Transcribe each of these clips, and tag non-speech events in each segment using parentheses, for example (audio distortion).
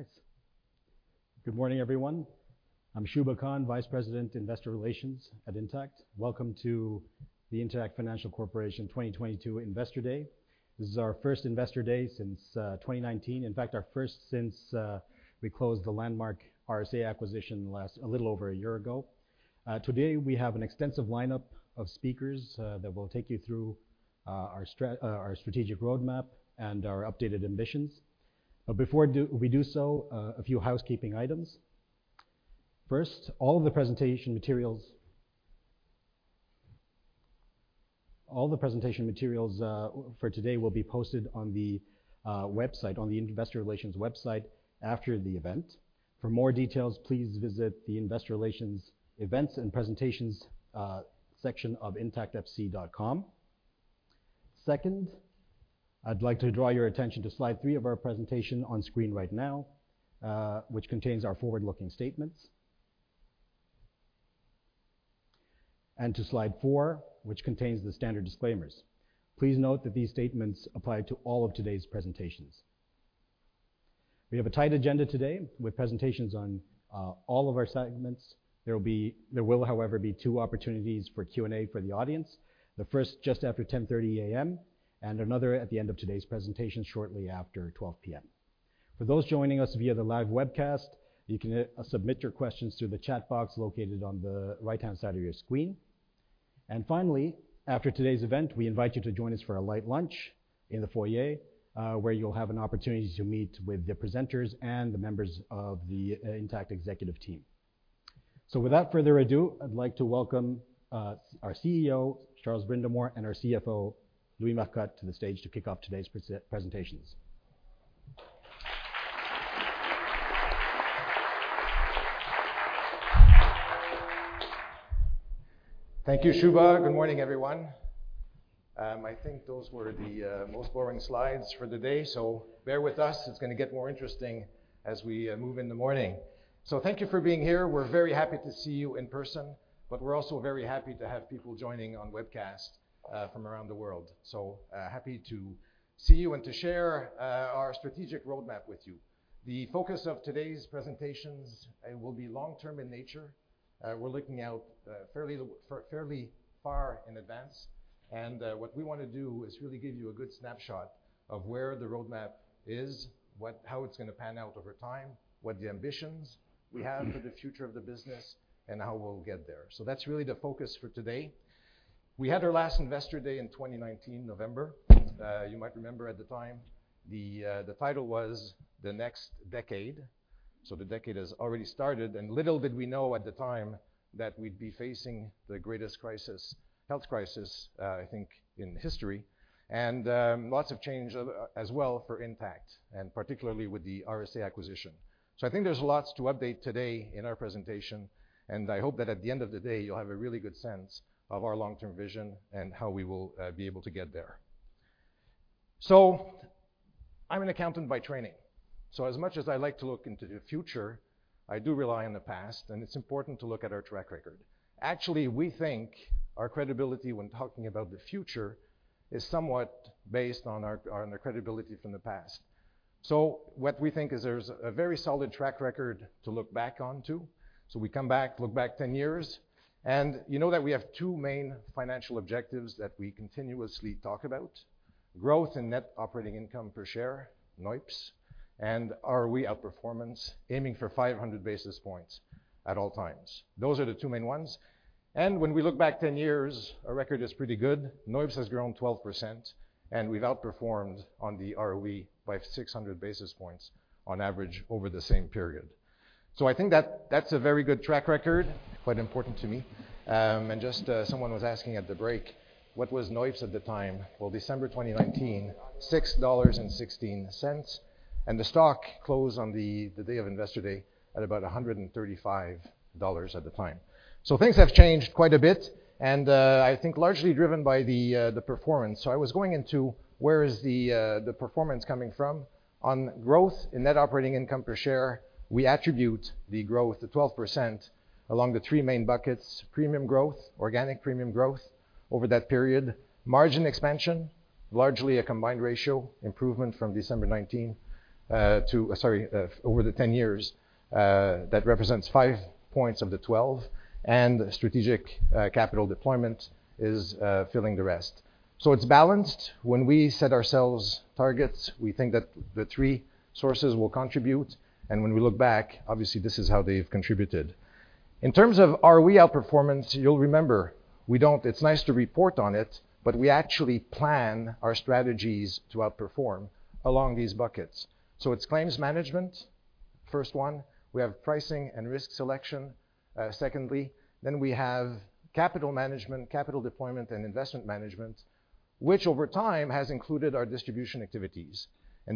All right. Good morning, everyone. I'm Shubha Khan, Vice President, Investor Relations at Intact. Welcome to the Intact Financial Corporation 2022 Investor Day. This is our first Investor Day since 2019. In fact, our first since we closed the landmark RSA acquisition a little over a year ago. Today we have an extensive lineup of speakers that will take you through our strategic roadmap and our updated ambitions. Before we do so, a few housekeeping items. First, all of the presentation materials for today will be posted on the website, on the investor relations website after the event. For more details, please visit the Investor Relations Events and Presentations section of intactfc.com. Second, I'd like to draw your attention to slide three of our presentation on screen right now, which contains our forward-looking statements. To slide four, which contains the standard disclaimers. Please note that these statements apply to all of today's presentations. We have a tight agenda today with presentations on all of our segments. There will, however, be two opportunities for Q&A for the audience. The first, just after 10:30 A.M., and another at the end of today's presentation shortly after 12:00 P.M. For those joining us via the live webcast, you can submit your questions through the chat box located on the right-hand side of your screen. Finally, after today's event, we invite you to join us for a light lunch in the foyer, where you'll have an opportunity to meet with the presenters and the members of the Intact executive team. Without further ado, I'd like to welcome our CEO, Charles Brindamour, and our CFO, Louis Marcotte, to the stage to kick off today's presentations. Thank you, Shubha. Good morning, everyone. I think those were the most boring slides for the day, so bear with us. It's gonna get more interesting as we move in the morning. Thank you for being here. We're very happy to see you in person, but we're also very happy to have people joining on webcast from around the world. Happy to see you and to share our strategic roadmap with you. The focus of today's presentations will be long-term in nature. We're looking out fairly far in advance. What we wanna do is really give you a good snapshot of where the roadmap is, how it's gonna pan out over time, what the ambitions we have for the future of the business, and how we'll get there. That's really the focus for today. We had our last Investor Day in 2019, November. You might remember at the time, the title was the next decade. The decade has already started, and little did we know at the time that we'd be facing the greatest crisis, health crisis, I think in history, and lots of change as well for Intact, and particularly with the RSA acquisition. I think there's lots to update today in our presentation, and I hope that at the end of the day you'll have a really good sense of our long-term vision and how we will be able to get there. I'm an accountant by training. As much as I like to look into the future, I do rely on the past, and it's important to look at our track record. Actually, we think our credibility when talking about the future is somewhat based on our credibility from the past. What we think is there's a very solid track record to look back onto. We come back, look back 10 years, and you know that we have two main financial objectives that we continuously talk about, growth in net operating income per share, NOIPS, and ROE outperformance, aiming for 500 basis points at all times. Those are the two main ones. When we look back 10 years, our record is pretty good. NOIPS has grown 12%, and we've outperformed on the ROE by 600 basis points on average over the same period. I think that's a very good track record. Quite important to me. Just, someone was asking at the break, what was NOIPS at the time? Well, December 2019, 6.16 dollars, and the stock closed on the day of Investor Day at about 135 dollars at the time. Things have changed quite a bit, and I think largely driven by the performance. I was going into where is the performance coming from. On growth in net operating income per share, we attribute the growth to 12% along the three main buckets, premium growth, organic premium growth over that period, margin expansion, largely a combined ratio improvement from December 2019 over the 10 years. That represents 5 points of the 12, and strategic capital deployment is filling the rest. It's balanced. When we set ourselves targets, we think that the three sources will contribute, and when we look back, obviously this is how they've contributed. In terms of ROE outperformance, you'll remember, it's nice to report on it, but we actually plan our strategies to outperform along these buckets. It's claims management, first one. We have pricing and risk selection, secondly. We have capital management, capital deployment, and investment management, which over time has included our distribution activities.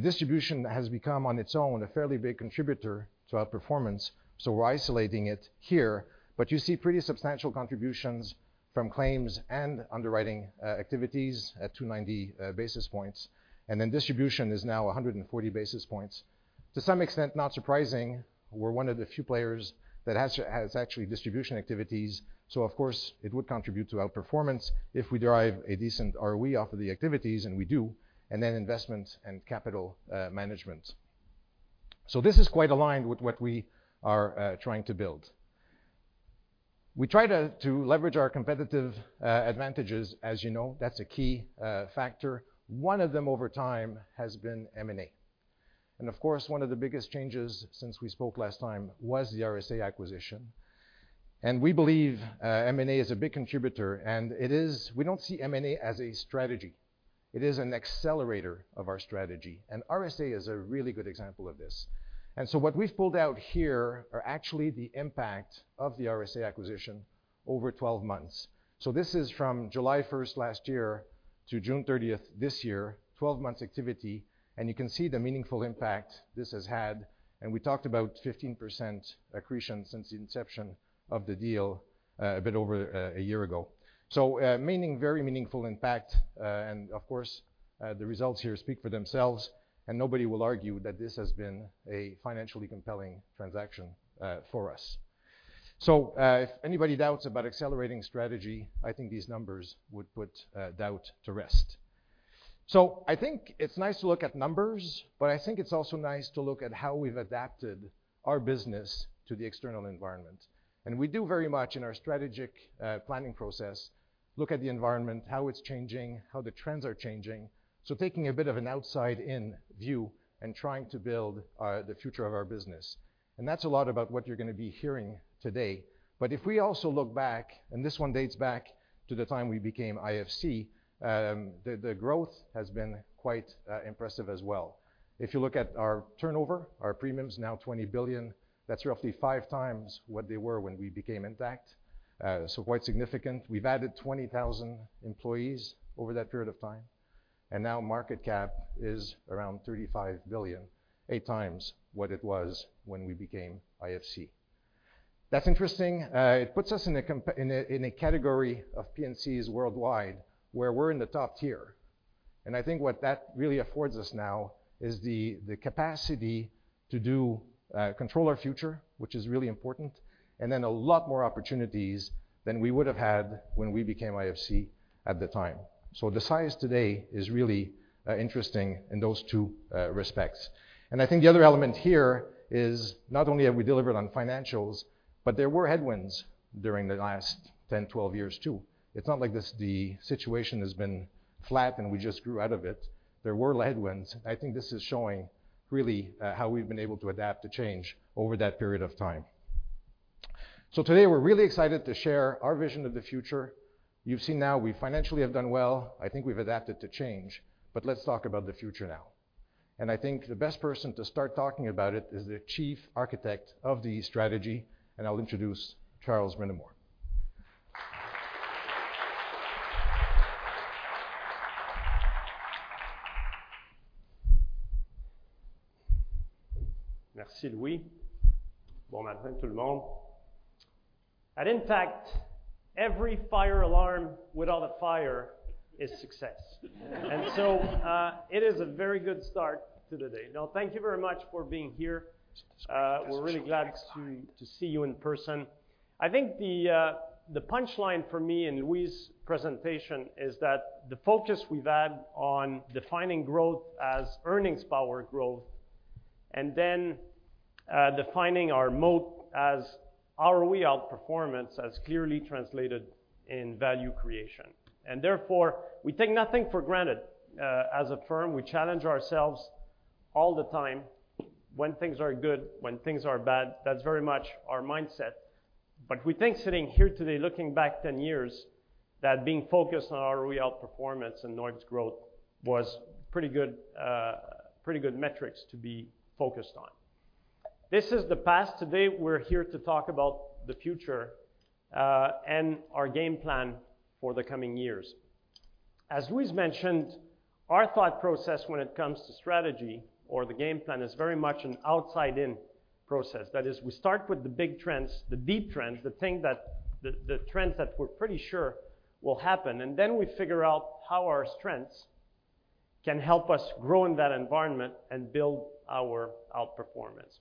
Distribution has become on its own a fairly big contributor to outperformance, so we're isolating it here. You see pretty substantial contributions from claims and underwriting activities at 290 basis points. Distribution is now 140 basis points. To some extent, not surprising, we're one of the few players that has actually distribution activities, so of course, it would contribute to outperformance if we derive a decent ROE off of the activities, and we do, and then investment and capital management. This is quite aligned with what we are trying to build. We try to leverage our competitive advantages. As you know, that's a key factor. One of them over time has been M&A. Of course, one of the biggest changes since we spoke last time was the RSA acquisition. We believe M&A is a big contributor, and it is. We don't see M&A as a strategy. It is an accelerator of our strategy. RSA is a really good example of this. What we've pulled out here are actually the impact of the RSA acquisition over 12 months. This is from July 1st last year to June 30th this year, 12 months activity, and you can see the meaningful impact this has had. We talked about 15% accretion since the inception of the deal, a bit over a year ago. Meaning very meaningful impact, and of course, the results here speak for themselves and nobody will argue that this has been a financially compelling transaction for us. If anybody doubts about accelerating strategy, I think these numbers would put doubt to rest. I think it's nice to look at numbers, but I think it's also nice to look at how we've adapted our business to the external environment. We do very much in our strategic planning process look at the environment, how it's changing, how the trends are changing. Taking a bit of an outside-in view and trying to build the future of our business. That's a lot about what you're gonna be hearing today. If we also look back, this one dates back to the time we became IFC, the growth has been quite impressive as well. If you look at our turnover, our premiums now 20 billion, that's roughly five times what they were when we became Intact. So quite significant. We've added 20,000 employees over that period of time. Now market cap is around 35 billion, eight times what it was when we became IFC. That's interesting. It puts us in a category of P&Cs worldwide where we're in the top tier. I think what that really affords us now is the capacity to control our future, which is really important, and then a lot more opportunities than we would have had when we became IFC at the time. The size today is really interesting in those two respects. I think the other element here is not only have we delivered on financials, but there were headwinds during the last 10, 12 years too. It's not like this, the situation has been flat and we just grew out of it. There were headwinds. I think this is showing really how we've been able to adapt to change over that period of time. Today, we're really excited to share our vision of the future. You've seen now we financially have done well. I think we've adapted to change. Let's talk about the future now. I think the best person to start talking about it is the Chief Architect of the Strategy, and I'll introduce Charles Brindamour. Merci, Louis. Bon matin, tout le monde. At Intact, every fire alarm without a fire is success. It is a very good start to the day. Now, thank you very much for being here. We're really glad to see you in person. I think the punchline for me in Louis' presentation is that the focus we've had on defining growth as earnings power growth and then defining our moat as ROE outperformance has clearly translated into value creation. We take nothing for granted. As a firm, we challenge ourselves all the time when things are good, when things are bad. That's very much our mindset. We think sitting here today, looking back 10 years, that being focused on our ROE outperformance and NOIPS growth was pretty good metrics to be focused on. This is the past. Today, we're here to talk about the future and our game plan for the coming years. As Louis mentioned, our thought process when it comes to strategy or the game plan is very much an outside-in process. That is, we start with the big trends, the deep trends, the trends that we're pretty sure will happen, and then we figure out how our strengths can help us grow in that environment and build our outperformance.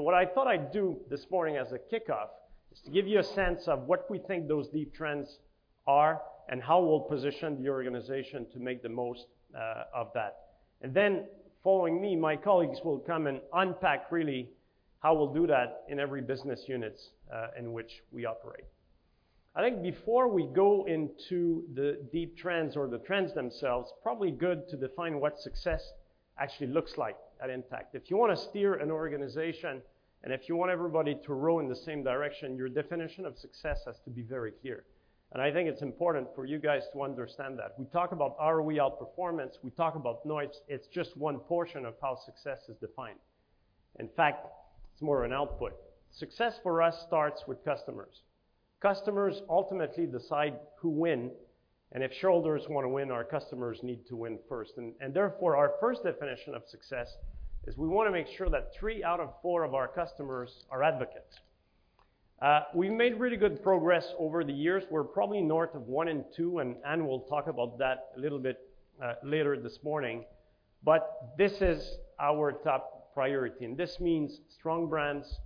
What I thought I'd do this morning as a kickoff is to give you a sense of what we think those deep trends are and how we'll position the organization to make the most of that. Following me, my colleagues will come and unpack really how we'll do that in every business units in which we operate. I think before we go into the deep trends or the trends themselves, probably good to define what success actually looks like at Intact. If you wanna steer an organization and if you want everybody to row in the same direction, your definition of success has to be very clear. I think it's important for you guys to understand that. We talk about ROE outperformance, we talk about NOIPS, it's just one portion of how success is defined. In fact, it's more an output. Success for us starts with customers. Customers ultimately decide who win, and if shareholders wanna win, our customers need to win first. Therefore, our first definition of success is we wanna make sure that three out of four of our customers are advocates. We made really good progress over the years. We're probably north of one and two, and Anne will talk about that a little bit later this morning. This is our top priority, and this means strong brands,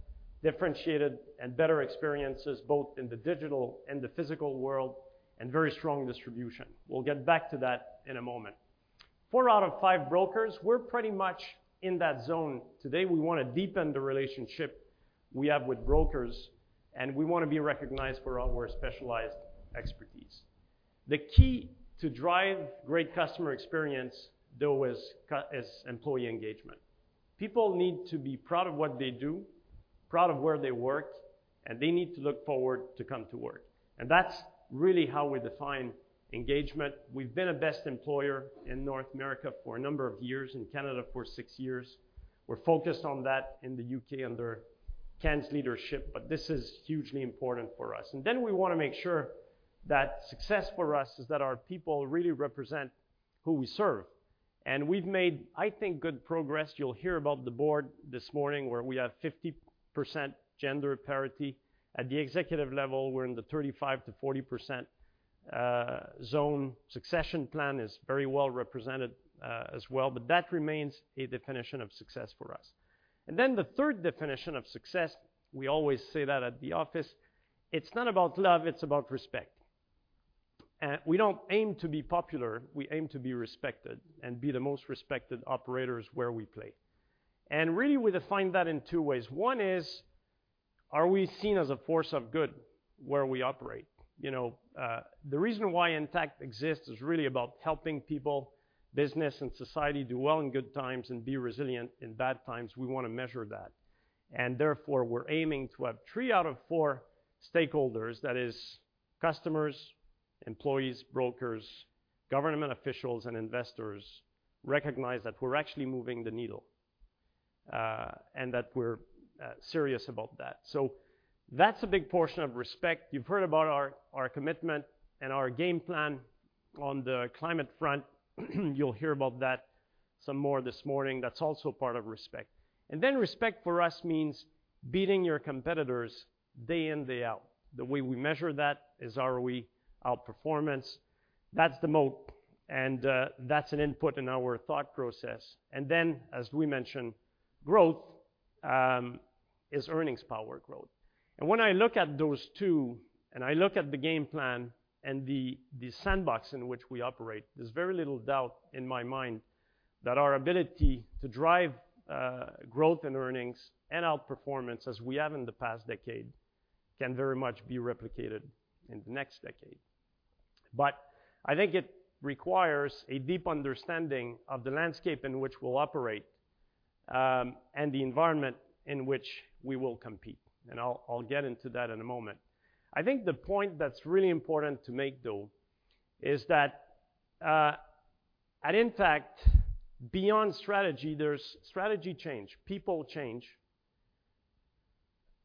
differentiated and better experiences, both in the digital and the physical world, and very strong distribution. We'll get back to that in a moment. Four out of five brokers, we're pretty much in that zone today. We wanna deepen the relationship we have with brokers, and we wanna be recognized for our specialized expertise. The key to drive great customer experience, though, is employee engagement. People need to be proud of what they do, proud of where they work, and they need to look forward to come to work. That's really how we define engagement. We've been a best employer in North America for a number of years, in Canada for six years. We're focused on that in the U.K. under Ken's leadership, but this is hugely important for us. We wanna make sure that success for us is that our people really represent who we serve. We've made, I think, good progress. You'll hear about the board this morning, where we have 50% gender parity. At the executive level, we're in the 35%-40% zone. Succession plan is very well represented, as well, but that remains a definition of success for us. The third definition of success, we always say that at the office, it's not about love, it's about respect. We don't aim to be popular, we aim to be respected and be the most respected operators where we play. Really, we define that in two ways. One is, are we seen as a force of good where we operate? You know, the reason why Intact exists is really about helping people, business and society do well in good times and be resilient in bad times. We wanna measure that. Therefore, we're aiming to have three out of four stakeholders, that is customers, employees, brokers, government officials, and investors, recognize that we're actually moving the needle, and that we're serious about that. That's a big portion of respect. You've heard about our commitment and our game plan on the climate front. You'll hear about that some more this morning. That's also part of respect. Then respect for us means beating your competitors day in, day out. The way we measure that is are we outperforming. That's the moat, and that's an input in our thought process. As we mentioned, growth is earnings power growth. When I look at those two and I look at the game plan and the sandbox in which we operate, there's very little doubt in my mind that our ability to drive growth and earnings and outperformance as we have in the past decade can very much be replicated in the next decade. I think it requires a deep understanding of the landscape in which we'll operate and the environment in which we will compete. I'll get into that in a moment. I think the point that's really important to make, though, is that at Intact, beyond strategy, there's strategy change, people change,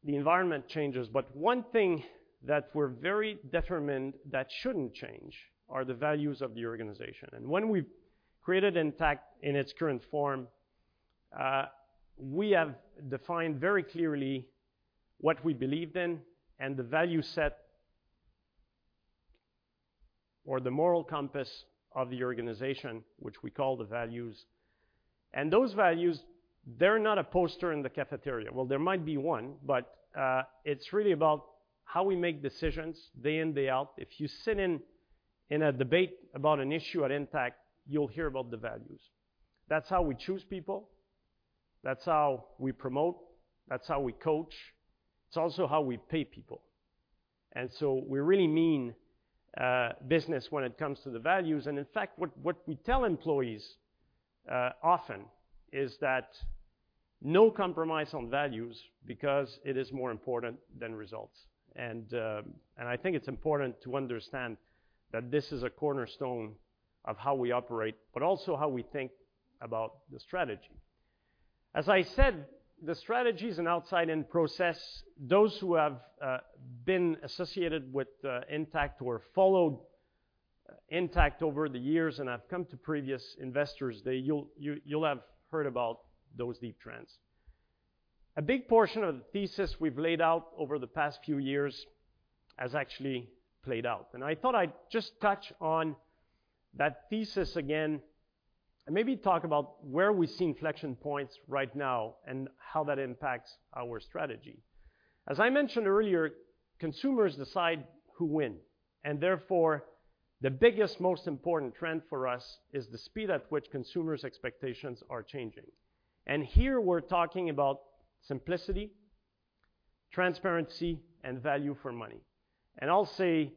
the environment changes. One thing that we're very determined that shouldn't change are the values of the organization. When we created Intact in its current form, we have defined very clearly what we believed in and the value set or the moral compass of the organization, which we call the values. Those values, they're not a poster in the cafeteria. Well, there might be one, but it's really about how we make decisions day in, day out. If you sit in a debate about an issue at Intact, you'll hear about the values. That's how we choose people. That's how we promote. That's how we coach. It's also how we pay people. We really mean business when it comes to the values. In fact, what we tell employees often is that no compromise on values because it is more important than results. I think it's important to understand that this is a cornerstone of how we operate, but also how we think about the strategy. As I said, the strategies and outside-in process, those who have been associated with Intact or followed Intact over the years and have come to previous Investor Day, you'll have heard about those deep trends. A big portion of the thesis we've laid out over the past few years has actually played out. I thought I'd just touch on that thesis again and maybe talk about where we're seeing inflection points right now and how that impacts our strategy. As I mentioned earlier, consumers decide who win, and therefore, the biggest, most important trend for us is the speed at which consumers' expectations are changing. Here we're talking about simplicity, transparency, and value for money. I'll say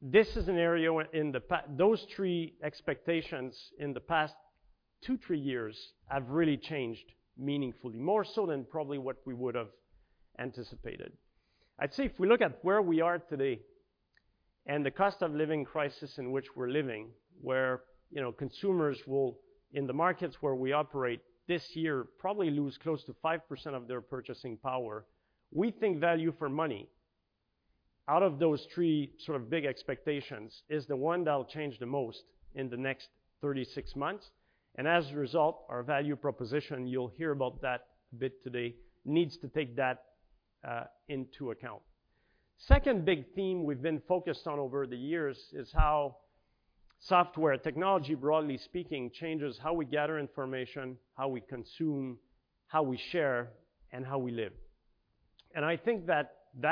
this is an area those three expectations in the past two, three years have really changed meaningfully, more so than probably what we would have anticipated. I'd say if we look at where we are today and the cost of living crisis in which we're living, where, you know, consumers will, in the markets where we operate this year, probably lose close to 5% of their purchasing power, we think value for money out of those three sort of big expectations is the one that will change the most in the next 36 months. As a result, our value proposition, you'll hear about that a bit today, needs to take that into account. Second big theme we've been focused on over the years is how software technology, broadly speaking, changes how we gather information, how we consume, how we share, and how we live. I think that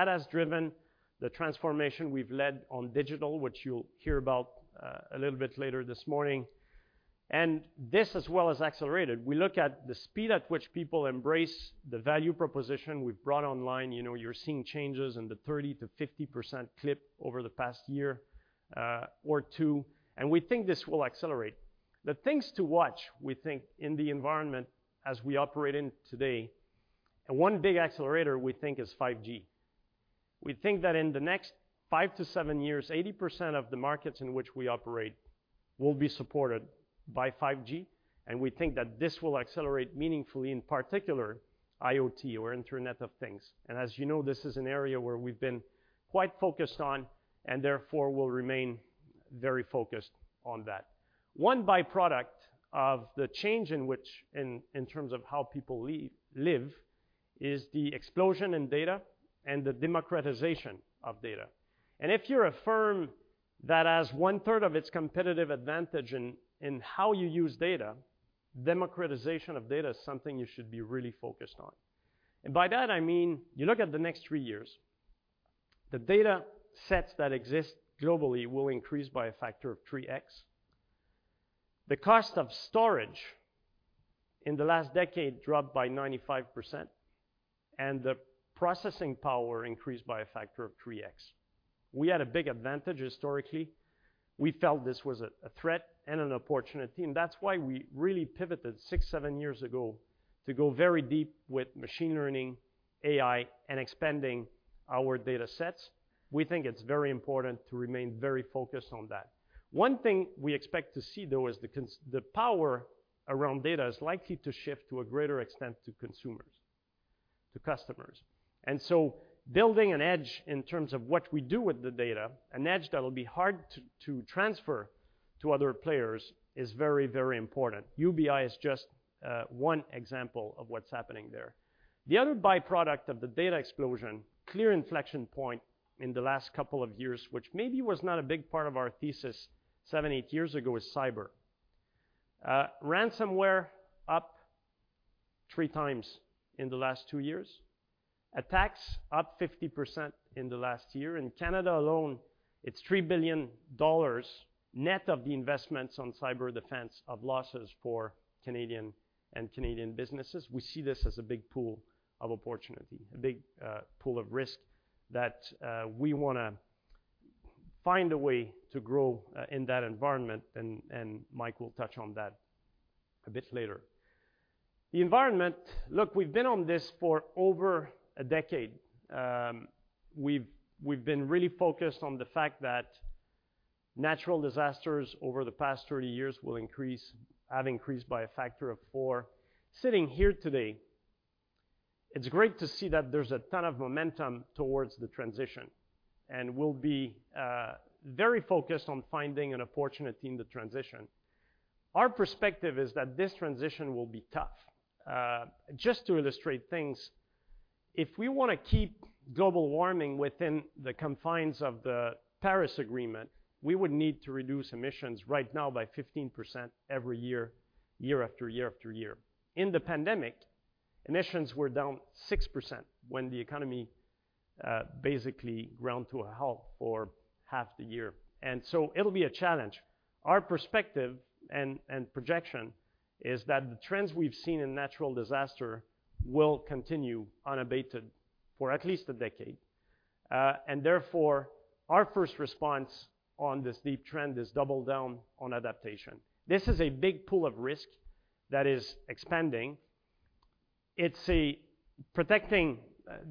has driven the transformation we've led on digital, which you'll hear about a little bit later this morning. This as well has accelerated. We look at the speed at which people embrace the value proposition we've brought online. You know, you're seeing changes in the 30%-50% clip over the past year or two, and we think this will accelerate. The things to watch, we think, in the environment as we operate in today, and one big accelerator we think is 5G. We think that in the next five to seven years, 80% of the markets in which we operate will be supported by 5G, and we think that this will accelerate meaningfully, in particular IoT or Internet of Things. As you know, this is an area where we've been quite focused on and therefore will remain very focused on that. One byproduct of the change in terms of how people live is the explosion in data and the democratization of data. If you're a firm that has 1/3 of its competitive advantage in how you use data, democratization of data is something you should be really focused on. By that I mean, you look at the next three years, the data sets that exist globally will increase by a factor of 3x. The cost of storage in the last decade dropped by 95%, and the processing power increased by a factor of 3x. We had a big advantage historically. We felt this was a threat and an opportunity, and that's why we really pivoted six to seven years ago to go very deep with machine learning, AI, and expanding our data sets. We think it's very important to remain very focused on that. One thing we expect to see, though, is the power around data is likely to shift to a greater extent to consumers, to customers. Building an edge in terms of what we do with the data, an edge that will be hard to transfer to other players is very, very important. UBI is just one example of what's happening there. The other byproduct of the data explosion, clear inflection point in the last couple of years, which maybe was not a big part of our thesis seven, eight years ago, is cyber. Ransomware up 3x in the last two years. Attacks up 50% in the last year. In Canada alone, it's 3 billion dollars net of the investments on cyber defense of losses for Canadian businesses. We see this as a big pool of opportunity, a big pool of risk that we wanna find a way to grow in that environment and Mike will touch on that a bit later. The environment. Look, we've been on this for over a decade. We've been really focused on the fact that natural disasters over the past 30 years have increased by a factor of four. Sitting here today, it's great to see that there's a ton of momentum towards the transition, and we'll be very focused on finding an opportunity in the transition. Our perspective is that this transition will be tough. Just to illustrate things, if we wanna keep global warming within the confines of the Paris Agreement, we would need to reduce emissions right now by 15% every year after year after year. In the pandemic, emissions were down 6% when the economy basically ground to a halt for half the year, and so it'll be a challenge. Our perspective and projection is that the trends we've seen in natural disaster will continue unabated for at least a decade. Therefore, our first response on this deep trend is double down on adaptation. This is a big pool of risk that is expanding. Protecting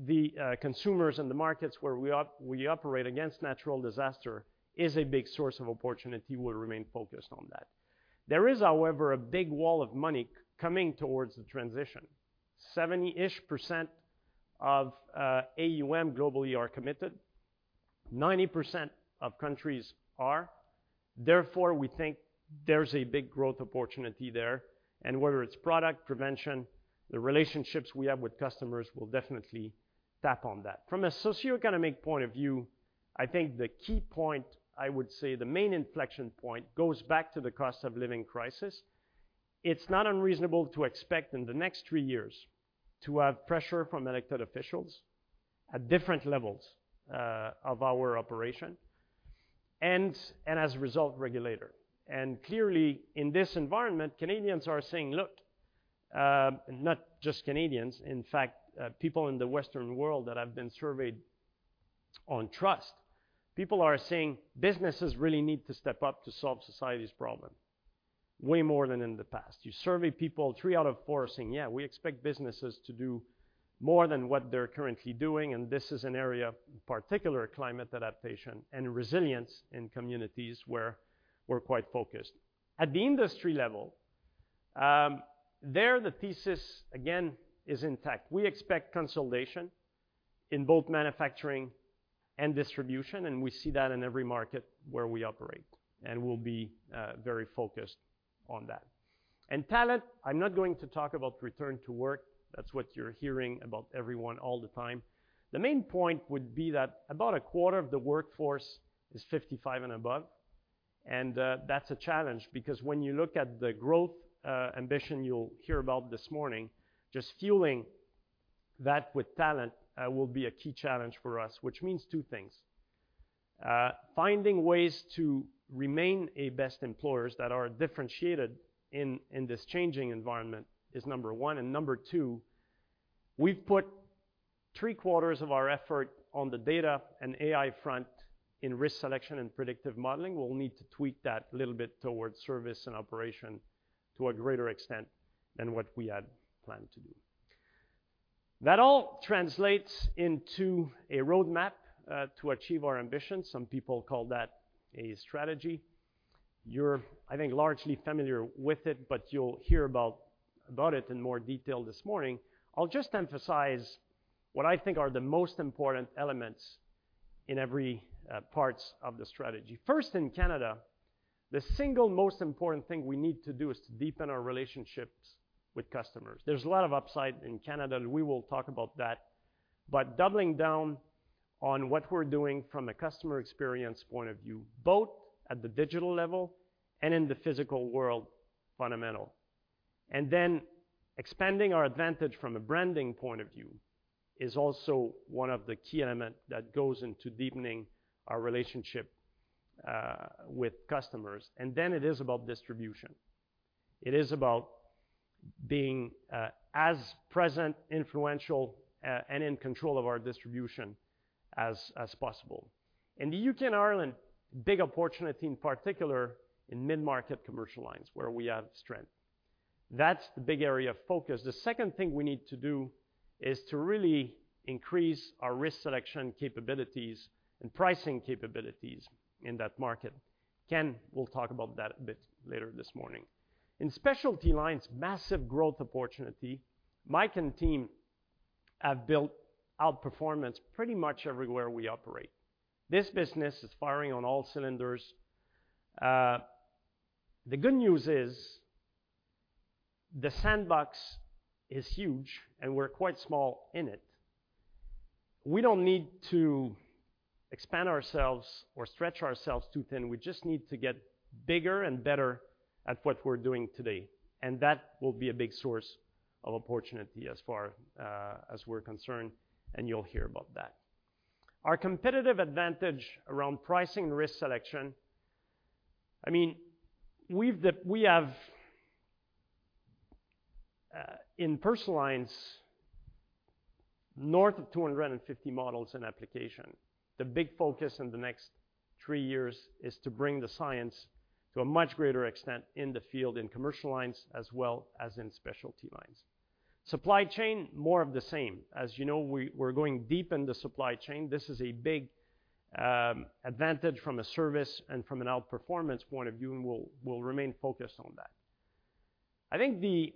the consumers and the markets where we operate against natural disaster is a big source of opportunity. We'll remain focused on that. There is, however, a big wall of money coming towards the transition. 70%-ish of AUM globally are committed. 90% of countries are. Therefore, we think there's a big growth opportunity there, and whether it's product prevention, the relationships we have with customers, we'll definitely tap on that. From a socioeconomic point of view, I think the key point, I would say the main inflection point, goes back to the cost of living crisis. It's not unreasonable to expect in the next three years to have pressure from elected officials at different levels of our operation and, as a result, regulator. Clearly, in this environment, Canadians are saying, "Look," not just Canadians, in fact, people in the Western world that have been surveyed on trust. People are saying businesses really need to step up to solve society's problem way more than in the past. You survey people, three out of four are saying, "Yeah, we expect businesses to do more than what they're currently doing," and this is an area, particular climate adaptation and resilience in communities where we're quite focused. At the industry level, there the thesis again is Intact. We expect consolidation in both manufacturing and distribution, and we see that in every market where we operate, and we'll be very focused on that. Talent, I'm not going to talk about return to work. That's what you're hearing about everyone all the time. The main point would be that about a quarter of the workforce is 55 and above. That's a challenge because when you look at the growth ambition you'll hear about this morning, just fueling that with talent will be a key challenge for us, which means two things. Finding ways to remain a best employers that are differentiated in this changing environment is number one. Number two, we've put 3/4 of our effort on the data and AI front in risk selection and predictive modeling. We'll need to tweak that a little bit towards service and operation to a greater extent than what we had planned to do. That all translates into a roadmap to achieve our ambition. Some people call that a strategy. You're, I think, largely familiar with it, but you'll hear about it in more detail this morning. I'll just emphasize what I think are the most important elements in every parts of the strategy. First, in Canada, the single most important thing we need to do is to deepen our relationships with customers. There's a lot of upside in Canada, and we will talk about that. Doubling down on what we're doing from a customer experience point of view, both at the digital level and in the physical world fundamental. Expanding our advantage from a branding point of view is also one of the key element that goes into deepening our relationship with customers. It is about distribution. It is about being as present, influential, and in control of our distribution as possible. In the U.K. and Ireland, big opportunity, in particular in mid-market commercial lines where we have strength. That's the big area of focus. The second thing we need to do is to really increase our risk selection capabilities and pricing capabilities in that market. Ken will talk about that a bit later this morning. In specialty lines, massive growth opportunity. Mike and team have built out performance pretty much everywhere we operate. This business is firing on all cylinders. The good news is the sandbox is huge, and we're quite small in it. We don't need to expand ourselves or stretch ourselves too thin. We just need to get bigger and better at what we're doing today, and that will be a big source of opportunity as far as we're concerned, and you'll hear about that. Our competitive advantage around pricing risk selection, I mean, we have in personal lines, north of 250 models in application. The big focus in the next three years is to bring the science to a much greater extent in the field in commercial lines, as well as in specialty lines. Supply chain, more of the same. As you know, we're going deep in the supply chain. This is a big advantage from a service and from an outperformance point of view, and we'll remain focused on that. I think the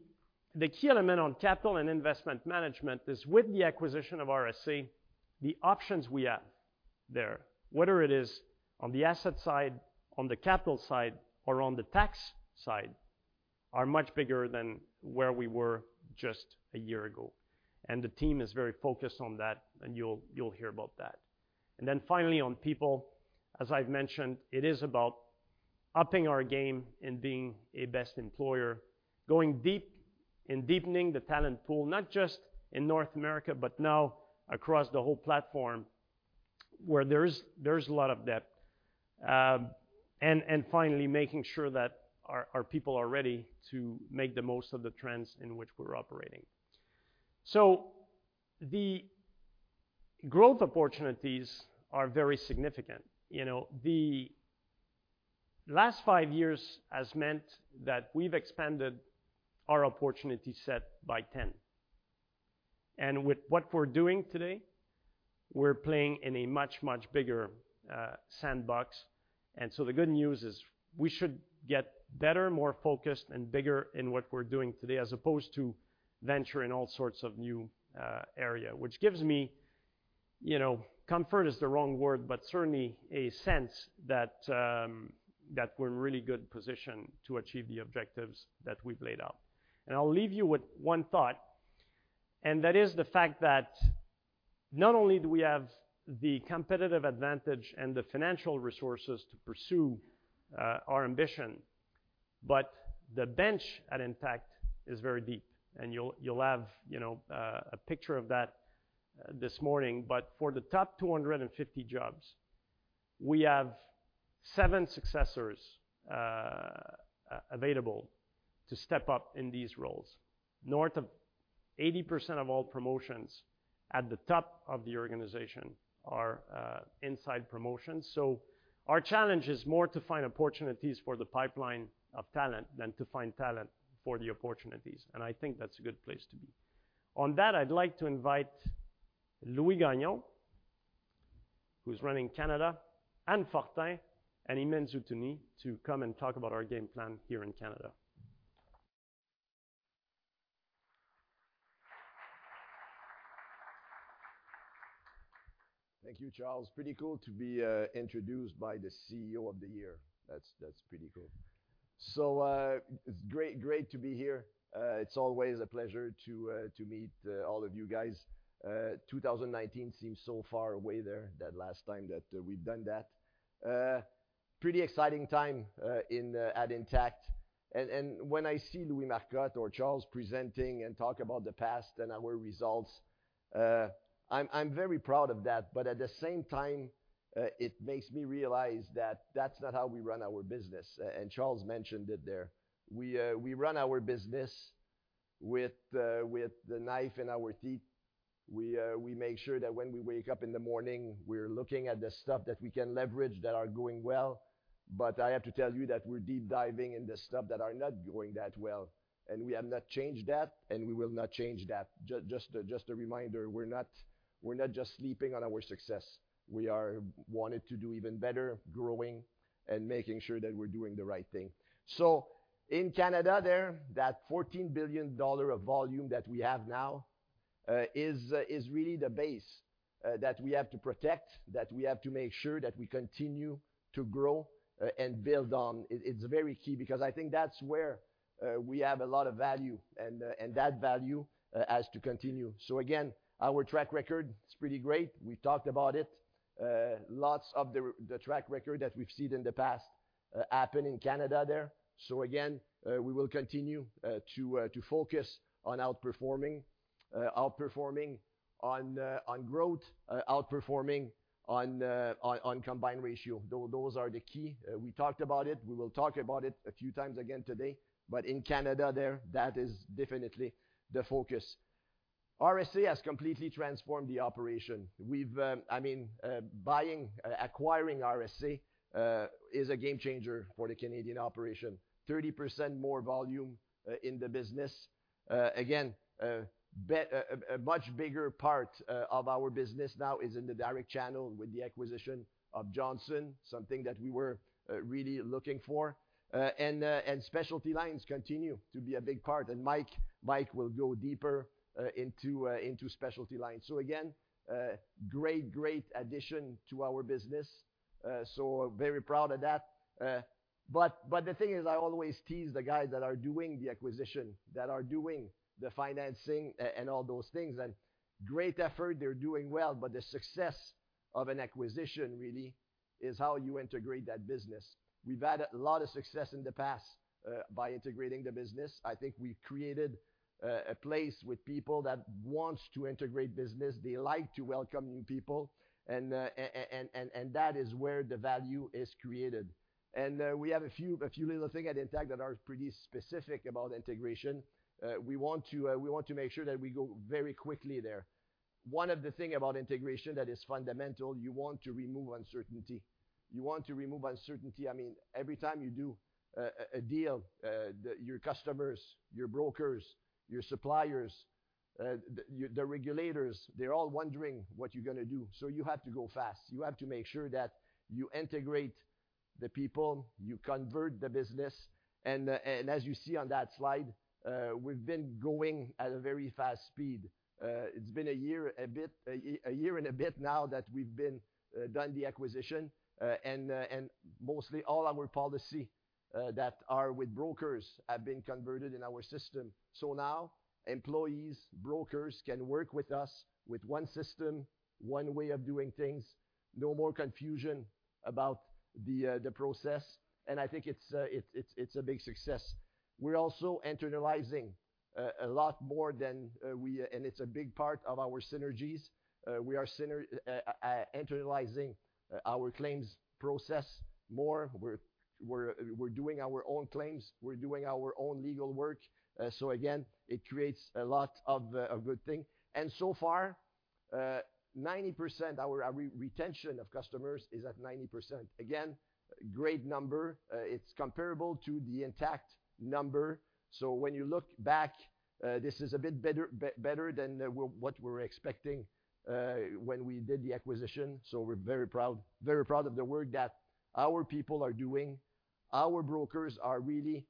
key element on capital and investment management is with the acquisition of RSA, the options we have there, whether it is on the asset side, on the capital side or on the tax side, are much bigger than where we were just a year ago. The team is very focused on that, and you'll hear about that. Then finally, on people, as I've mentioned, it is about upping our game and being a best employer, going deep in deepening the talent pool, not just in North America, but now across the whole platform where there's a lot of depth. And finally making sure that our people are ready to make the most of the trends in which we're operating. The growth opportunities are very significant. You know, the last five years has meant that we've expanded our opportunity set by 10. With what we're doing today, we're playing in a much bigger sandbox. The good news is we should get better, more focused and bigger in what we're doing today as opposed to venture in all sorts of new area, which gives me, you know, comfort is the wrong word, but certainly a sense that we're in really good position to achieve the objectives that we've laid out. I'll leave you with one thought, and that is the fact that not only do we have the competitive advantage and the financial resources to pursue our ambition, but the bench at Intact is very deep, and you'll have, you know, a picture of that this morning. For the top 250 jobs, we have seven successors available to step up in these roles. North of 80% of all promotions at the top of the organization are inside promotions. Our challenge is more to find opportunities for the pipeline of talent than to find talent for the opportunities. I think that's a good place to be. On that, I'd like to invite Louis Gagnon, who's running Canada, Anne Fortin, and Imen Zitouni to come and talk about our game plan here in Canada. Thank you, Charles. Pretty cool to be introduced by the CEO of the year. That's pretty cool. It's great to be here. It's always a pleasure to meet all of you guys. 2019 seems so far away there, that last time that we've done that. Pretty exciting time in at Intact. When I see Louis Marcotte or Charles presenting and talk about the past and our results, I'm very proud of that. At the same time, it makes me realize that that's not how we run our business, and Charles mentioned it there. We run our business with the knife in our teeth. We make sure that when we wake up in the morning, we're looking at the stuff that we can leverage that are going well. I have to tell you that we're deep diving in the stuff that are not going that well, and we have not changed that, and we will not change that. Just a reminder, we're not just sleeping on our success. We are wanting to do even better, growing and making sure that we're doing the right thing. In Canada there, that 14 billion dollar of volume that we have now is really the base that we have to protect, that we have to make sure that we continue to grow and build on. It's very key because I think that's where we have a lot of value and that value has to continue. Our track record is pretty great. We talked about it. Lots of the track record that we've seen in the past happen in Canada there. We will continue to focus on outperforming. Outperforming on growth, outperforming on combined ratio. Those are the key. We talked about it. We will talk about it a few times again today. In Canada there, that is definitely the focus. RSA has completely transformed the operation. I mean, acquiring RSA is a game changer for the Canadian operation. 30% more volume in the business. Again, a much bigger part of our business now is in the direct channel with the acquisition of Johnson, something that we were really looking for. Specialty lines continue to be a big part. Mike will go deeper into specialty lines. Again, great addition to our business. Very proud of that. The thing is, I always tease the guys that are doing the acquisition, that are doing the financing and all those things, and great effort, they're doing well. The success of an acquisition really is how you integrate that business. We've had a lot of success in the past by integrating the business. I think we've created a place with people that wants to integrate business. They like to welcome new people and that is where the value is created. We have a few little things at Intact that are pretty specific about integration. We want to make sure that we go very quickly there. One of the things about integration that is fundamental, you want to remove uncertainty. You want to remove uncertainty. I mean, every time you do a deal, your customers, your brokers, your suppliers, the regulators, they're all wondering what you're gonna do. You have to go fast. You have to make sure that you integrate the people, you convert the business. As you see on that slide, we've been going at a very fast speed. It's been a year and a bit now that we've been done the acquisition. Mostly all our policies that are with brokers have been converted in our system. Now employees, brokers can work with us with one system, one way of doing things, no more confusion about the process. I think it's a big success. We're also internalizing a lot more than we. It's a big part of our synergies. We are internalizing our claims process more. We're doing our own claims. We're doing our own legal work. So again, it creates a lot of good thing. So far, our retention of customers is at 90%. Again, great number. It's comparable to the Intact number. When you look back, this is a bit better than what we were expecting, when we did the acquisition. We're very proud of the work that our people are doing. Our brokers are really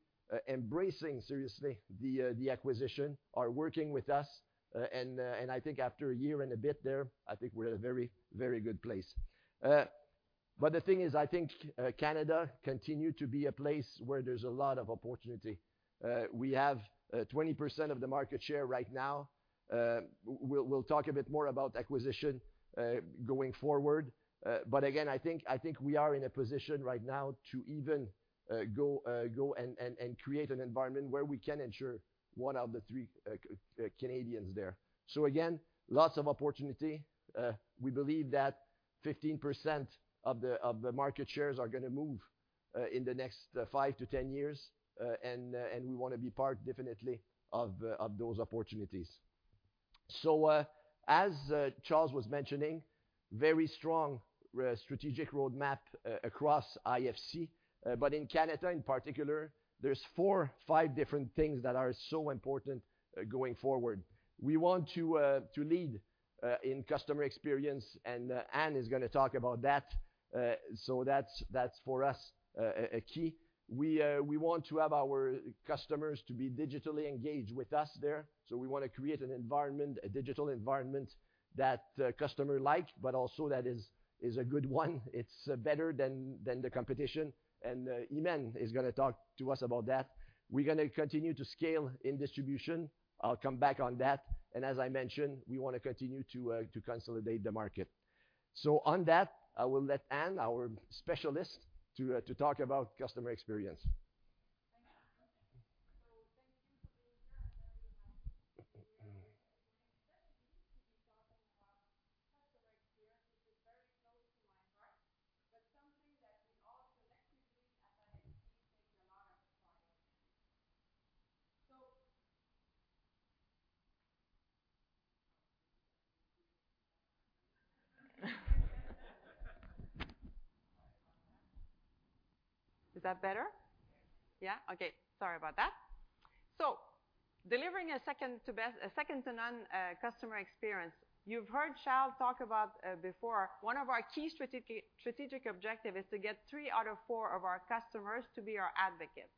embracing seriously the acquisition, are working with us. I think after a year and a bit there, I think we're at a very good place. The thing is, I think, Canada continue to be a place where there's a lot of opportunity. We have 20% of the market share right now. We'll talk a bit more about acquisition going forward. I think we are in a position right now to even go and create an environment where we can insure one of the three Canadians there. Again, lots of opportunity. We believe that 15% of the market shares are gonna move in the next five to 10 years. We want to be part definitely of those opportunities. As Charles was mentioning, very strong strategic roadmap across IFC. In Canada in particular, there are four, five different things that are so important going forward. We want to lead in customer experience, and Anne is gonna talk about that. That is for us a key. We want to have our customers to be digitally engaged with us there. We wanna create an environment, a digital environment that customers like, but also that is a good one. It's better than the competition, and Imen is gonna talk to us about that. We're gonna continue to scale in distribution. I'll come back on that. As I mentioned, we wanna continue to consolidate the market. On that, I will let Anne, our specialist, to talk about customer experience. Thank you for being here. I'm very happy to be here. It is very neat to be talking about customer experience. It is very close to my heart, but something that we all collectively at Intact take a lot of pride in. Is that better? Yes. Okay. Sorry about that. Delivering a second to none customer experience. You've heard Charles talk about before one of our key strategic objective is to get three out of four of our customers to be our advocates.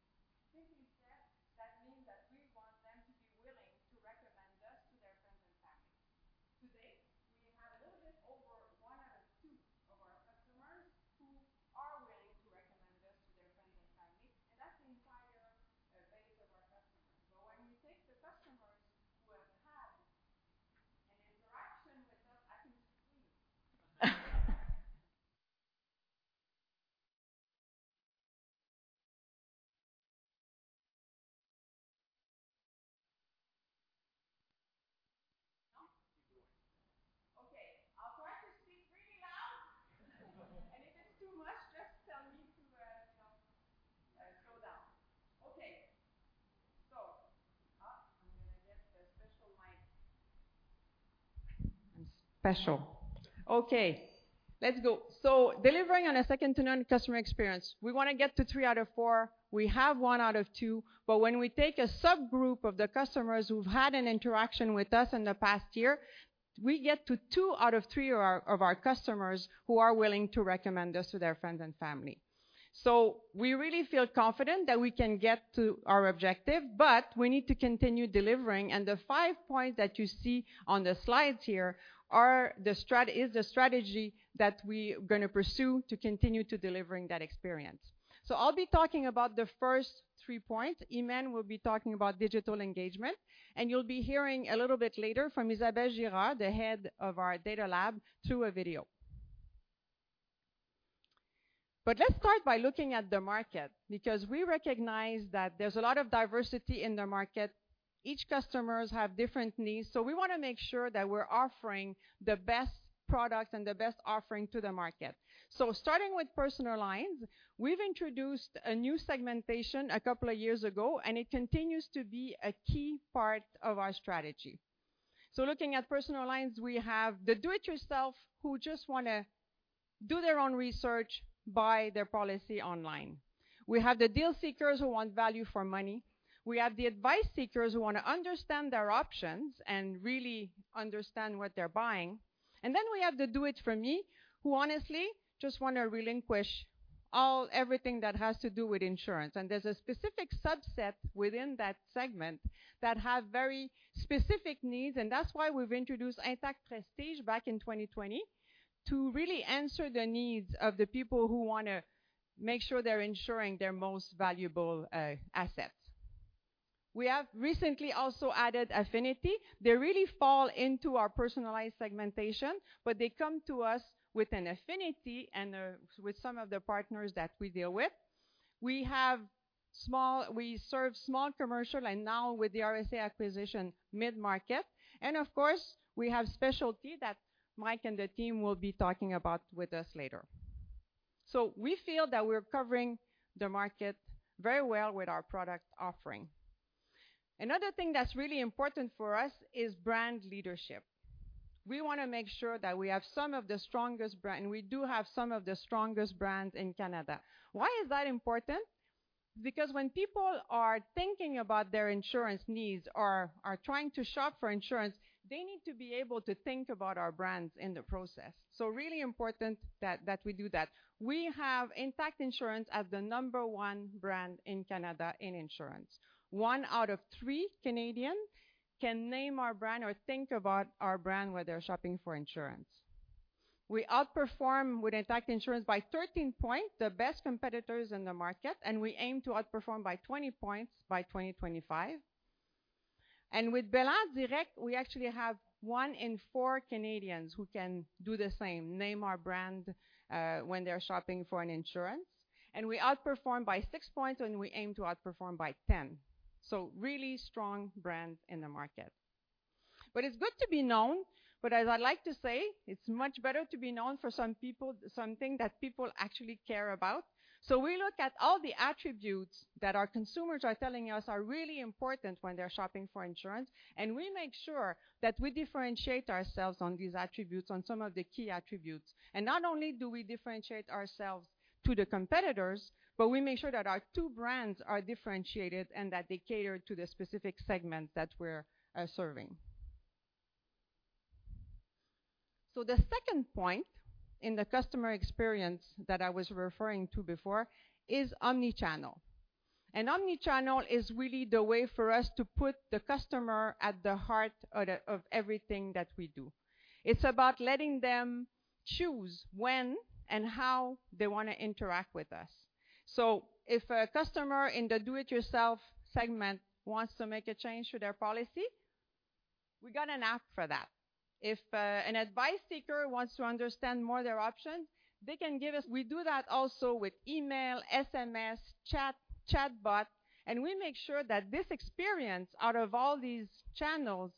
is the strategy that we're gonna pursue to continue to delivering that experience. I'll be talking about the first three points. Imen will be talking about digital engagement. You'll be hearing a little bit later from Isabelle Girard, the head of our data lab, through a video. Let's start by looking at the market because we recognize that there's a lot of diversity in the market. Each customers have different needs, so we wanna make sure that we're offering the best product and the best offering to the market. Starting with personal lines, we've introduced a new segmentation a couple of years ago, and it continues to be a key part of our strategy. Looking at personal lines, we have the do it yourself who just wanna do their own research, buy their policy online. We have the deal seekers who want value for money. We have the advice seekers who wanna understand their options and really understand what they're buying. We have the do it for me who honestly just wanna relinquish everything that has to do with insurance. There's a specific subset within that segment that have very specific needs, and that's why we've introduced Intact Prestige back in 2020 to really answer the needs of the people who wanna make sure they're insuring their most valuable assets. We have recently also added affinity. They really fall into our personalized segmentation, but they come to us with an affinity and with some of the partners that we deal with. We serve small commercial and now with the RSA acquisition mid-market. Of course, we have specialty that Mike and the team will be talking about with us later. We feel that we're covering the market very well with our product offering. Another thing that's really important for us is brand leadership. We wanna make sure that we have some of the strongest brands in Canada. Why is that important? Because when people are thinking about their insurance needs or are trying to shop for insurance, they need to be able to think about our brands in the process. Really important that we do that. We have Intact Insurance as the number one brand in Canada in insurance. One out of three Canadians can name our brand or think about our brand when they're shopping for insurance. We outperform with Intact Insurance by 13 points, the best competitors in the market, and we aim to outperform by 20 points by 2025. With belairdirect, we actually have one in four Canadians who can do the same, name our brand, when they're shopping for insurance. We outperform by 6 points, and we aim to outperform by 10. Really strong brands in the market. It's good to be known. As I like to say, it's much better to be known for something that people actually care about. We look at all the attributes that our consumers are telling us are really important when they're shopping for insurance, and we make sure that we differentiate ourselves on these attributes, on some of the key attributes. Not only do we differentiate ourselves to the competitors, but we make sure that our two brands are differentiated and that they cater to the specific segments that we're serving. The second point in the customer experience that I was referring to before is omni-channel. An omni-channel is really the way for us to put the customer at the heart of everything that we do. It's about letting them choose when and how they wanna interact with us. If a customer in the do it yourself segment wants to make a change to their policy, we got an app for that. If an advice seeker wants to understand more their options, they can give us. We do that also with email, SMS, chat chatbot, and we make sure that this experience out of all these channels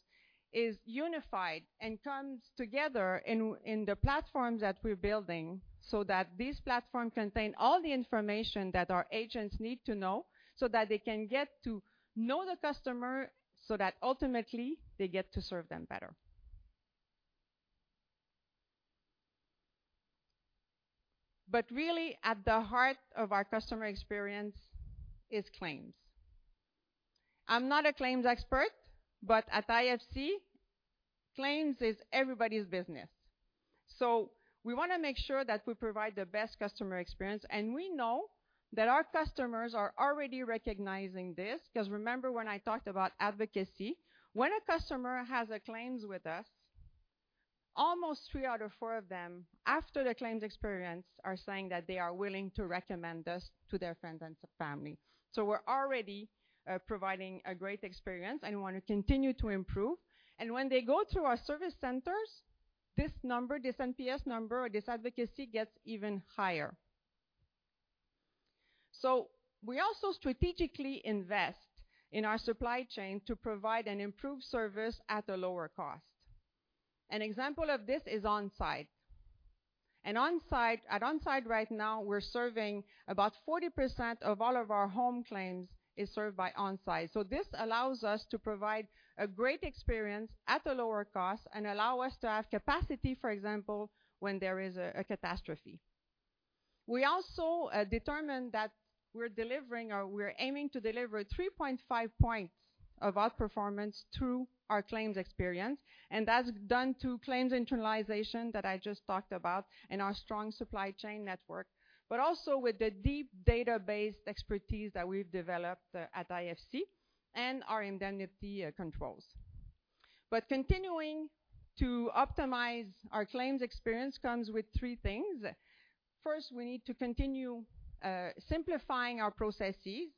is unified and comes together in the platform that we're building so that this platform contain all the information that our agents need to know so that they can get to know the customer so that ultimately they get to serve them better. Really at the heart of our customer experience is claims. I'm not a claims expert, but at IFC claims is everybody's business. We wanna make sure that we provide the best customer experience, and we know that our customers are already recognizing this. 'Cause remember when I talked about advocacy, when a customer has a claim with us, almost three out of four of them after the claims experience are saying that they are willing to recommend us to their friends and to family. We're already providing a great experience and want to continue to improve. When they go through our service centers, this number, this NPS number or this advocacy gets even higher. We also strategically invest in our supply chain to provide an improved service at a lower cost. An example of this is On Side. At On Side right now, we're serving about 40% of all of our home claims is served by On Side. This allows us to provide a great experience at a lower cost and allow us to have capacity, for example, when there is a catastrophe. We also determined that we're delivering or we're aiming to deliver 3.5 points of outperformance through our claims experience, and that's done through claims internalization that I just talked about and our strong supply chain network. Also with the deep database expertise that we've developed at IFC and our indemnity controls. Continuing to optimize our claims experience comes with three things. First, we need to continue simplifying our processes.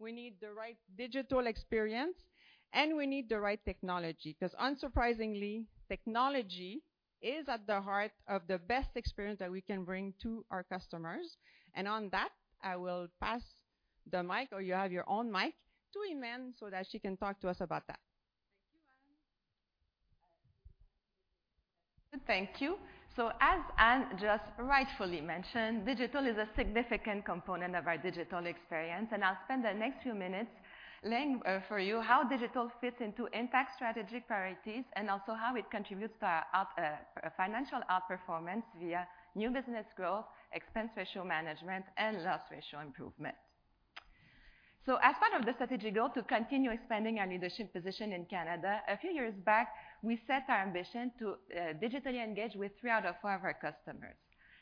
We need the right digital experience, and we need the right technology. 'Cause unsurprisingly, technology is at the heart of the best experience that we can bring to our customers. On that, I will pass the mic, or you have your own mic to Imen so that she can talk to us about that. Thank you, Anne. Thank you. As Anne just rightfully mentioned, digital is a significant component of our digital experience. I'll spend the next few minutes laying out for you how digital fits into Intact strategic priorities and also how it contributes to our financial outperformance via new business growth, expense ratio management, and loss ratio improvement. As part of the strategic goal to continue expanding our leadership position in Canada, a few years back we set our ambition to digitally engage with three out of four of our customers.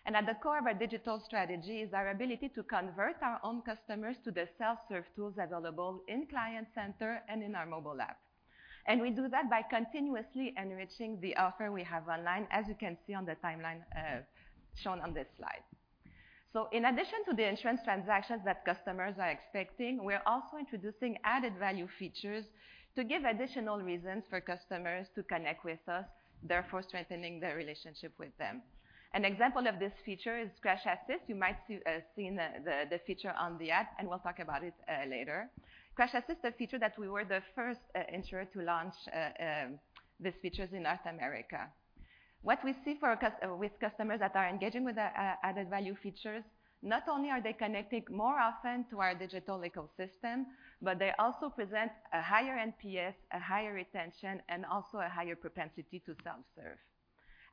At the core of our digital strategy is our ability to convert our own customers to the self-serve tools available in Client Centre and in our mobile app. We do that by continuously enriching the offer we have online, as you can see on the timeline shown on this slide. In addition to the insurance transactions that customers are expecting, we're also introducing added value features to give additional reasons for customers to connect with us, therefore strengthening the relationship with them. An example of this feature is Crash Assist. You might have seen the feature on the app, and we'll talk about it later. Crash Assist, a feature that we were the first insurer to launch these features in North America. What we see with customers that are engaging with the added value features, not only are they connecting more often to our digital ecosystem, but they also present a higher NPS, a higher retention, and also a higher propensity to self-serve.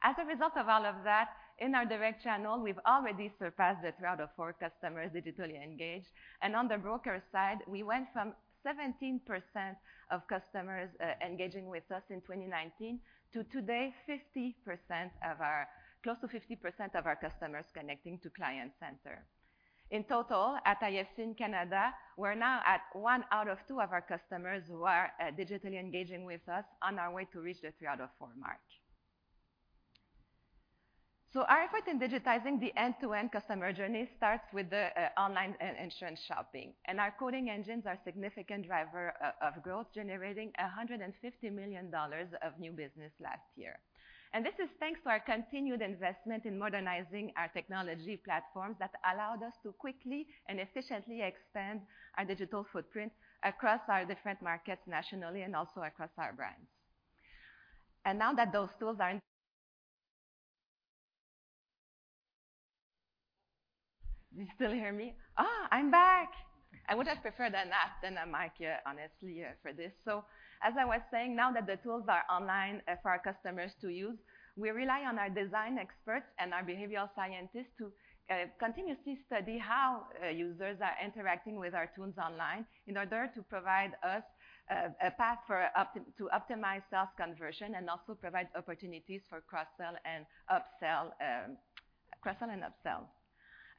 As a result of all of that, in our direct channel, we've already surpassed the three out of four customers digitally engaged. On the broker side, we went from 17% of customers engaging with us in 2019 to today 50% of our customers connecting to Client Centre. In total, at IFC in Canada, we're now at one out of two of our customers who are digitally engaging with us on our way to reach the three out of four mark. Our effort in digitizing the end-to-end customer journey starts with the online insurance shopping, and our quoting engines are significant driver of growth, generating 150 million dollars of new business last year. This is thanks to our continued investment in modernizing our technology platforms that allowed us to quickly and efficiently expand our digital footprint across our different markets nationally and also across our brands. Now that those tools are (audio distortion) Do you still hear me? I'm back. I would have preferred an app than a mic, honestly, for this. As I was saying, now that the tools are online, for our customers to use, we rely on our design experts and our behavioral scientists to continuously study how users are interacting with our tools online in order to provide us a path to optimize self-conversion and also provide opportunities for cross-sell and up-sell.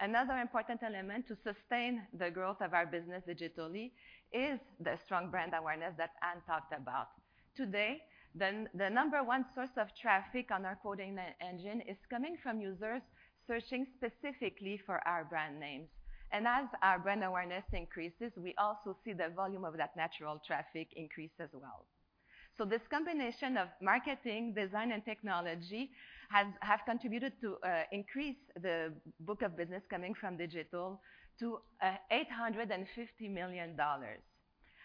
Another important element to sustain the growth of our business digitally is the strong brand awareness that Anne talked about. Today, the number one source of traffic on our quoting engine is coming from users searching specifically for our brand names. As our brand awareness increases, we also see the volume of that natural traffic increase as well. This combination of marketing, design, and technology has contributed to increase the book of business coming from digital to 850 million dollars.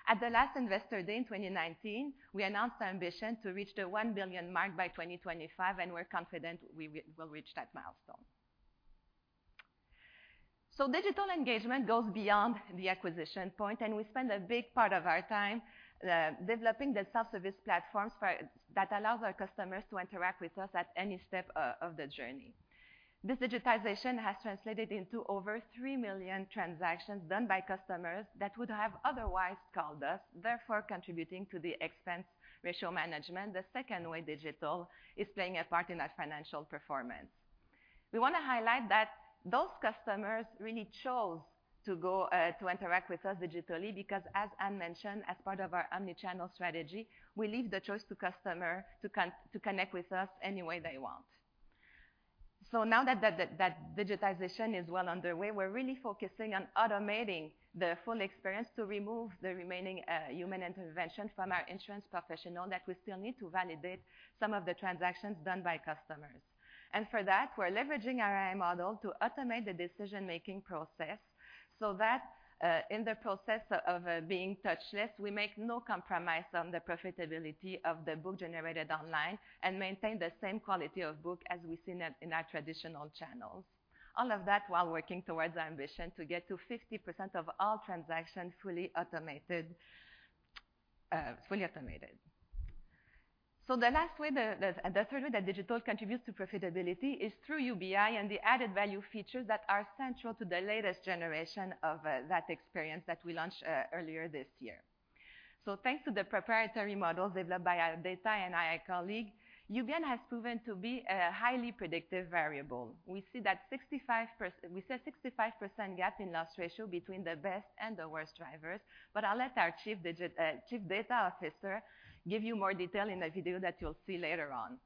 At the last Investor Day in 2019, we announced our ambition to reach the 1 billion mark by 2025, and we're confident we'll reach that milestone. Digital engagement goes beyond the acquisition point, and we spend a big part of our time developing the self-service platforms that allows our customers to interact with us at any step of the journey. This digitization has translated into over 3 million transactions done by customers that would have otherwise called us, therefore contributing to the expense ratio management, the second way digital is playing a part in our financial performance. We wanna highlight that those customers really chose to go to interact with us digitally because as Anne mentioned, as part of our omni-channel strategy, we leave the choice to the customer to connect with us any way they want. Now that digitization is well underway, we're really focusing on automating the full experience to remove the remaining human intervention from our insurance professional that we still need to validate some of the transactions done by customers. We're leveraging our AI model to automate the decision-making process so that in the process of being touchless, we make no compromise on the profitability of the book generated online and maintain the same quality of book as we've seen it in our traditional channels. All of that while working towards our ambition to get to 50% of all transactions fully automated. The third way that digital contributes to profitability is through UBI and the added value features that are central to the latest generation of that experience that we launched earlier this year. Thanks to the proprietary models developed by our data and AI colleagues, UBI has proven to be a highly predictive variable. We see a 65% gap in loss ratio between the best and the worst drivers, but I'll let our Chief Data Officer give you more detail in the video that you'll see later on.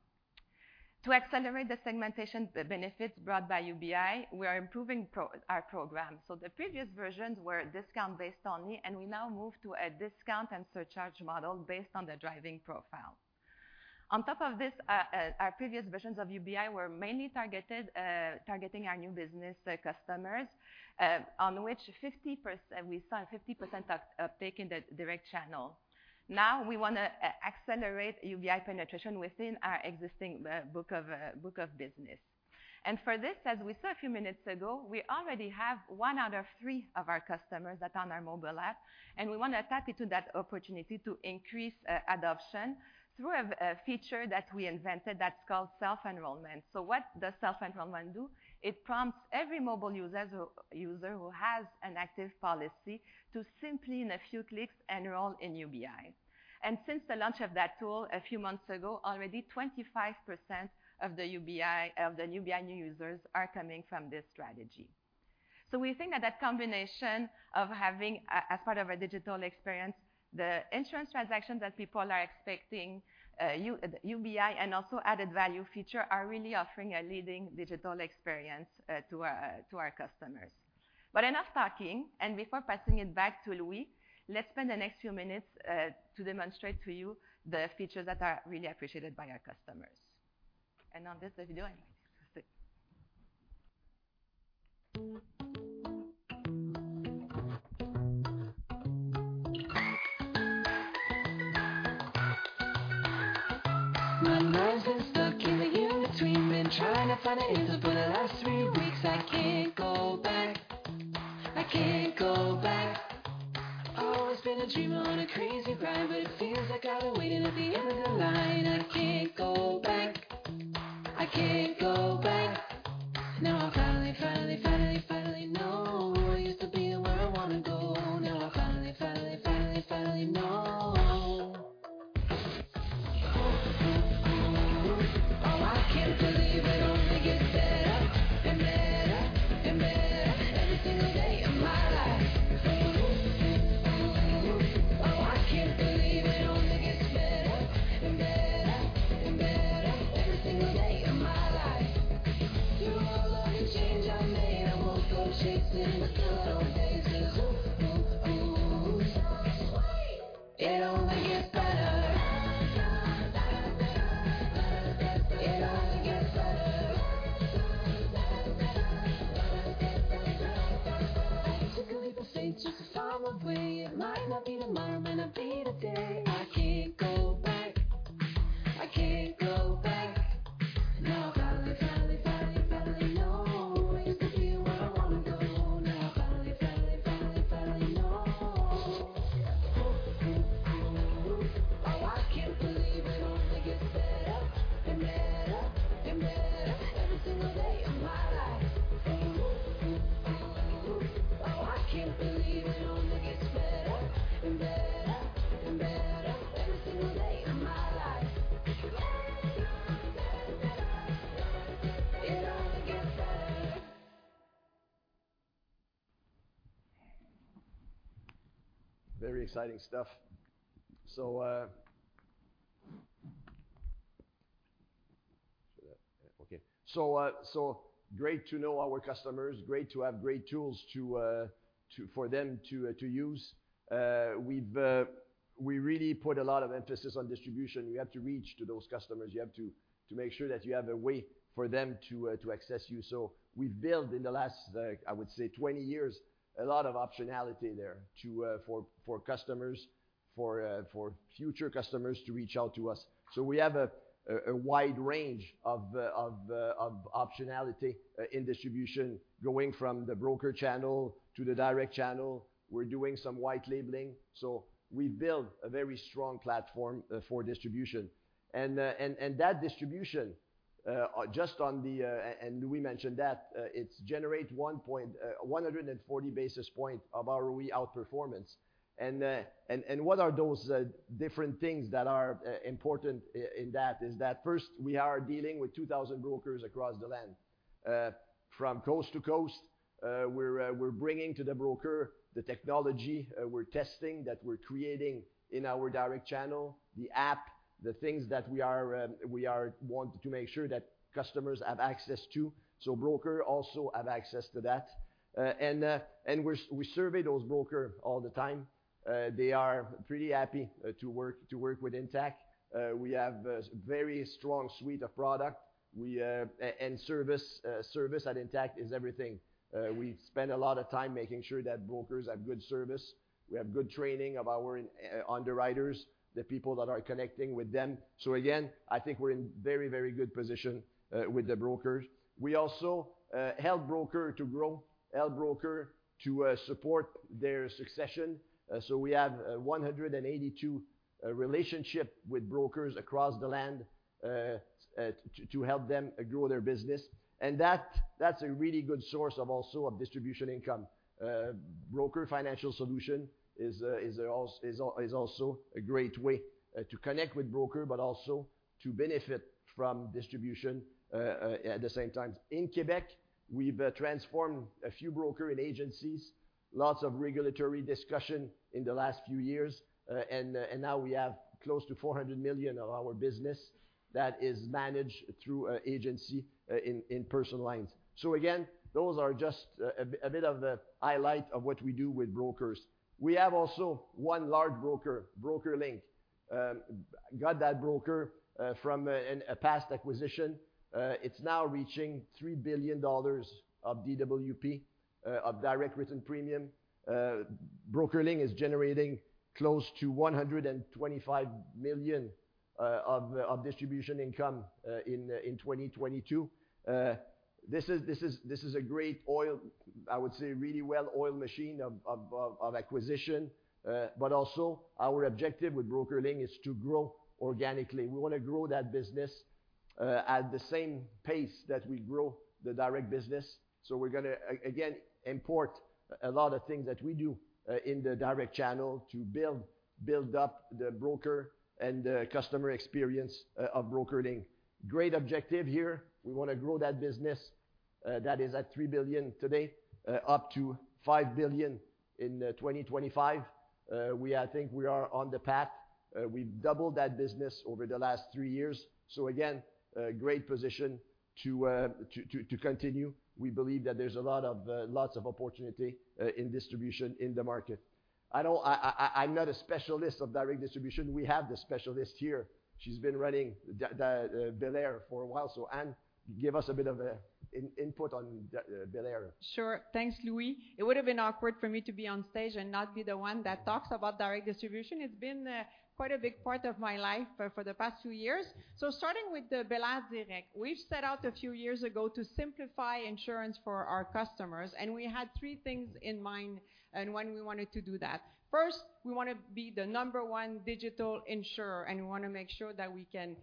To accelerate the segmentation, the benefits brought by UBI, we are improving our program. The previous versions were discount-based only, and we now move to a discount and surcharge model based on the driving profile. On top of this, our previous versions of UBI were mainly targeting our new business customers, on which we saw 50% uptake in the direct channel. Now we want to accelerate UBI penetration within our existing book of business. For this, as we saw a few minutes ago, we already have one out of three of our customers that are on our mobile app, and we wanna tap into that opportunity to increase adoption through a feature that we invented that's called self-enrollment. What does self-enrollment do? It prompts every mobile user who has an active policy to simply in a few clicks enroll in UBI. Since the launch of that tool a few months ago, already 25% of the UBI new users are coming from this strategy. We think that combination of having as part of our digital experience, the insurance transactions that people are expecting, UBI and also added value feature are really offering a leading digital experience to our customers. Enough talking, and before passing it back to Louis, let's spend the next few minutes to demonstrate to you the features that are really appreciated by our customers. On this video, I think we'll see. (audio distortion) Very exciting stuff. Great to know our customers, great to have great tools for them to use. We really put a lot of emphasis on distribution. We have to reach to those customers. You have to make sure that you have a way for them to access you. We've built in the last 20 years a lot of optionality there for customers, for future customers to reach out to us. We have a wide range of optionality in distribution going from the broker channel to the direct channel. We're doing some white labeling. We build a very strong platform for distribution. That distribution just on the we mentioned that it's generating 140 basis points of our ROE outperformance. What are those different things that are important in that? That's first, we are dealing with 2,000 brokers across the land from coast-to-coast. We're bringing to the broker the technology we're testing that we're creating in our direct channel, the app, the things that we are wanting to make sure that customers have access to. Brokers also have access to that. We're surveying those brokers all the time. They are pretty happy to work with Intact. We have a very strong suite of products. Service at Intact is everything. We spend a lot of time making sure that brokers have good service. We have good training of our underwriters, the people that are connecting with them. I think we're in very, very good position with the brokers. We also help broker to grow, help broker to support their succession. We have 182 relationships with brokers across the land to help them grow their business. That's a really good source of also of distribution income. Broker financial solution is also a great way to connect with broker, but also to benefit from distribution at the same time. In Quebec, we've transformed a few broker agencies, lots of regulatory discussion in the last few years. Now we have close to 400 million of our business that is managed through agency in personal lines. Again, those are just a bit of a highlight of what we do with brokers. We have also one large broker, BrokerLink. Got that broker from a past acquisition. It's now reaching 3 billion dollars of DWP, of direct written premium. BrokerLink is generating close to 125 million of distribution income in 2022. This is a great, I would say, really well-oiled machine of acquisition. But also our objective with BrokerLink is to grow organically. We wanna grow that business at the same pace that we grow the direct business. We're gonna again import a lot of things that we do in the direct channel to build up the broker and the customer experience of BrokerLink. Great objective here. We wanna grow that business that is at 3 billion today up to 5 billion in 2025. I think we are on the path. We've doubled that business over the last three years. Again, a great position to continue. We believe that there's a lot of lots of opportunity in distribution in the market. I don't I I'm not a specialist of direct distribution. We have the specialist here. She's been running belairdirect for a while. Anne, give us a bit of an input on belairdirect. Sure. Thanks, Louis. It would have been awkward for me to be on stage and not be the one that talks about direct distribution. It's been quite a big part of my life for the past two years. Starting with belairdirect, we set out a few years ago to simplify insurance for our customers, and we had three things in mind when we wanted to do that. First, we wanna be the number one digital insurer, and we wanna make sure that we can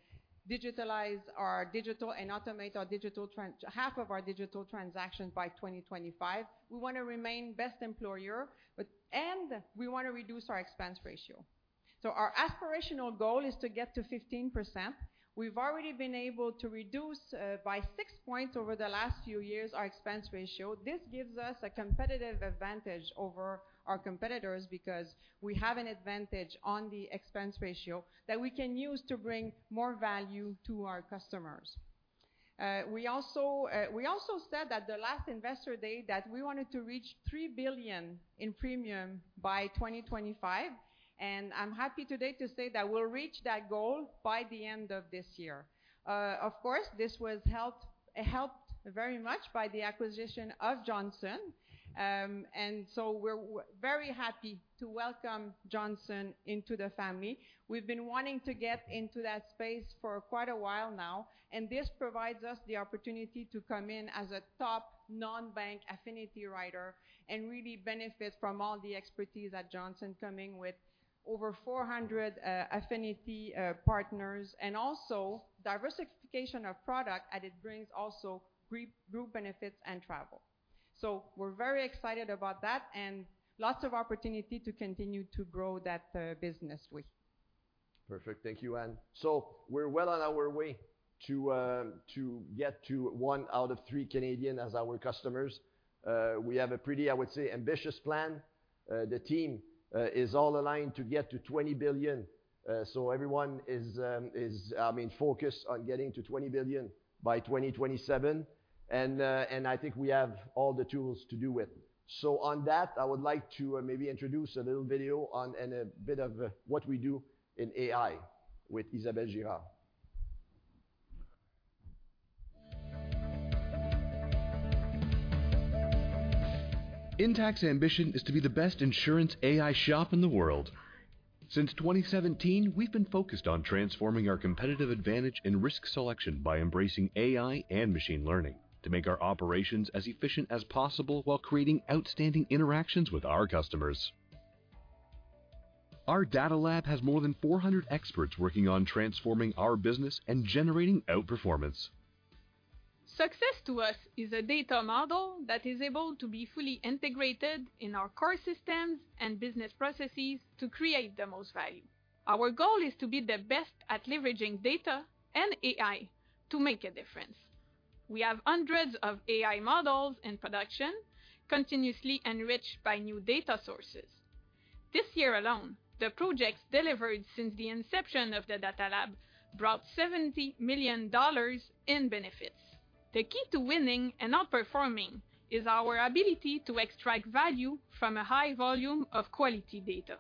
digitalize our digital and automate our digital half of our digital transactions by 2025. We wanna remain best employer, and we wanna reduce our expense ratio. Our aspirational goal is to get to 15%. We've already been able to reduce by 6 points over the last few years our expense ratio. This gives us a competitive advantage over our competitors because we have an advantage on the expense ratio that we can use to bring more value to our customers. We also said that the last Investor Day that we wanted to reach 3 billion in premium by 2025, and I'm happy today to say that we'll reach that goal by the end of this year. Of course, this was helped very much by the acquisition of Johnson Insurance. We're very happy to welcome Johnson Insurance into the family. We've been wanting to get into that space for quite a while now, and this provides us the opportunity to come in as a top non-bank affinity writer and really benefit from all the expertise at Johnson coming with over 400 affinity partners and also diversification of product, and it brings also group benefits and travel. We're very excited about that and lots of opportunity to continue to grow that business with. Perfect. Thank you, Anne. We're well on our way to get to one out of three Canadians as our customers. We have a pretty, I would say, ambitious plan. The team is all aligned to get to 20 billion. Everyone is, I mean, focused on getting to 20 billion by 2027. And I think we have all the tools to do it with. On that, I would like to maybe introduce a little video on and a bit of what we do in AI with Isabelle Girard. Intact's ambition is to be the best insurance AI shop in the world. Since 2017, we've been focused on transforming our competitive advantage and risk selection by embracing AI and machine learning to make our operations as efficient as possible while creating outstanding interactions with our customers. Our data lab has more than 400 experts working on transforming our business and generating outperformance. Success to us is a data model that is able to be fully integrated in our core systems and business processes to create the most value. Our goal is to be the best at leveraging data and AI to make a difference. We have hundreds of AI models in production, continuously enriched by new data sources. This year alone, the projects delivered since the inception of the data lab brought 70 million dollars in benefits. The key to winning and outperforming is our ability to extract value from a high volume of quality data.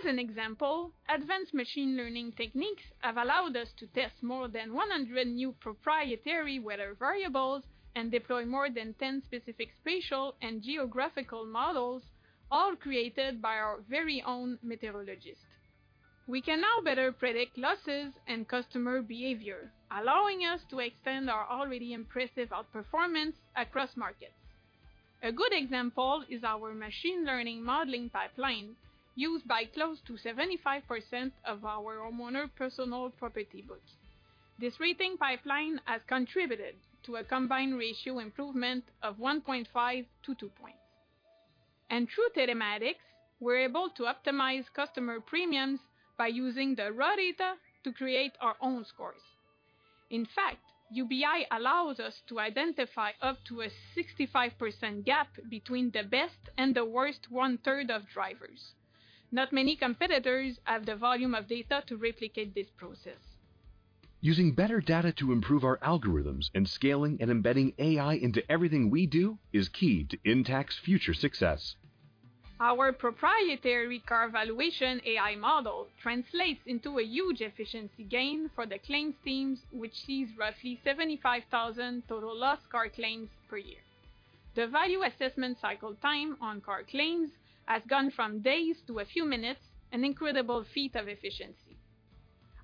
As an example, advanced machine learning techniques have allowed us to test more than 100 new proprietary weather variables and deploy more than 10 specific spatial and geographical models, all created by our very own meteorologist. We can now better predict losses and customer behavior, allowing us to extend our already impressive outperformance across markets. A good example is our machine learning modeling pipeline used by close to 75% of our homeowner personal property books. This rating pipeline has contributed to a combined ratio improvement of 1.5 points to 2 points. Through telematics, we're able to optimize customer premiums by using the raw data to create our own scores. In fact, UBI allows us to identify up to a 65% gap between the best and the worst 1/3 of drivers. Not many competitors have the volume of data to replicate this process. Using better data to improve our algorithms and scaling and embedding AI into everything we do is key to Intact's future success. Our proprietary car valuation AI model translates into a huge efficiency gain for the claims teams, which sees roughly 75,000 total loss car claims per year. The value assessment cycle time on car claims has gone from days to a few minutes, an incredible feat of efficiency.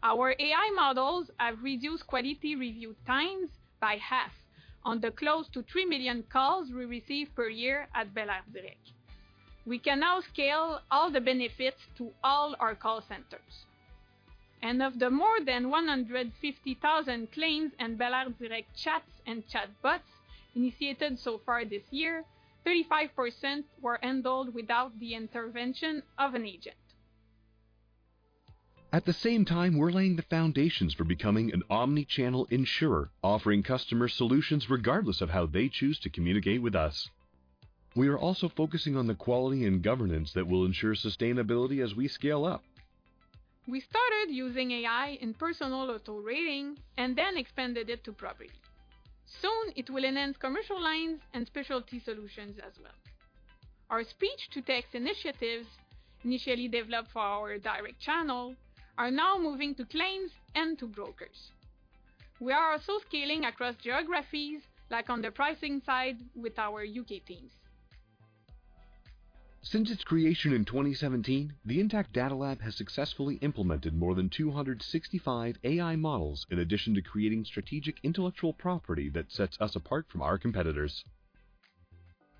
Our AI models have reduced quality review times by half on the close to 3 million calls we receive per year at belairdirect. We can now scale all the benefits to all our call centers. Of the more than 150,000 claims and belairdirect chats and chatbots initiated so far this year, 35% were handled without the intervention of an agent. At the same time, we're laying the foundations for becoming an omni-channel insurer, offering customer solutions regardless of how they choose to communicate with us. We are also focusing on the quality and governance that will ensure sustainability as we scale up. We started using AI in personal auto rating and then expanded it to property. Soon, it will enhance commercial lines and specialty solutions as well. Our speech-to-text initiatives, initially developed for our direct channel, are now moving to claims and to brokers. We are also scaling across geographies, like on the pricing side with our U.K. teams. Since its creation in 2017, the Intact data lab has successfully implemented more than 265 AI models in addition to creating strategic intellectual property that sets us apart from our competitors.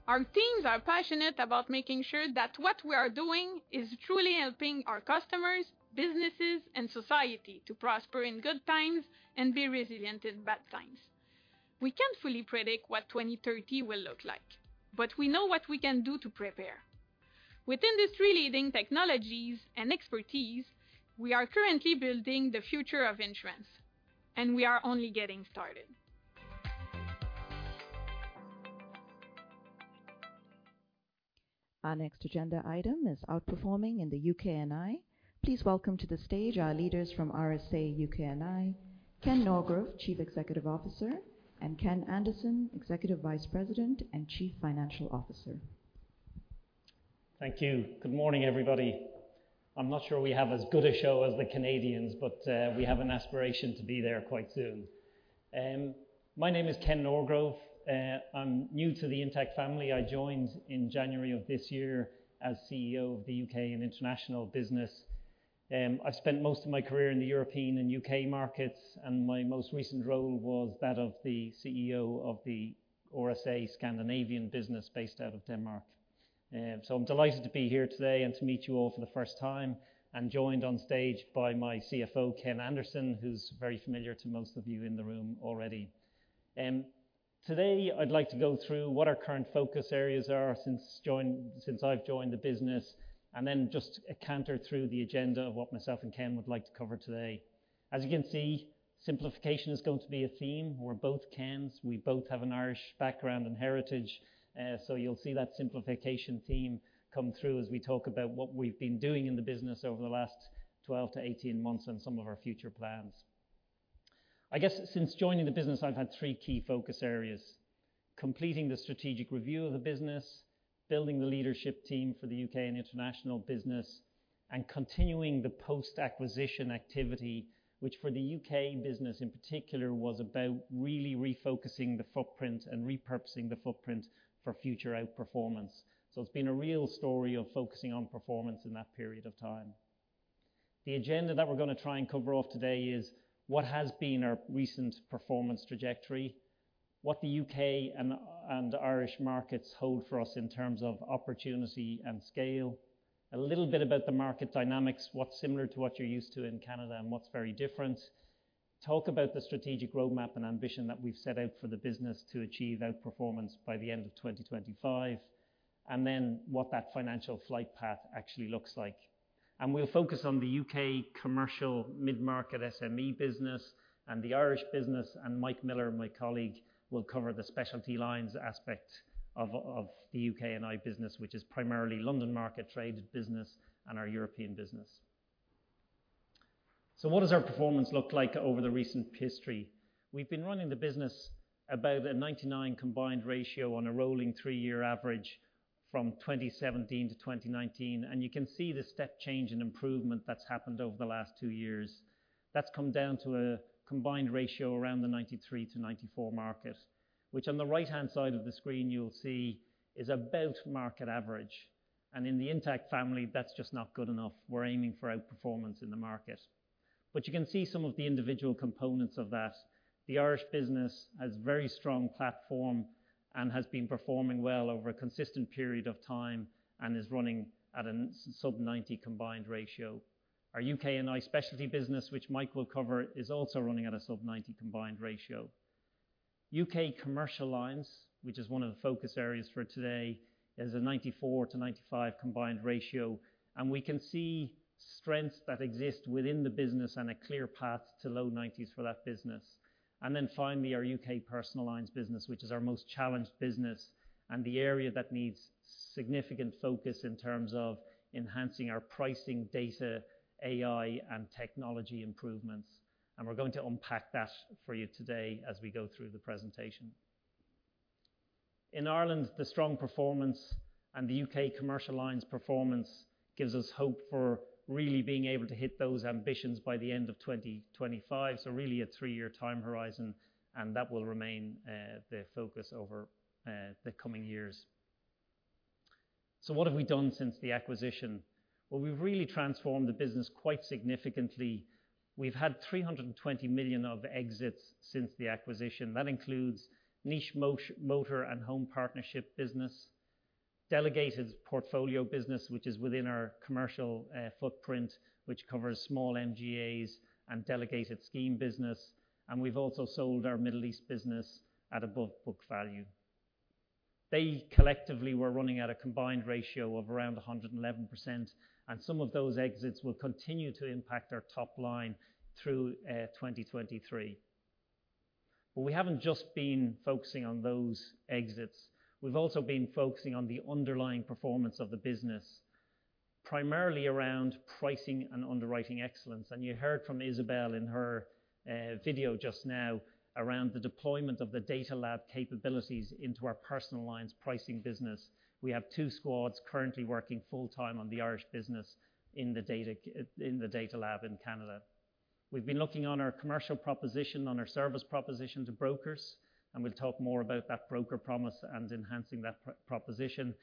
Our teams are passionate about making sure that what we are doing is truly helping our customers, businesses, and society to prosper in good times and be resilient in bad times. We can't fully predict what 2030 will look like, but we know what we can do to prepare. With industry-leading technologies and expertise, we are currently building the future of insurance, and we are only getting started. Our next agenda item is outperforming in the UK&I. Please welcome to the stage our leaders from RSA UK&I, Ken Norgrove, Chief Executive Officer, and Ken Anderson, Executive Vice President and Chief Financial Officer. Thank you. Good morning, everybody. I'm not sure we have as good a show as the Canadians, but we have an aspiration to be there quite soon. My name is Ken Norgrove. I'm new to the Intact family. I joined in January of this year as CEO of the U.K. & International business. I spent most of my career in the European and U.K. markets, and my most recent role was that of the CEO of the RSA Scandinavian business based out of Denmark. So I'm delighted to be here today and to meet you all for the first time. I'm joined on stage by my CFO, Ken Anderson, who's very familiar to most of you in the room already. Today, I'd like to go through what our current focus areas are since I've joined the business, and then just canter through the agenda of what myself and Ken would like to cover today. As you can see, simplification is going to be a theme. We're both Kens. We both have an Irish background and heritage, so you'll see that simplification theme come through as we talk about what we've been doing in the business over the last 12-18 months and some of our future plans. I guess, since joining the business, I've had three key focus areas, completing the strategic review of the business, building the leadership team for the U.K. & International business, and continuing the post-acquisition activity, which for the U.K. business, in particular, was about really refocusing the footprint and repurposing the footprint for future outperformance. It's been a real story of focusing on performance in that period of time. The agenda that we're gonna try and cover off today is what has been our recent performance trajectory, what the U.K. and Irish markets hold for us in terms of opportunity and scale. A little bit about the market dynamics, what's similar to what you're used to in Canada and what's very different. Talk about the strategic roadmap and ambition that we've set out for the business to achieve outperformance by the end of 2025, and then what that financial flight path actually looks like. We'll focus on the U.K. commercial mid-market SME business and the Irish business, and Mike Miller, my colleague, will cover the specialty lines aspect of the UK&I business, which is primarily London market traded business and our European business. What does our performance look like over the recent history? We've been running the business about a 99 combined ratio on a rolling three-year average from 2017 to 2019, and you can see the step change in improvement that's happened over the last two years. That's come down to a combined ratio around the 93-94 market, which on the right-hand side of the screen you'll see is about market average. In the Intact family, that's just not good enough. We're aiming for outperformance in the market. You can see some of the individual components of that. The Irish business has very strong platform and has been performing well over a consistent period of time and is running at a sub-90 combined ratio. Our UK&I specialty business, which Mike will cover, is also running at a sub-90 combined ratio. U.K. commercial lines, which is one of the focus areas for today, is a 94-95 combined ratio, and we can see strengths that exist within the business and a clear path to low 90s for that business. Then finally, our U.K. personal lines business, which is our most challenged business and the area that needs significant focus in terms of enhancing our pricing data, AI, and technology improvements. We're going to unpack that for you today as we go through the presentation. In Ireland, the strong performance and the U.K. commercial lines performance gives us hope for really being able to hit those ambitions by the end of 2025. Really a three-year time horizon, and that will remain the focus over the coming years. What have we done since the acquisition? Well, we've really transformed the business quite significantly. We've had 320 million of exits since the acquisition. That includes niche motor and home partnership business, delegated portfolio business, which is within our commercial footprint, which covers small MGAs and delegated scheme business. We've also sold our Middle East business at above book value. They collectively were running at a combined ratio of around 111%, and some of those exits will continue to impact our top-line through 2023. We haven't just been focusing on those exits. We've also been focusing on the underlying performance of the business, primarily around pricing and underwriting excellence. You heard from Isabelle in her video just now around the deployment of the data lab capabilities into our personal lines pricing business. We have two squads currently working full-time on the Irish business in the data lab in Canada. We've been working on our commercial proposition, on our service proposition to brokers, and we'll talk more about that broker promise and enhancing that proposition.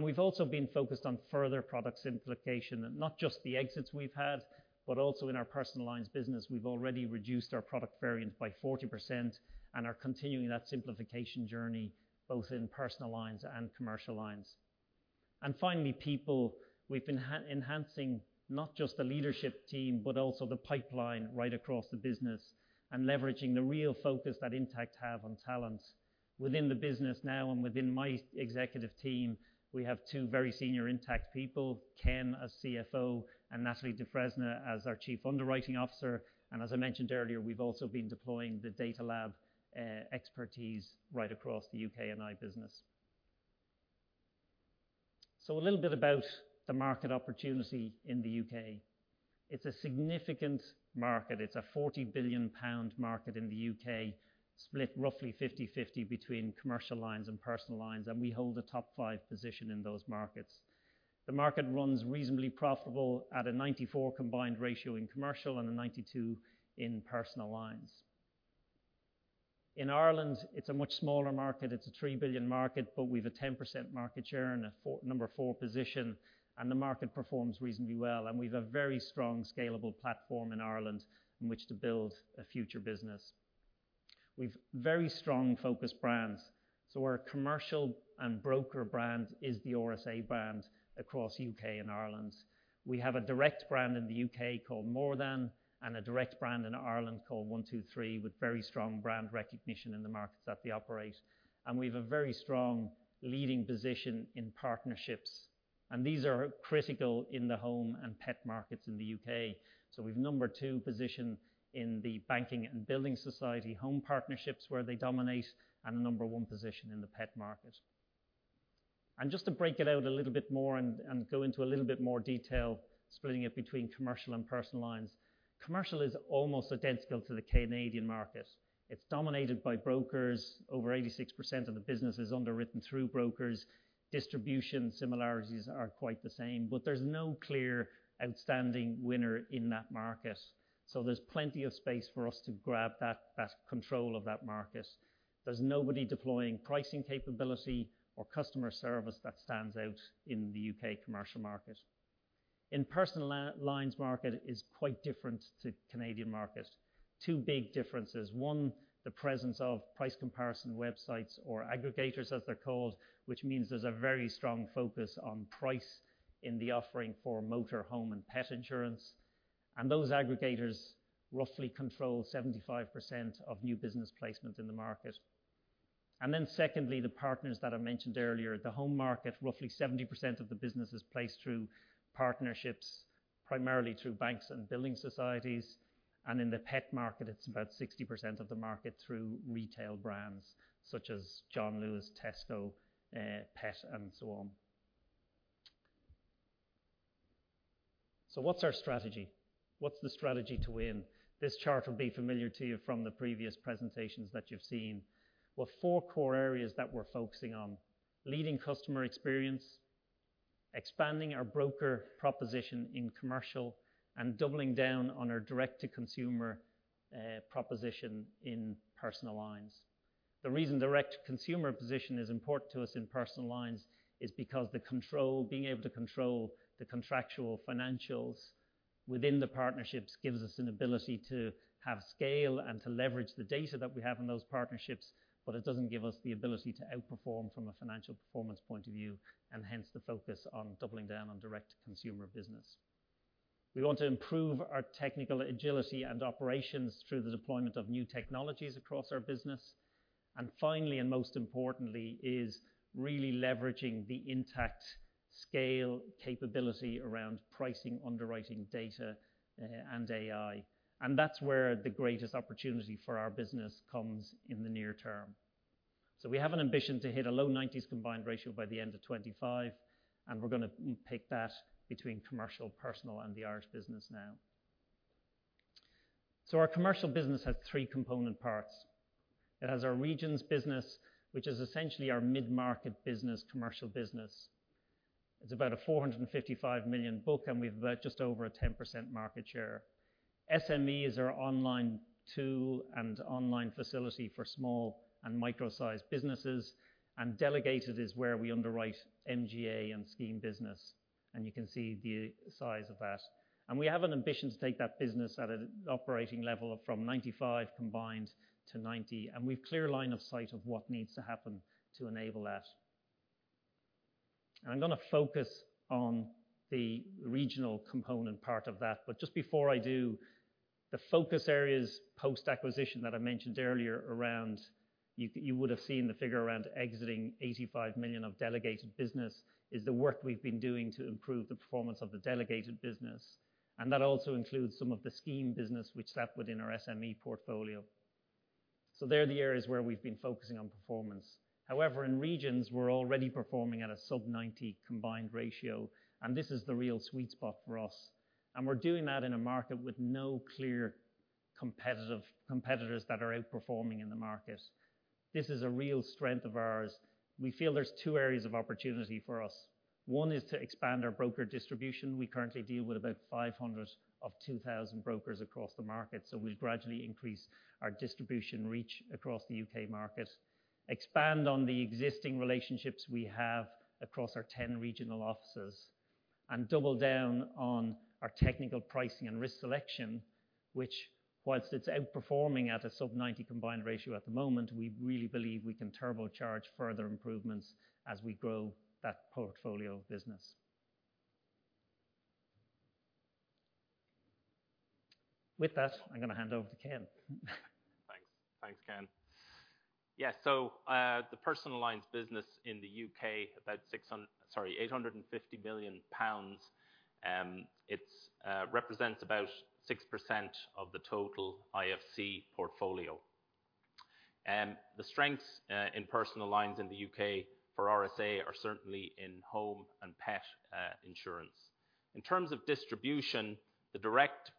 We've also been focused on further product simplification. Not just the exits we've had, but also in our personal lines business, we've already reduced our product variance by 40% and are continuing that simplification journey, both in personal lines and commercial lines. Finally, people. We've been enhancing not just the leadership team, but also the pipeline right across the business and leveraging the real focus that Intact have on talent. Within the business now and within my executive team, we have two very senior Intact people, Ken, our CFO, and Nathalie Dufresne as our Chief Underwriting Officer. As I mentioned earlier, we've also been deploying the data lab expertise right across the UK&I business. A little bit about the market opportunity in the U.K. It's a significant market. It's a 40 billion pound market in the U.K., split roughly 50-50 between commercial lines and personal lines, and we hold a top five position in those markets. The market runs reasonably profitable at a 94 combined ratio in commercial and a 92 in personal lines. In Ireland, it's a much smaller market. It's a 3 billion market, but we've a 10% market share and a number four position, and the market performs reasonably well. We've a very strong scalable platform in Ireland in which to build a future business. We've very strong focused brands. Our commercial and broker brand is the RSA brand across U.K. and Ireland. We have a direct brand in the U.K. called More Than, and a direct brand in Ireland called 123, with very strong brand recognition in the markets that they operate. We've a very strong leading position in partnerships, and these are critical in the home and pet markets in the U.K. We've number two position in the banking and building society home partnerships where they dominate, and a number one position in the pet market. Just to break it out a little bit more and go into a little bit more detail, splitting it between commercial and personal lines. Commercial is almost identical to the Canadian market. It's dominated by brokers. Over 86% of the business is underwritten through brokers. Distribution similarities are quite the same, but there's no clear outstanding winner in that market. There's plenty of space for us to grab that control of that market. There's nobody deploying pricing capability or customer service that stands out in the U.K. commercial market. In personal lines market is quite different to Canadian market. Two big differences. One, the presence of price comparison websites or aggregators, as they're called, which means there's a very strong focus on price in the offering for motor, home, and pet insurance. Those aggregators roughly control 75% of new business placement in the market. Then secondly, the partners that I mentioned earlier. The home market, roughly 70% of the business is placed through partnerships, primarily through banks and building societies. In the pet market, it's about 60% of the market through retail brands such as John Lewis, Tesco, Pets at Home and so on. What's our strategy? What's the strategy to win? This chart will be familiar to you from the previous presentations that you've seen. We've four core areas that we're focusing on. Leading customer experience, expanding our broker proposition in commercial, and doubling down on our direct-to-consumer proposition in personal lines. The reason direct-to-consumer position is important to us in personal lines is because being able to control the contractual financials within the partnerships gives us an ability to have scale and to leverage the data that we have in those partnerships, but it doesn't give us the ability to outperform from a financial performance point of view, and hence the focus on doubling down on direct-to-consumer business. We want to improve our technical agility and operations through the deployment of new technologies across our business. Finally, and most importantly, is really leveraging the Intact scale capability around pricing, underwriting data, and AI. That's where the greatest opportunity for our business comes in the near term. We have an ambition to hit a low-90s combined ratio by the end of 2025, and we're gonna pick that between commercial, personal, and the Irish business now. Our commercial business has three component parts. It has our regions business, which is essentially our mid-market business, commercial business. It's about a 455 million book, and we've about just over a 10% market share. SMEs are online tool and online facility for small and micro-sized businesses, and delegated is where we underwrite MGA and scheme business, and you can see the size of that. We have an ambition to take that business at an operating level from 95 combined to 90, and we've clear line of sight of what needs to happen to enable that. I'm gonna focus on the regional component part of that, but just before I do, the focus areas post-acquisition that I mentioned earlier around you would have seen the figure around exiting 85 million of delegated business is the work we've been doing to improve the performance of the delegated business. That also includes some of the scheme business which sat within our SME portfolio. There are the areas where we've been focusing on performance. However, in regions, we're already performing at a sub-90 combined ratio, and this is the real sweet spot for us. We're doing that in a market with no clear competitive competitors that are outperforming in the market. This is a real strength of ours. We feel there's two areas of opportunity for us. One is to expand our broker distribution. We currently deal with about 500 of 2,000 brokers across the market, so we've gradually increased our distribution reach across the U.K. market. Expand on the existing relationships we have across our 10 regional offices, and double down on our technical pricing and risk selection, which while it's outperforming at a sub-90 combined ratio at the moment, we really believe we can turbocharge further improvements as we grow that portfolio business. With that, I'm gonna hand over to Ken. Thanks. Thanks, Ken. Yeah. The personal lines business in the U.K., about 850 million pounds, it represents about 6% of the total IFC portfolio. The strengths in personal lines in the U.K. for RSA are certainly in home and pet insurance. In terms of distribution, the direct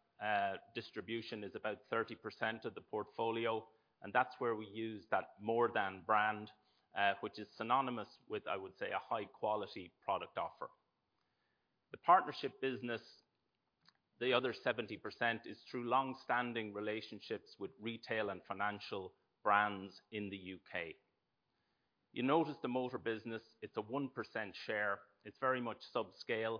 distribution is about 30% of the portfolio, and that's where we use that More Than brand, which is synonymous with, I would say, a high quality product offer. The partnership business, the other 70%, is through long-standing relationships with retail and financial brands in the U.K. You notice the motor business, it's a 1% share. It's very much subscale,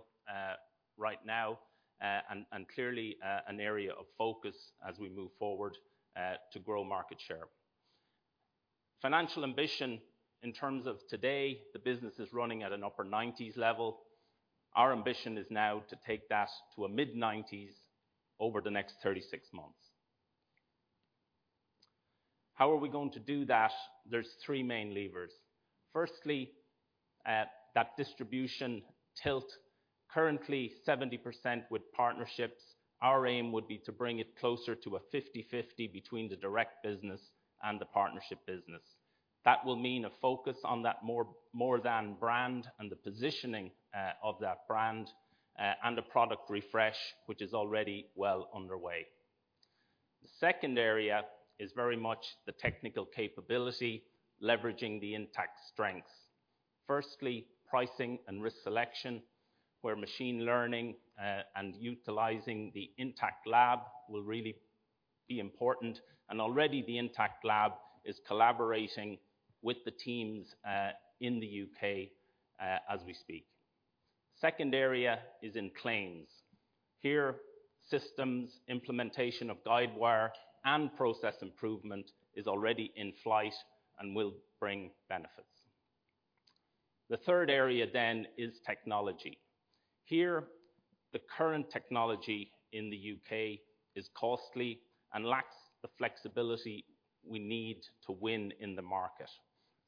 right now, and clearly, an area of focus as we move forward, to grow market share. Financial ambition in terms of today, the business is running at an upper 90s level. Our ambition is now to take that to a mid-90s over the next 36 months. How are we going to do that? There's three main levers. Firstly, that distribution tilt, currently 70% with partnerships. Our aim would be to bring it closer to a 50/50 between the direct business and the partnership business. That will mean a focus on that more than brand and the positioning, of that brand, and a product refresh, which is already well underway. The second area is very much the technical capability, leveraging the Intact strengths. Firstly, pricing and risk selection, where machine learning and utilizing the Intact lab will really be important, and already the Intact lab is collaborating with the teams in the U.K. as we speak. Second area is in claims. Here, systems implementation of Guidewire and process improvement is already in flight and will bring benefits. The third area then is technology. Here, the current technology in the U.K. is costly and lacks the flexibility we need to win in the market.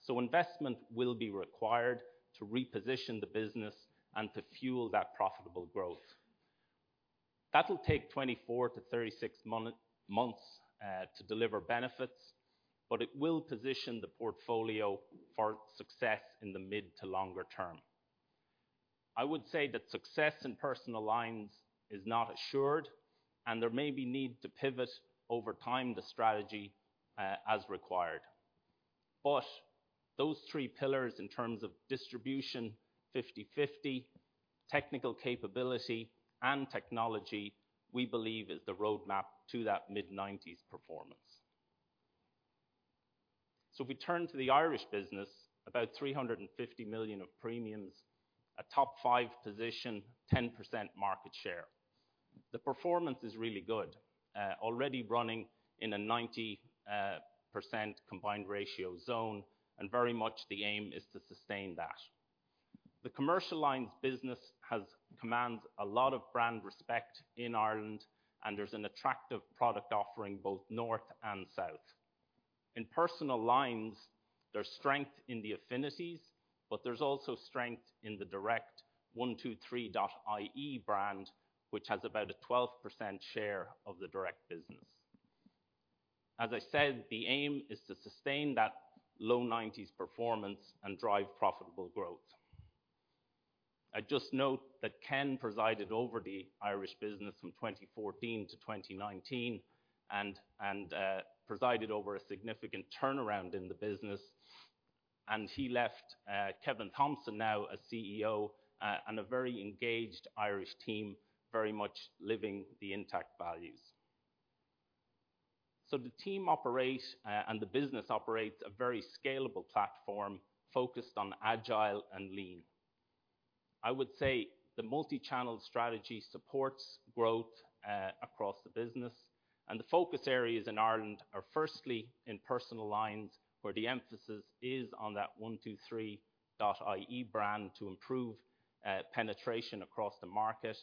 Investment will be required to reposition the business and to fuel that profitable growth. That'll take 24-36 months to deliver benefits, but it will position the portfolio for success in the mid to longer term. I would say that success in personal lines is not assured, and there may be need to pivot over time the strategy as required. Those three pillars in terms of distribution, 50/50, technical capability and technology, we believe is the roadmap to that mid-90s performance. If we turn to the Irish business, about 350 million of premiums, a top five position, 10% market share. The performance is really good, already running in a 90% combined ratio zone and very much the aim is to sustain that. The commercial lines business commands a lot of brand respect in Ireland, and there's an attractive product offering both north and south. In personal lines, there's strength in the affinities, but there's also strength in the direct 123.ie brand, which has about a 12% share of the direct business. As I said, the aim is to sustain that low 90s performance and drive profitable growth. I just note that Ken presided over the Irish business from 2014 to 2019 and presided over a significant turnaround in the business, and he left Kevin Thompson, now as CEO, and a very engaged Irish team, very much living the Intact values. The team operate and the business operates a very scalable platform focused on agile and lean. I would say the multi-channel strategy supports growth across the business, and the focus areas in Ireland are firstly in personal lines, where the emphasis is on that 123.ie brand to improve penetration across the market.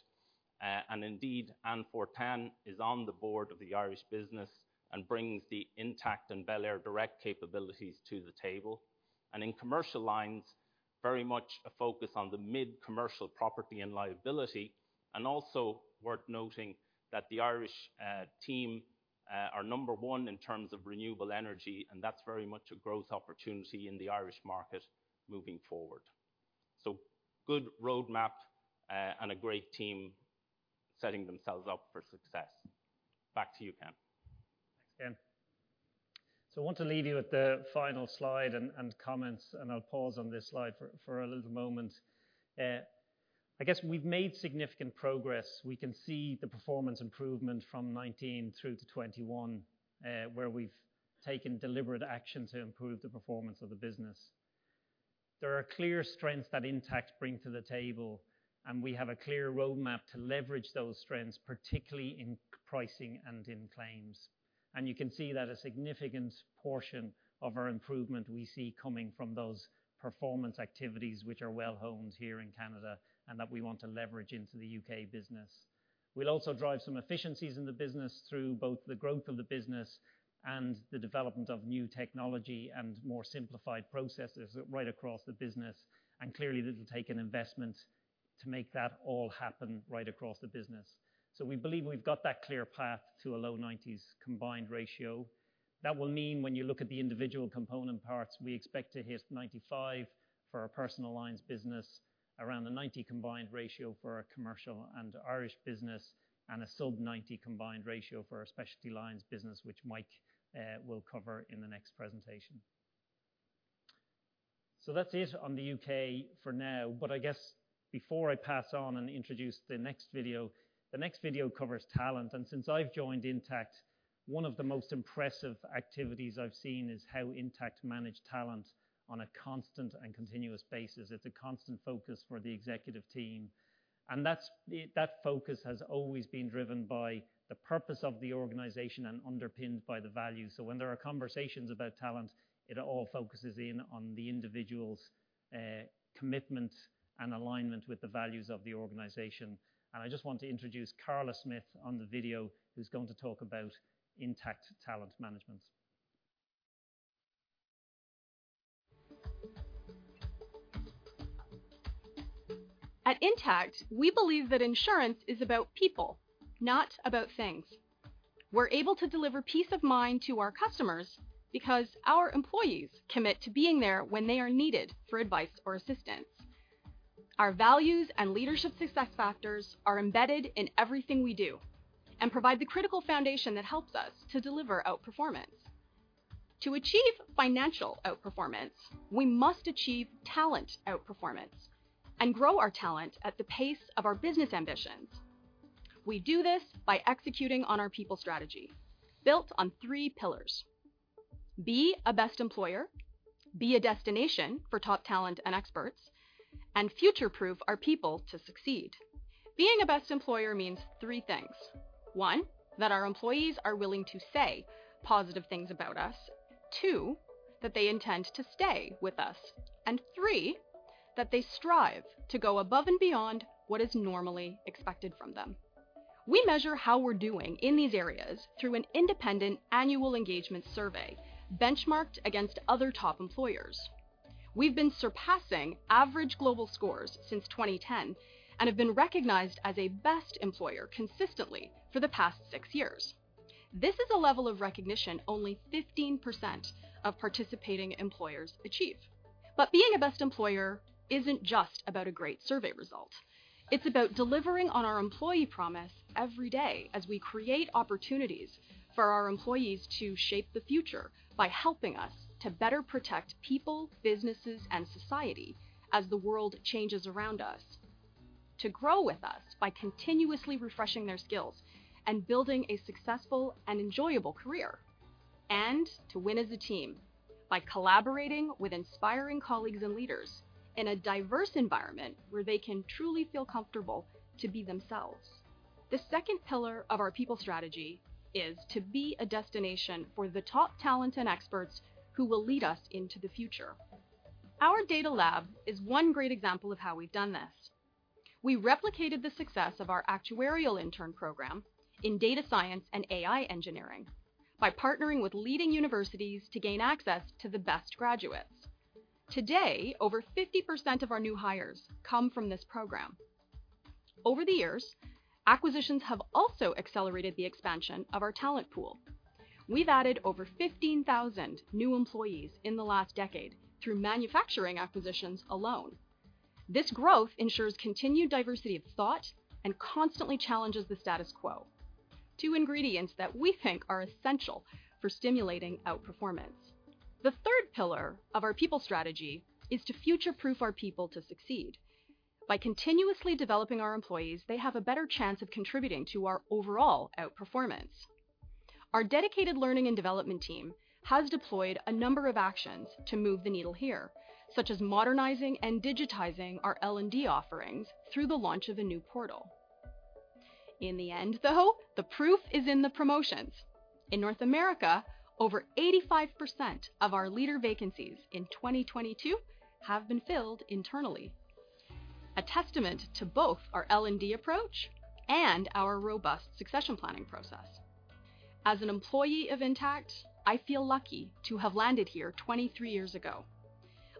And indeed, Anne Fortin is on the board of the Irish business and brings the Intact and belairdirect capabilities to the table. In commercial lines, very much a focus on the mid-commercial property and liability, and also worth noting that the Irish team are number one in terms of renewable energy, and that's very much a growth opportunity in the Irish market moving forward. Good roadmap, and a great team setting themselves up for success. Back to you, Ken. Thanks, Ken. I want to leave you with the final slide and comments, and I'll pause on this slide for a little moment. I guess we've made significant progress. We can see the performance improvement from 2019 through to 2021, where we've taken deliberate action to improve the performance of the business. There are clear strengths that Intact bring to the table, and we have a clear roadmap to leverage those strengths, particularly in pricing and in claims. You can see that a significant portion of our improvement we see coming from those performance activities which are well-honed here in Canada and that we want to leverage into the U.K. business. We'll also drive some efficiencies in the business through both the growth of the business and the development of new technology and more simplified processes right across the business. Clearly, it'll take an investment to make that all happen right across the business. We believe we've got that clear path to a low 90s combined ratio. That will mean when you look at the individual component parts, we expect to hit 95 for our personal lines business, around a 90 combined ratio for our commercial and Irish business, and a sub-90 combined ratio for our specialty lines business, which Mike will cover in the next presentation. That's it on the U.K. for now. I guess before I pass on and introduce the next video, the next video covers talent. Since I've joined Intact, one of the most impressive activities I've seen is how Intact manage talent on a constant and continuous basis. It's a constant focus for the executive team. That's that focus has always been driven by the purpose of the organization and underpinned by the value. When there are conversations about talent, it all focuses in on the individual's commitment and alignment with the values of the organization. I just want to introduce Carla Smith on the video, who's going to talk about Intact Talent Management. At Intact, we believe that insurance is about people, not about things. We're able to deliver peace of mind to our customers because our employees commit to being there when they are needed for advice or assistance. Our values and leadership success factors are embedded in everything we do and provide the critical foundation that helps us to deliver outperformance. To achieve financial outperformance, we must achieve talent outperformance and grow our talent at the pace of our business ambitions. We do this by executing on our people strategy, built on three pillars, be a best employer, be a destination for top talent and experts, and future-proof our people to succeed. Being a best employer means three things. One, that our employees are willing to say positive things about us. Two, that they intend to stay with us. Three, that they strive to go above and beyond what is normally expected from them. We measure how we're doing in these areas through an independent annual engagement survey benchmarked against other top employers. We've been surpassing average global scores since 2010 and have been recognized as a best employer consistently for the past six years. This is a level of recognition only 15% of participating employers achieve. Being a best employer isn't just about a great survey result. It's about delivering on our employee promise every day as we create opportunities for our employees to shape the future by helping us to better protect people, businesses, and society as the world changes around us. To grow with us by continuously refreshing their skills and building a successful and enjoyable career. To win as a team by collaborating with inspiring colleagues and leaders in a diverse environment where they can truly feel comfortable to be themselves. The second pillar of our people strategy is to be a destination for the top talent and experts who will lead us into the future. Our data lab is one great example of how we've done this. We replicated the success of our actuarial intern program in data science and AI engineering by partnering with leading universities to gain access to the best graduates. Today, over 50% of our new hires come from this program. Over the years, acquisitions have also accelerated the expansion of our talent pool. We've added over 15,000 new employees in the last decade through manufacturing acquisitions alone. This growth ensures continued diversity of thought and constantly challenges the status quo, two ingredients that we think are essential for stimulating outperformance. The third pillar of our people strategy is to future-proof our people to succeed. By continuously developing our employees, they have a better chance of contributing to our overall outperformance. Our dedicated learning and development team has deployed a number of actions to move the needle here, such as modernizing and digitizing our L&D offerings through the launch of a new portal. In the end, though, the proof is in the promotions. In North America, over 85% of our leader vacancies in 2022 have been filled internally. A testament to both our L&D approach and our robust succession planning process. As an employee of Intact, I feel lucky to have landed here 23 years ago.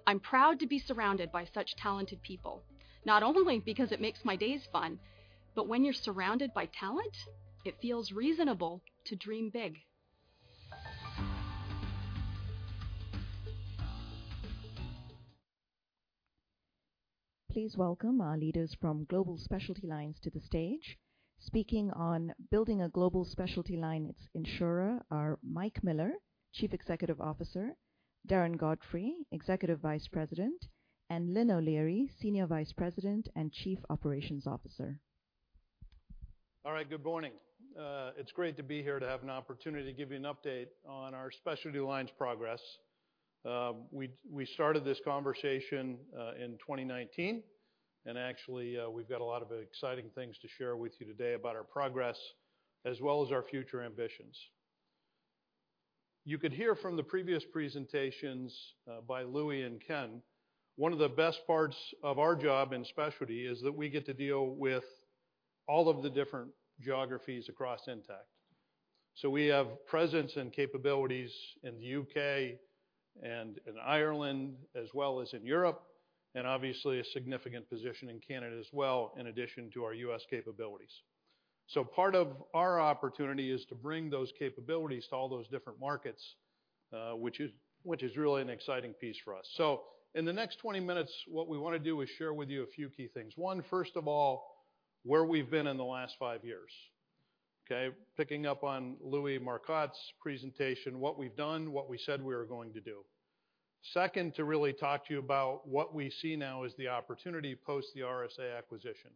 I'm proud to be surrounded by such talented people, not only because it makes my days fun, but when you're surrounded by talent, it feels reasonable to dream big. Please welcome our leaders from Global Specialty Lines to the stage. Speaking on building a global specialty lines insurer are Mike Miller, Chief Executive Officer, Darren Godfrey, Executive Vice President, and Lynn O'Leary, Senior Vice President and Chief Operations Officer. All right. Good morning. It's great to be here to have an opportunity to give you an update on our specialty lines progress. We started this conversation in 2019, and actually, we've got a lot of exciting things to share with you today about our progress as well as our future ambitions. You could hear from the previous presentations by Louis and Ken, one of the best parts of our job in specialty is that we get to deal with all of the different geographies across Intact. We have presence and capabilities in the U.K. and in Ireland as well as in Europe, and obviously a significant position in Canada as well, in addition to our U.S. capabilities. Part of our opportunity is to bring those capabilities to all those different markets, which is really an exciting piece for us. In the next 20 minutes, what we wanna do is share with you a few key things. One, first of all, where we've been in the last five years, okay? Picking up on Louis Marcotte's presentation, what we've done, what we said we were going to do. Second, to really talk to you about what we see now as the opportunity post the RSA acquisition.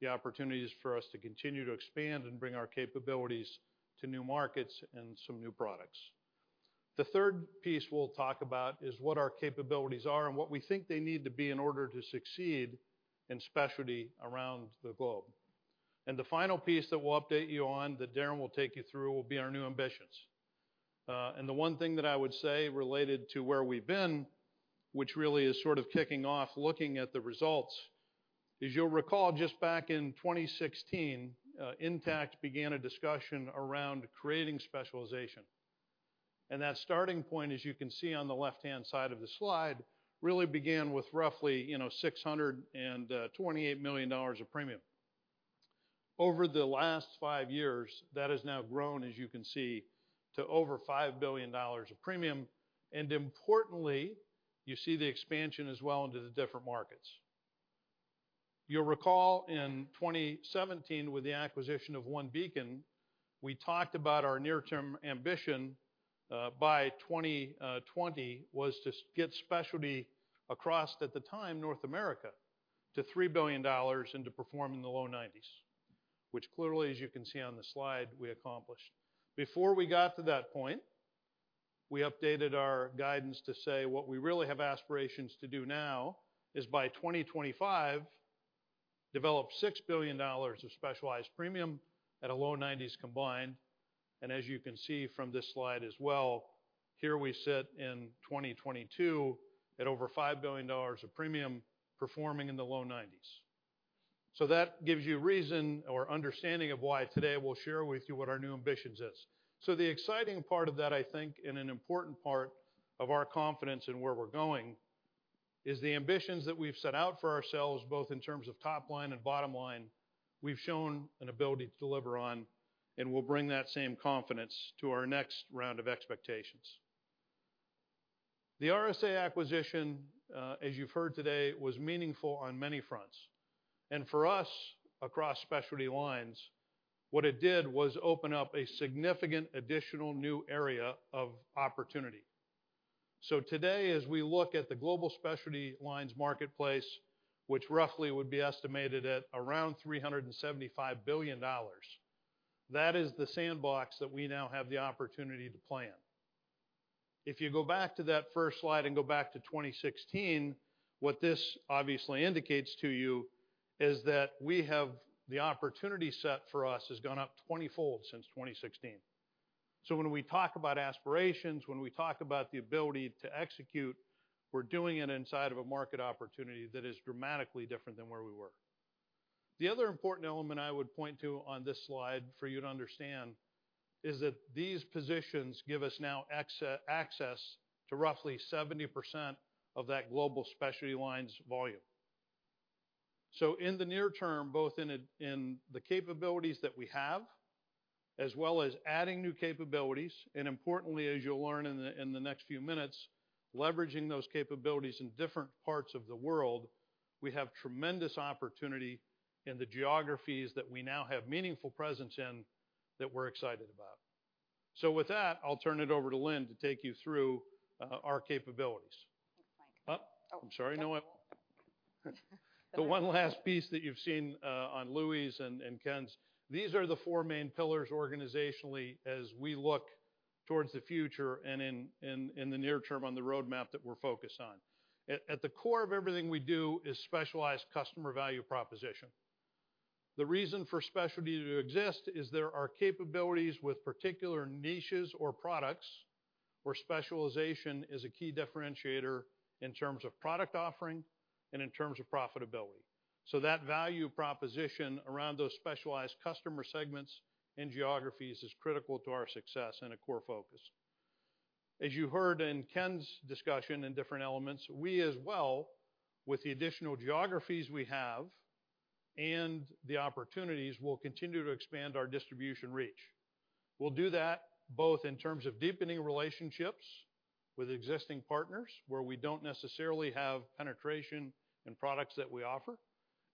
The opportunities for us to continue to expand and bring our capabilities to new markets and some new products. The third piece we'll talk about is what our capabilities are and what we think they need to be in order to succeed in specialty around the globe. The final piece that we'll update you on, that Darren will take you through, will be our new ambitions. The one thing that I would say related to where we've been, which really is sort of kicking off looking at the results. As you'll recall, just back in 2016, Intact began a discussion around creating specialization. That starting point, as you can see on the left-hand side of the slide, really began with roughly, you know, 628 million dollars of premium. Over the last five years, that has now grown, as you can see, to over 5 billion dollars of premium. Importantly, you see the expansion as well into the different markets. You'll recall in 2017, with the acquisition of OneBeacon, we talked about our near-term ambition, by 2020 was to get specialty across, at the time, North America to $3 billion and to perform in the low-90s, which clearly, as you can see on the slide, we accomplished. Before we got to that point, we updated our guidance to say what we really have aspirations to do now is by 2025, develop $6 billion of specialized premium at a low-90s combined. As you can see from this slide as well, here we sit in 2022 at over $5 billion of premium performing in the low-90s. That gives you reason or understanding of why today we'll share with you what our new ambitions is. The exciting part of that, I think, and an important part of our confidence in where we're going, is the ambitions that we've set out for ourselves, both in terms of top-line and bottom line, we've shown an ability to deliver on, and we'll bring that same confidence to our next round of expectations. The RSA acquisition, as you've heard today, was meaningful on many fronts. For us, across specialty lines, what it did was open up a significant additional new area of opportunity. Today, as we look at the global specialty lines marketplace, which roughly would be estimated at around $375 billion, that is the sandbox that we now have the opportunity to play in. If you go back to that first slide and go back to 2016, what this obviously indicates to you is that we have the opportunity set for us has gone up 20-fold since 2016. When we talk about aspirations, when we talk about the ability to execute, we're doing it inside of a market opportunity that is dramatically different than where we were. The other important element I would point to on this slide for you to understand is that these positions give us now access to roughly 70% of that global specialty lines volume. In the near term, both in the capabilities that we have, as well as adding new capabilities, and importantly, as you'll learn in the next few minutes, leveraging those capabilities in different parts of the world, we have tremendous opportunity in the geographies that we now have meaningful presence in that we're excited about. With that, I'll turn it over to Lynn to take you through our capabilities. Thanks, Mike. The one last piece that you've seen on Louis' and Ken's, these are the four main pillars organizationally as we look towards the future and in the near term on the roadmap that we're focused on. At the core of everything we do is specialized customer value proposition. The reason for specialty to exist is there are capabilities with particular niches or products where specialization is a key differentiator in terms of product offering and in terms of profitability. That value proposition around those specialized customer segments and geographies is critical to our success and a core focus. As you heard in Ken's discussion in different elements, we as well, with the additional geographies we have and the opportunities, will continue to expand our distribution reach. We'll do that both in terms of deepening relationships with existing partners, where we don't necessarily have penetration in products that we offer,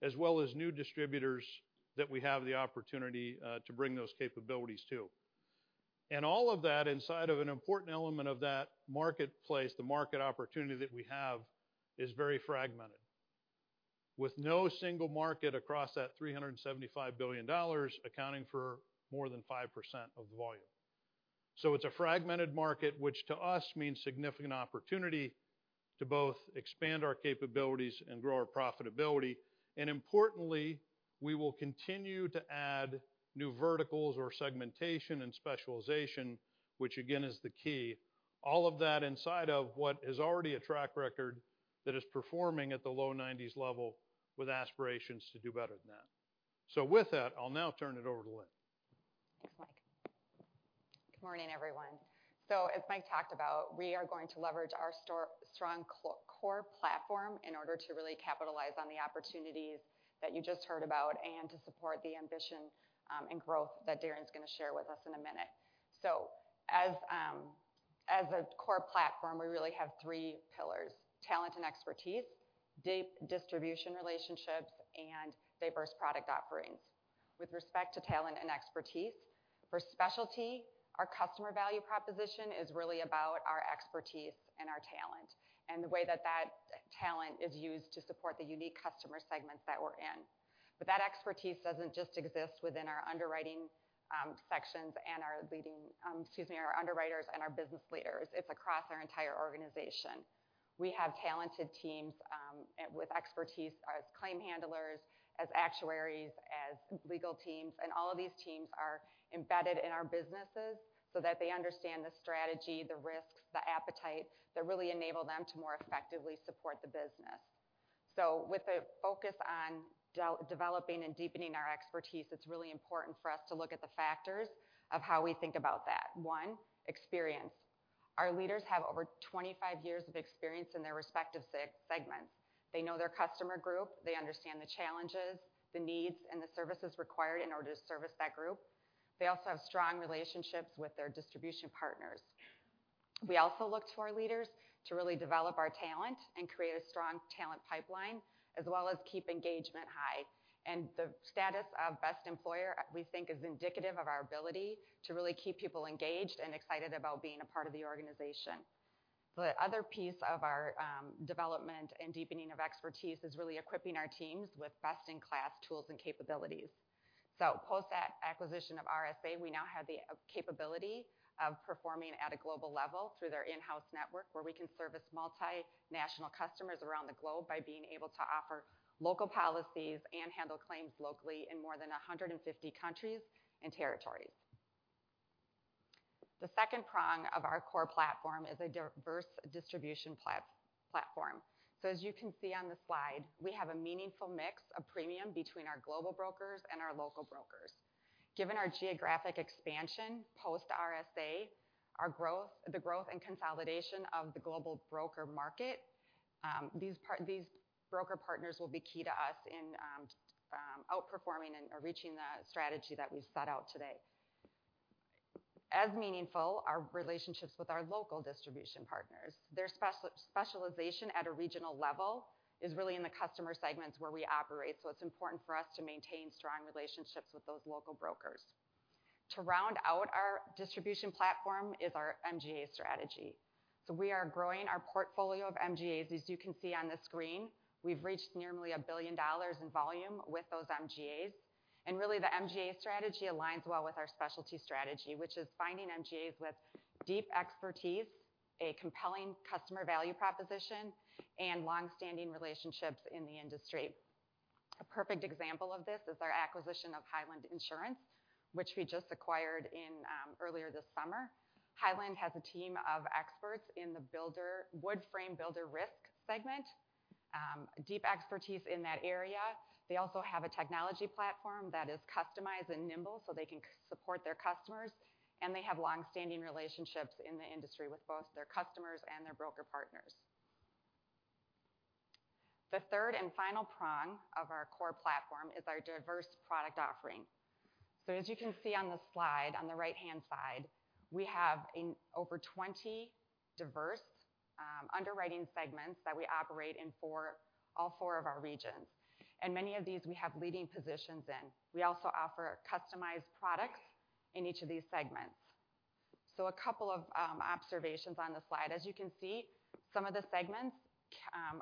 as well as new distributors that we have the opportunity to bring those capabilities to. All of that inside of an important element of that marketplace, the market opportunity that we have, is very fragmented. With no single market across that $375 billion accounting for more than 5% of the volume. It's a fragmented market, which to us means significant opportunity to both expand our capabilities and grow our profitability. Importantly, we will continue to add new verticals or segmentation and specialization, which again is the key. All of that inside of what is already a track record that is performing at the low-90s level with aspirations to do better than that. With that, I'll now turn it over to Lynn. Thanks, Mike. Good morning, everyone. As Mike talked about, we are going to leverage our strong core platform in order to really capitalize on the opportunities that you just heard about and to support the ambition and growth that Darren's gonna share with us in a minute. As a core platform, we really have three pillars: talent and expertise, distribution relationships, and diverse product offerings. With respect to talent and expertise, for specialty, our customer value proposition is really about our expertise and our talent, and the way that that talent is used to support the unique customer segments that we're in. But that expertise doesn't just exist within our underwriting sections and our leading, excuse me, our underwriters and our business leaders. It's across our entire organization. We have talented teams with expertise as claim handlers, as actuaries, as legal teams, and all of these teams are embedded in our businesses so that they understand the strategy, the risks, the appetite that really enable them to more effectively support the business. With the focus on developing and deepening our expertise, it's really important for us to look at the factors of how we think about that. One, experience. Our leaders have over 25 years of experience in their respective segments. They know their customer group, they understand the challenges, the needs, and the services required in order to service that group. They also have strong relationships with their distribution partners. We also look to our leaders to really develop our talent and create a strong talent pipeline, as well as keep engagement high. The status of Best Employer, we think is indicative of our ability to really keep people engaged and excited about being a part of the organization. The other piece of our development and deepening of expertise is really equipping our teams with best-in-class tools and capabilities. Post that acquisition of RSA, we now have the capability of performing at a global level through their in-house network, where we can service multinational customers around the globe by being able to offer local policies and handle claims locally in more than 150 countries and territories. The second prong of our core platform is a diverse distribution platform. As you can see on the slide, we have a meaningful mix of premium between our global brokers and our local brokers. Given our geographic expansion post RSA, our growth and consolidation of the global broker market, these broker partners will be key to us in, outperforming or reaching the strategy that we've set out today. As meaningful are relationships with our local distribution partners. Their specialization at a regional level is really in the customer segments where we operate, so it's important for us to maintain strong relationships with those local brokers. To round out our distribution platform is our MGA strategy. We are growing our portfolio of MGAs. As you can see on the screen, we've reached nearly 1 billion dollars in volume with those MGAs. Really the MGA strategy aligns well with our specialty strategy, which is finding MGAs with deep expertise, a compelling customer value proposition, and long-standing relationships in the industry. A perfect example of this is our acquisition of Highland Insurance, which we just acquired in earlier this summer. Highland has a team of experts in the builder wood frame builder risk segment, deep expertise in that area. They also have a technology platform that is customized and nimble so they can support their customers, and they have long-standing relationships in the industry with both their customers and their broker partners. The third and final prong of our core platform is our diverse product offering. As you can see on the slide on the right-hand side, we have in over 20 diverse underwriting segments that we operate in for all four of our regions. Many of these we have leading positions in. We also offer customized products in each of these segments. A couple of observations on the slide. As you can see, some of the segments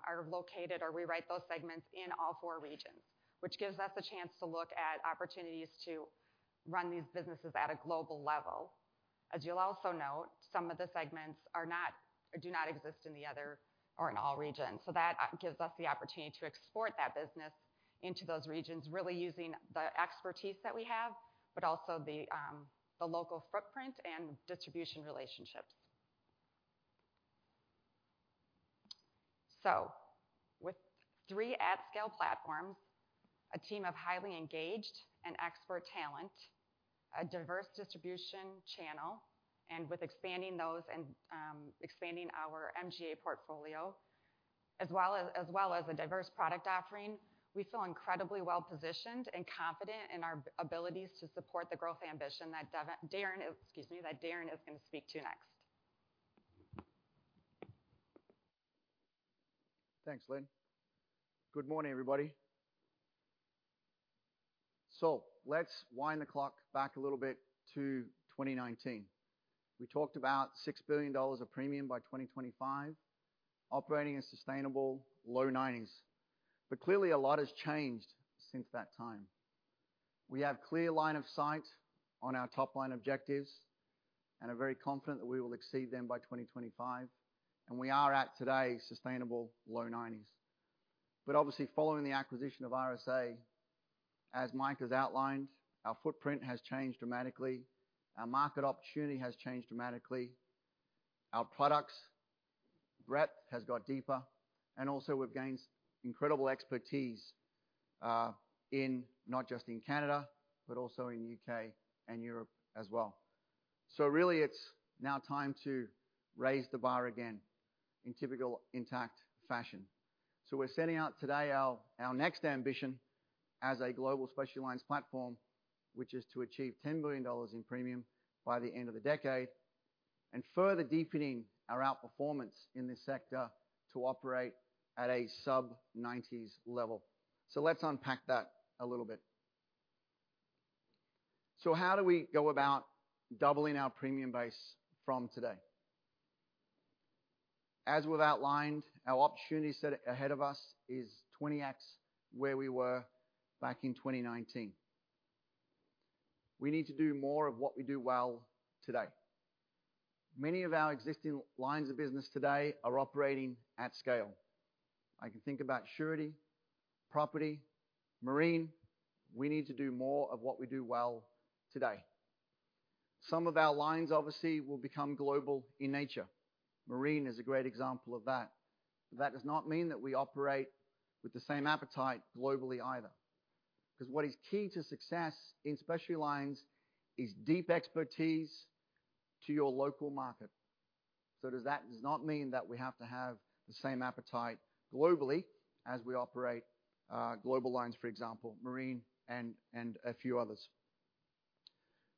are located or we write those segments in all four regions, which gives us a chance to look at opportunities to run these businesses at a global level. As you'll also note, some of the segments do not exist in the other or in all regions. That gives us the opportunity to export that business into those regions, really using the expertise that we have, but also the local footprint and distribution relationships. With three at scale platforms, a team of highly engaged and expert talent, a diverse distribution channel, and with expanding those and expanding our MGA portfolio as well as a diverse product offering, we feel incredibly well-positioned and confident in our abilities to support the growth ambition that Darren, excuse me, that Darren is going to speak to next. Thanks, Lynn. Good morning, everybody. Let's wind the clock back a little bit to 2019. We talked about 6 billion dollars of premium by 2025 operating in sustainable low 90s%. Clearly a lot has changed since that time. We have clear line of sight on our top line objectives, and are very confident that we will exceed them by 2025, and we are today at sustainable low-90s. Obviously following the acquisition of RSA, as Mike has outlined, our footprint has changed dramatically, our market opportunity has changed dramatically. Our products breadth has got deeper, and also we've gained incredible expertise in not just in Canada, but also in U.K. and Europe as well. Really it's now time to raise the bar again in typical Intact fashion. We're setting out today our next ambition as a global specialty lines platform, which is to achieve $10 billion in premium by the end of the decade, and further deepening our outperformance in this sector to operate at a sub-90s level. Let's unpack that a little bit. How do we go about doubling our premium base from today? As we've outlined, our opportunity set ahead of us is 20x where we were back in 2019. We need to do more of what we do well today. Many of our existing lines of business today are operating at scale. I can think about surety, property, marine. We need to do more of what we do well today. Some of our lines, obviously, will become global in nature. Marine is a great example of that. That does not mean that we operate with the same appetite globally either, 'cause what is key to success in specialty lines is deep expertise to your local market. That does not mean that we have to have the same appetite globally as we operate global lines, for example, marine and a few others.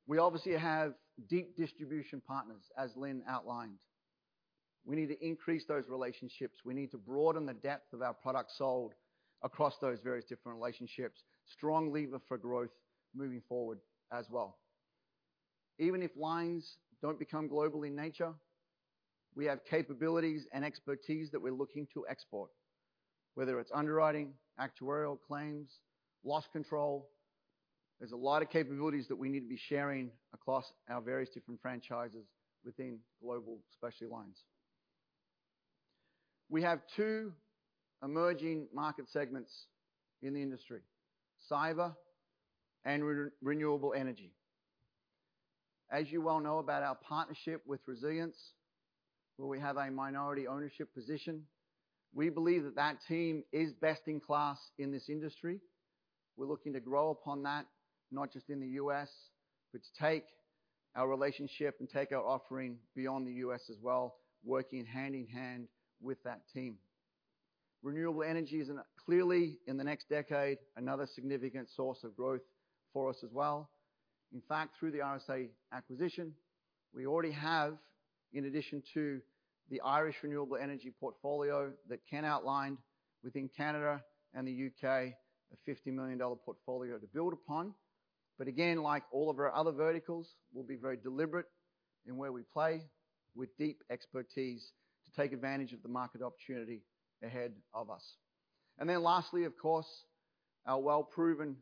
We obviously have deep distribution partners, as Lynn outlined. We need to increase those relationships. We need to broaden the depth of our products sold across those various different relationships. Strong lever for growth moving forward as well. Even if lines don't become global in nature, we have capabilities and expertise that we're looking to export, whether it's underwriting, actuarial claims, loss control. There's a lot of capabilities that we need to be sharing across our various different franchises within global specialty lines. We have two emerging market segments in the industry: cyber and renewable energy. As you well know about our partnership with Resilience, where we have a minority ownership position, we believe that team is best in class in this industry. We're looking to grow upon that, not just in the U.S., but to take our relationship and take our offering beyond the U.S. as well, working hand in hand with that team. Renewable energy is clearly, in the next decade, another significant source of growth for us as well. In fact, through the RSA acquisition, we already have, in addition to the Irish renewable energy portfolio that Ken outlined within Canada and the U.K., a $50 million portfolio to build upon. Again, like all of our other verticals, we'll be very deliberate in where we play with deep expertise to take advantage of the market opportunity ahead of us. Then lastly, of course, our well-proven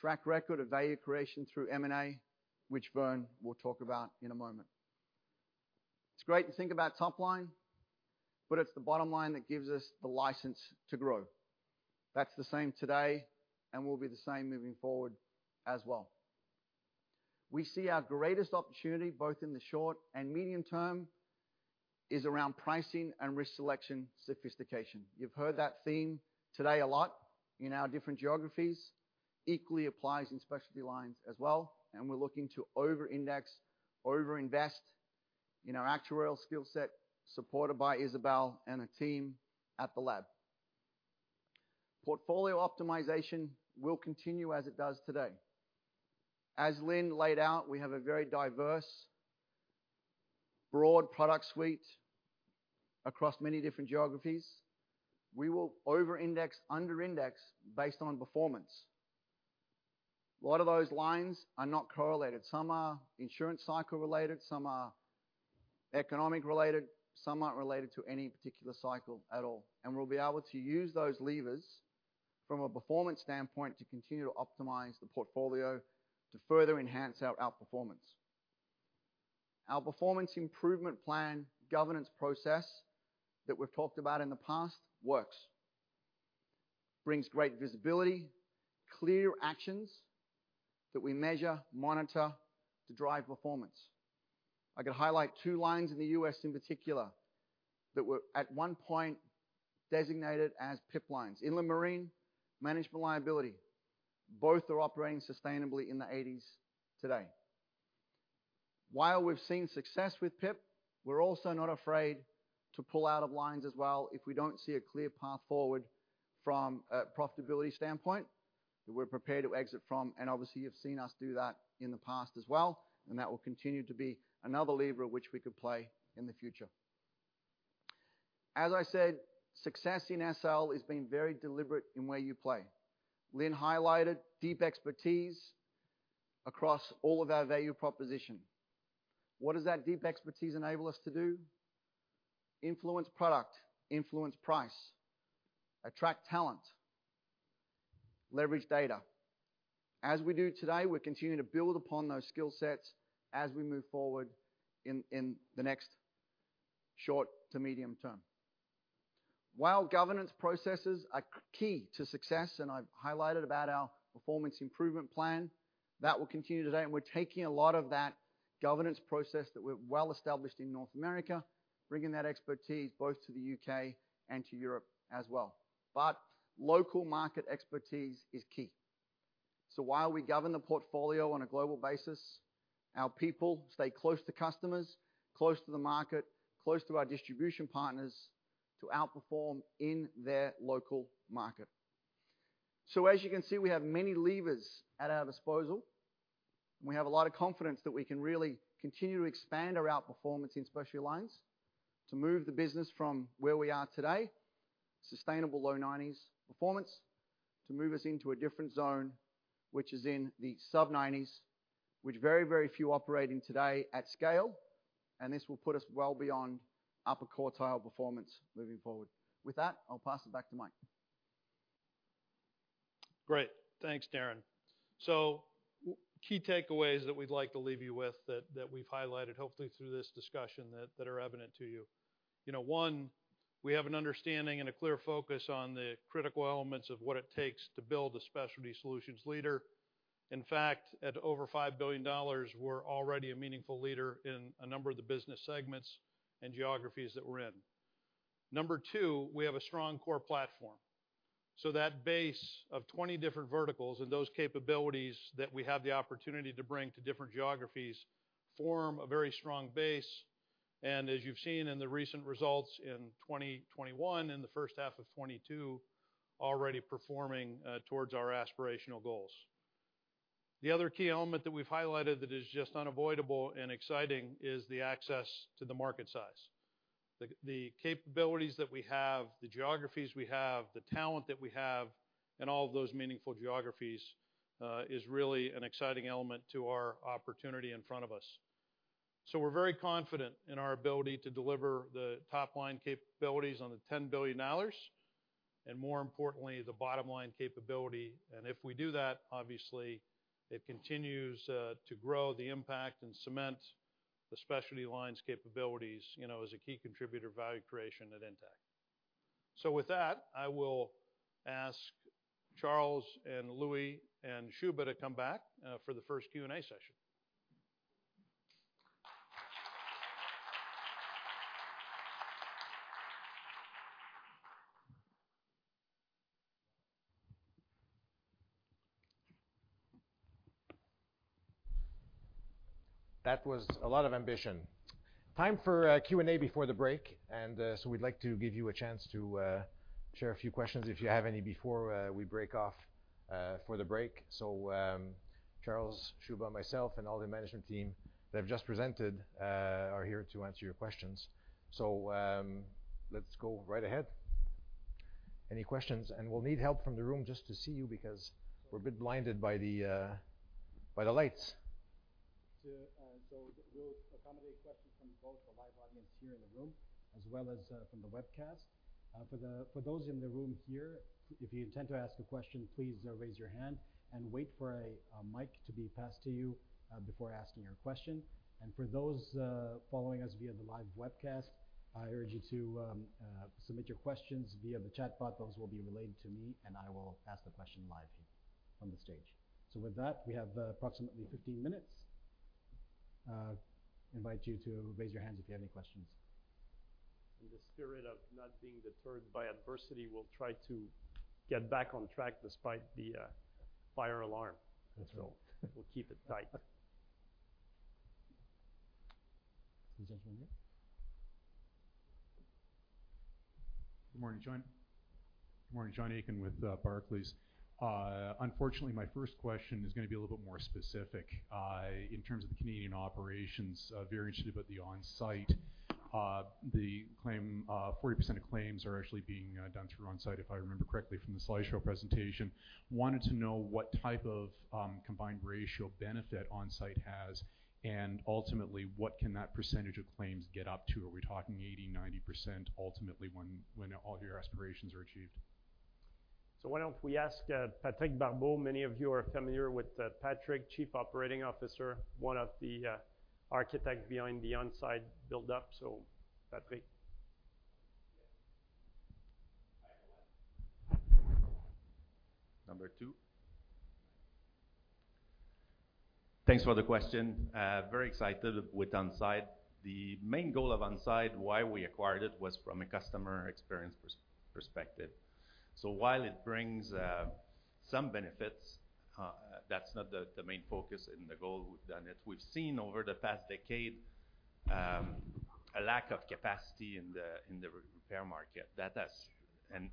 track record of value creation through M&A, which Vern will talk about in a moment. It's great to think about top line, but it's the bottom line that gives us the license to grow. That's the same today and will be the same moving forward as well. We see our greatest opportunity, both in the short and medium term, is around pricing and risk selection sophistication. You've heard that theme today a lot in our different geographies, equally applies in Specialty Lines as well, and we're looking to over-index, over-invest in our actuarial skill set supported by Isabelle and her team at the lab. Portfolio optimization will continue as it does today. As Lynn laid out, we have a very diverse, broad product suite across many different geographies. We will over-index, under-index based on performance. A lot of those lines are not correlated. Some are insurance cycle related, some are economic related, some aren't related to any particular cycle at all. We'll be able to use those levers from a performance standpoint to continue to optimize the portfolio to further enhance our outperformance. Our performance improvement plan governance process that we've talked about in the past works. It brings great visibility, clear actions that we measure, monitor to drive performance. I could highlight two lines in the U.S. in particular that were at one point designated as PIP lines. Inland Marine, Management Liability, both are operating sustainably in the 80s today. While we've seen success with PIP, we're also not afraid to pull out of lines as well if we don't see a clear path forward from a profitability standpoint, that we're prepared to exit from, and obviously you've seen us do that in the past as well, and that will continue to be another lever which we could play in the future. As I said, success in SL is being very deliberate in where you play. Lynn highlighted deep expertise across all of our value proposition. What does that deep expertise enable us to do? Influence product, influence price, attract talent, leverage data. As we do today, we're continuing to build upon those skill sets as we move forward in the next short to medium term. While governance processes are key to success, and I've highlighted about our performance improvement plan, that will continue today, and we're taking a lot of that governance process that we're well established in North America, bringing that expertise both to the U.K. and to Europe as well. Local market expertise is key. While we govern the portfolio on a global basis, our people stay close to customers, close to the market, close to our distribution partners to outperform in their local market. As you can see, we have many levers at our disposal, and we have a lot of confidence that we can really continue to expand our outperformance in specialty lines to move the business from where we are today. Sustainable low-90s performance to move us into a different zone, which is in the sub-90s, which very, very few operating today at scale. This will put us well beyond upper quartile performance moving forward. With that, I'll pass it back to Mike. Great. Thanks, Darren. Key takeaways that we'd like to leave you with that we've highlighted, hopefully through this discussion, that are evident to you. You know, one, we have an understanding and a clear focus on the critical elements of what it takes to build a specialty solutions leader. In fact, at over 5 billion dollars, we're already a meaningful leader in a number of the business segments and geographies that we're in. Number two, we have a strong core platform. That base of 20 different verticals and those capabilities that we have the opportunity to bring to different geographies form a very strong base. As you've seen in the recent results in 2021 and the first half of 2022, already performing towards our aspirational goals. The other key element that we've highlighted that is just unavoidable and exciting is the access to the market size. The capabilities that we have, the geographies we have, the talent that we have in all of those meaningful geographies is really an exciting element to our opportunity in front of us. We're very confident in our ability to deliver the top-line capabilities on the $10 billion, and more importantly, the bottom-line capability. If we do that, obviously it continues to grow the impact and cement the specialty lines capabilities, you know, as a key contributor value creation at Intact. With that, I will ask Charles and Louis and Shubha to come back for the first Q&A session. That was a lot of ambition. Time for Q&A before the break. We'd like to give you a chance to share a few questions if you have any before we break off for the break. Charles, Shubha, myself, and all the management team that have just presented are here to answer your questions. Let's go right ahead. Any questions? We'll need help from the room just to see you because we're a bit blinded by the lights. We'll accommodate questions from both the live audience here in the room as well as from the webcast. For those in the room here, if you intend to ask a question, please raise your hand and wait for a mic to be passed to you before asking your question. For those following us via the live webcast, I urge you to submit your questions via the chat bot. Those will be relayed to me, and I will ask the question live here on the stage. With that, we have approximately 15 minutes. Invite you to raise your hands if you have any questions. In the spirit of not being deterred by adversity, we'll try to get back on track despite the fire alarm? That's right. We'll keep it tight. Please raise your hand. Good morning, John. Good morning, John Aiken with Barclays. Unfortunately, my first question is gonna be a little bit more specific. In terms of the Canadian operations, very interested about the On Side. 40% of claims are actually being done through On Side, if I remember correctly from the slideshow presentation. Wanted to know what type of combined ratio benefit On Side has, and ultimately, what can that percentage of claims get up to. Are we talking 80%, 90% ultimately when all your aspirations are achieved? Why don't we ask Patrick Barbeau. Many of you are familiar with Patrick, Chief Operating Officer, one of the architects behind the On Side buildup. Patrick. Mic one. Number two. Thanks for the question. Very excited with On Side. The main goal of On Side, why we acquired it, was from a customer experience perspective. While it brings some benefits, that's not the main focus and the goal with doing it. We've seen over the past decade a lack of capacity in the repair market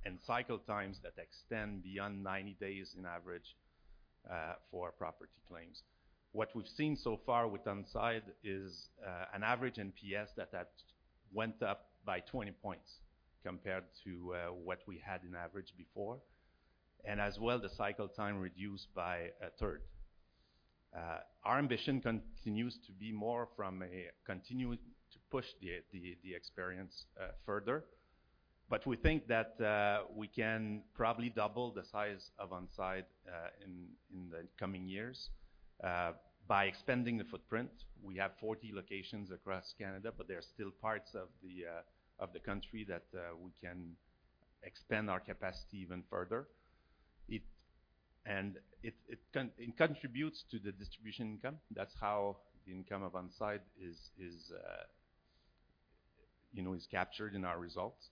and cycle times that extend beyond 90 days on average for property claims. What we've seen so far with On Side is an average NPS that went up by 20 points compared to what we had on average before. As well, the cycle time reduced by 1/3. Our ambition continues to be more from a continuing to push the experience further. We think that we can probably double the size of On Side in the coming years by expanding the footprint. We have 40 locations across Canada, but there are still parts of the country that we can expand our capacity even further. It contributes to the distribution income. That's how the income of On Side is, you know, captured in our results.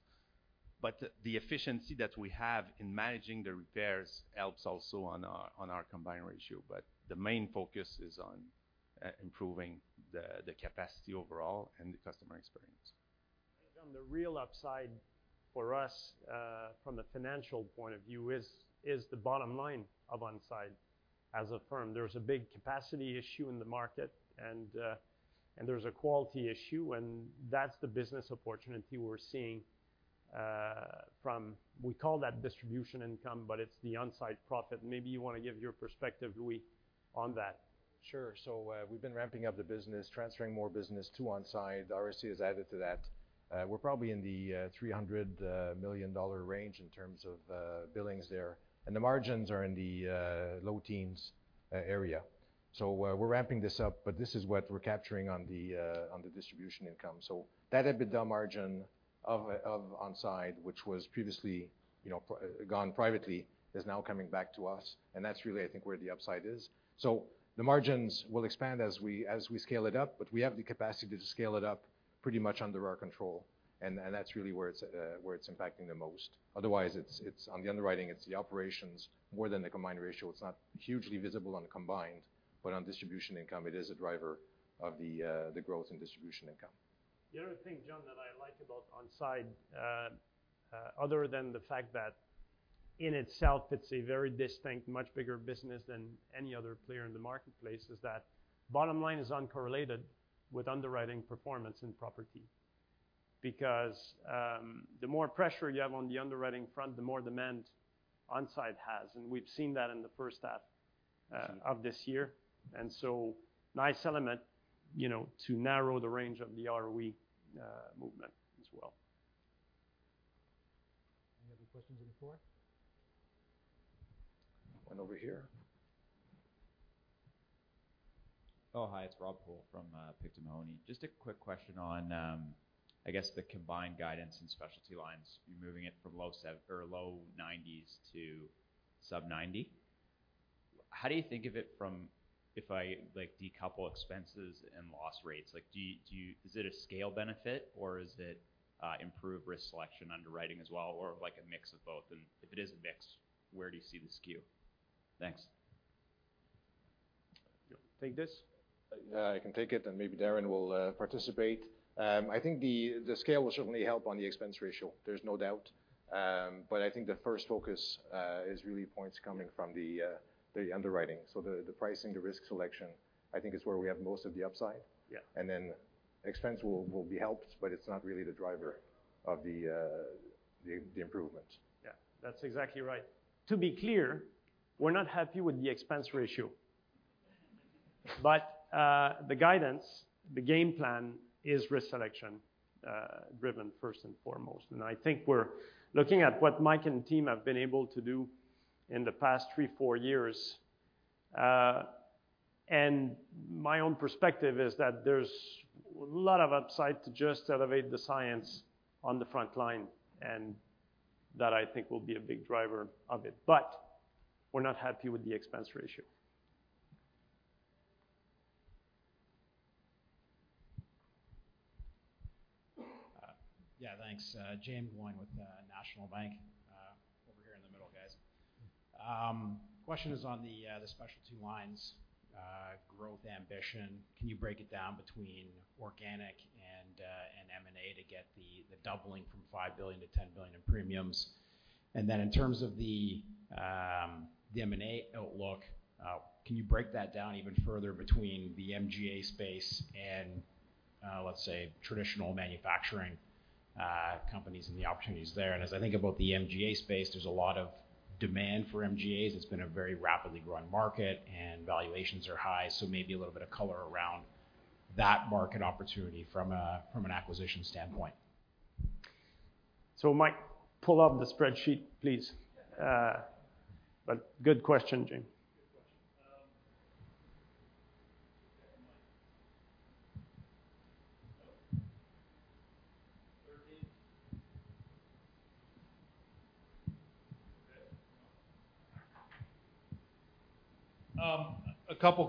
The efficiency that we have in managing the repairs helps also on our combined ratio. The main focus is on improving the capacity overall and the customer experience. John, the real upside for us, from the financial point of view is the bottom line of On Side as a firm. There's a big capacity issue in the market, and There's a quality issue, and that's the business opportunity we're seeing. We call that distribution income, but it's the on-site profit. Maybe you want to give your perspective, Louis, on that. Sure. We've been ramping up the business, transferring more business to On Side. RSA has added to that. We're probably in the 300 million dollar range in terms of billings there. The margins are in the low teens% area. We're ramping this up, but this is what we're capturing on the distribution income. That EBITDA margin of On Side, which was previously, you know, gone privately, is now coming back to us, and that's really, I think, where the upside is. The margins will expand as we scale it up, but we have the capacity to scale it up pretty much under our control, and that's really where it's impacting the most. Otherwise, it's on the underwriting, it's the operations more than the combined ratio. It's not hugely visible on combined, but on distribution income, it is a driver of the growth in distribution income. The other thing, John, that I like about On Side, other than the fact that in itself it's a very distinct, much bigger business than any other player in the marketplace, is that bottom line is uncorrelated with underwriting performance and property. Because, the more pressure you have on the underwriting front, the more demand On Side has. We've seen that in the first half of this year. Nice element, you know, to narrow the range of the ROE movement as well. Any other questions on the floor? One over here. Oh, hi, it's Rob Poole from Picton Mahoney. Just a quick question on, I guess the combined guidance in specialty lines. You're moving it from low-90s to sub-90. How do you think of it from if I, like, decouple expenses and loss rates? Like, do you... Is it a scale benefit or is it improved risk selection underwriting as well, or, like, a mix of both? And if it is a mix, where do you see the skew? Thanks. Take this. I can take it, and maybe Darren will participate. I think the scale will certainly help on the expense ratio. There's no doubt. I think the first focus is really points coming from the underwriting. The pricing, the risk selection, I think is where we have most of the upside. Yeah. Expense will be helped, but it's not really the driver of the improvement. Yeah. That's exactly right. To be clear, we're not happy with the expense ratio. The guidance, the game plan is risk selection driven first and foremost. I think we're looking at what Mike and team have been able to do in the past three, four years. My own perspective is that there's a lot of upside to just elevate the science on the front line, and that I think will be a big driver of it. We're not happy with the expense ratio. Yeah, thanks. Jaeme Gloyn with National Bank Financial. Over here in the middle, guys. Question is on the specialty lines growth ambition. Can you break it down between organic and M&A to get the doubling from 5 billion-10 billion in premiums? And then in terms of the M&A outlook, can you break that down even further between the MGA space and let's say traditional manufacturing companies and the opportunities there? And as I think about the MGA space, there's a lot of demand for MGAs. It's been a very rapidly growing market, and valuations are high. Maybe a little bit of color around that market opportunity from an acquisition standpoint. Mike, pull up the spreadsheet, please. Good question, Jaeme. Good question. Yeah, Mike. Oh. 13. Okay. A couple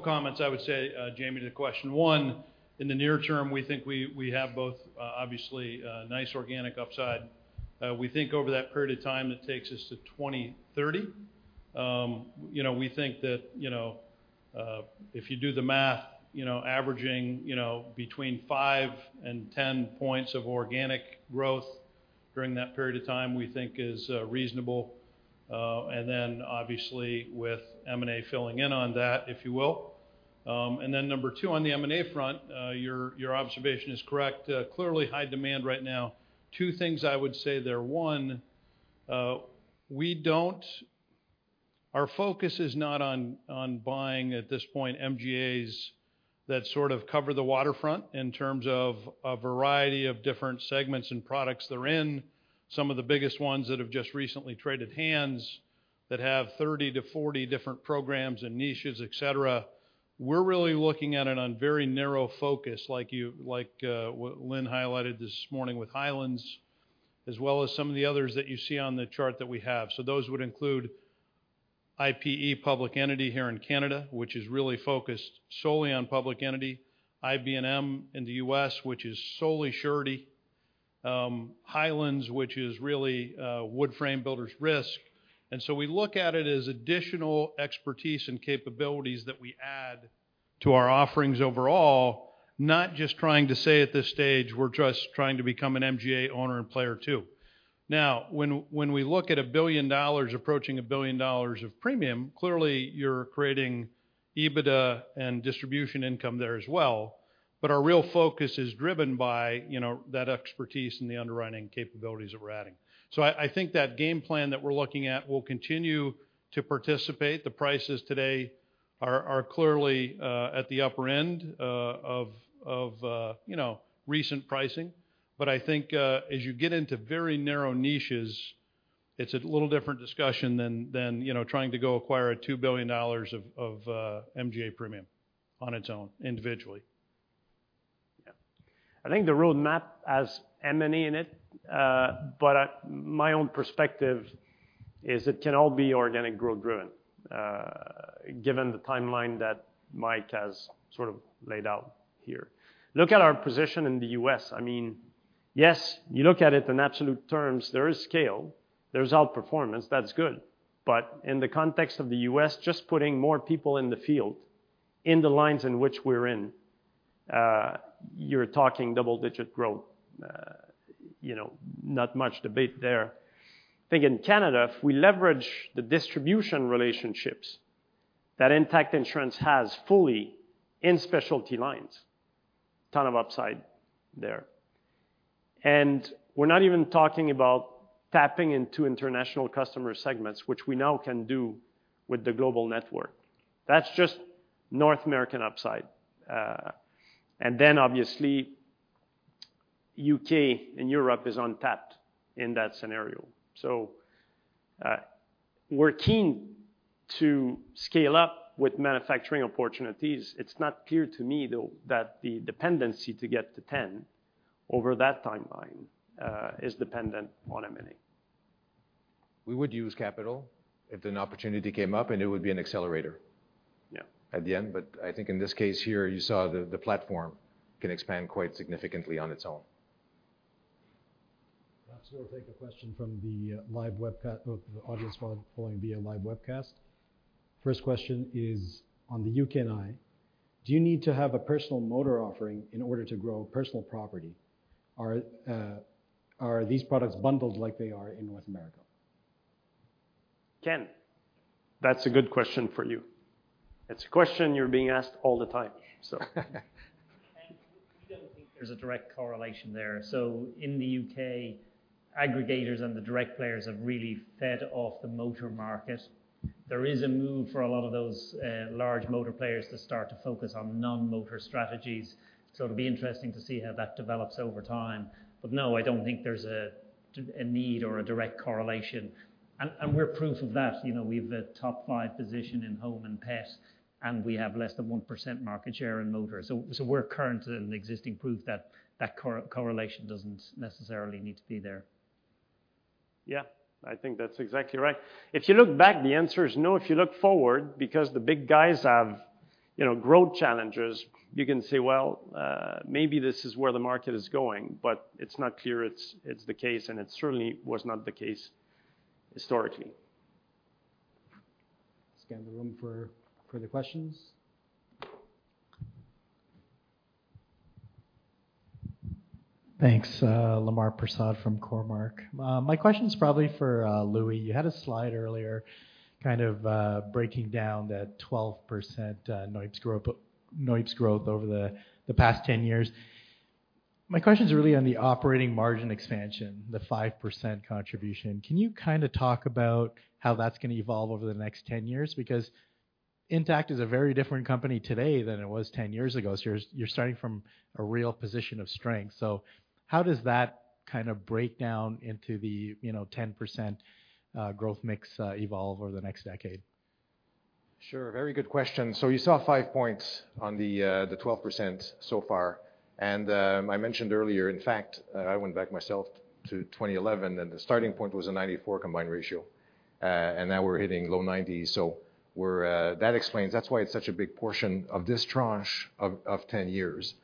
comments I would say, Jaeme, to question one. In the near term, we think we have both, obviously, nice organic upside. We think over that period of time, that takes us to 2030. You know, we think that if you do the math, averaging between 5%-10% organic growth during that period of time is reasonable. And then obviously with M&A filling in on that, if you will. And then number two, on the M&A front, your observation is correct. Clearly high demand right now. Two things I would say there. One, our focus is not on buying at this point MGAs that sort of cover the waterfront in terms of a variety of different segments and products they're in. Some of the biggest ones that have just recently traded hands that have 30-40 different programs and niches, etc. We're really looking at it on very narrow focus, what Lynn highlighted this morning with Highland, as well as some of the others that you see on the chart that we have. Those would include IPE public entity here in Canada, which is really focused solely on public entity. IB&M in the U.S., which is solely surety. Highland, which is really wood frame builders risk. We look at it as additional expertise and capabilities that we add to our offerings overall. Not just trying to say at this stage we're just trying to become an MGA owner and player too. Now, when we look at 1 billion dollars, approaching 1 billion dollars of premium, clearly you're creating EBITDA and distribution income there as well. Our real focus is driven by, you know, that expertise and the underwriting capabilities that we're adding. I think that game plan that we're looking at will continue to participate. The prices today are clearly at the upper end of, you know, recent pricing. I think, as you get into very narrow niches, it's a little different discussion than, you know, trying to go acquire 2 billion dollars of MGA premium on its own individually. Yeah. I think the roadmap has M&A in it, but my own perspective is it can all be organic growth driven, given the timeline that Mike has sort of laid out here. Look at our position in the U.S. I mean, yes, you look at it in absolute terms, there is scale, there's outperformance, that's good. But in the context of the U.S., just putting more people in the field in the lines in which we're in, you're talking double-digit growth. You know, not much debate there. I think in Canada, if we leverage the distribution relationships that Intact Insurance has fully in specialty lines, ton of upside there. We're not even talking about tapping into international customer segments, which we now can do with the global network. That's just North American upside. Obviously, U.K. And Europe is untapped in that scenario. We're keen to scale up with manufacturing opportunities. It's not clear to me though that the dependency to get to 10% over that timeline is dependent on M&A. We would use capital if an opportunity came up, and it would be an accelerator. Yeah at the end. I think in this case here, you saw the platform can expand quite significantly on its own. Next, we'll take a question from the live webcast, or the audience following via live webcast. First question is on the UK&I. Do you need to have a personal motor offering in order to grow personal property? Are these products bundled like they are in North America? Ken, that's a good question for you. That's a question you're being asked all the time, so. Ken, we don't think there's a direct correlation there. In the U.K., aggregators and the direct players have really fed off the motor market. There is a move for a lot of those large motor players to start to focus on non-motor strategies, so it'll be interesting to see how that develops over time. No, I don't think there's a need or a direct correlation. We're proof of that. You know, we've a top five position in home and pet, and we have less than 1% market share in motor. We're current and existing proof that that correlation doesn't necessarily need to be there. Yeah. I think that's exactly right. If you look back, the answer is no. If you look forward, because the big guys have, you know, growth challenges, you can say, well, maybe this is where the market is going. But it's not clear it's the case, and it certainly was not the case historically. Scan the room for further questions. Thanks. Lemar Persaud from Cormark. My question is probably for Louis. You had a slide earlier kind of breaking down that 12% NOIPS growth over the past 10 years. My question is really on the operating margin expansion, the 5% contribution. Can you kind of talk about how that's gonna evolve over the next 10 years? Because Intact is a very different company today than it was 10 years ago. You're starting from a real position of strength. How does that kind of break down into the, you know, 10% growth mix evolve over the next decade? Sure. Very good question. You saw 5 points on the 12% so far. I mentioned earlier, in fact, I went back myself to 2011, and the starting point was a 94 combined ratio. Now we're hitting low-90s. That explains, that's why it's such a big portion of this tranche of 10 years.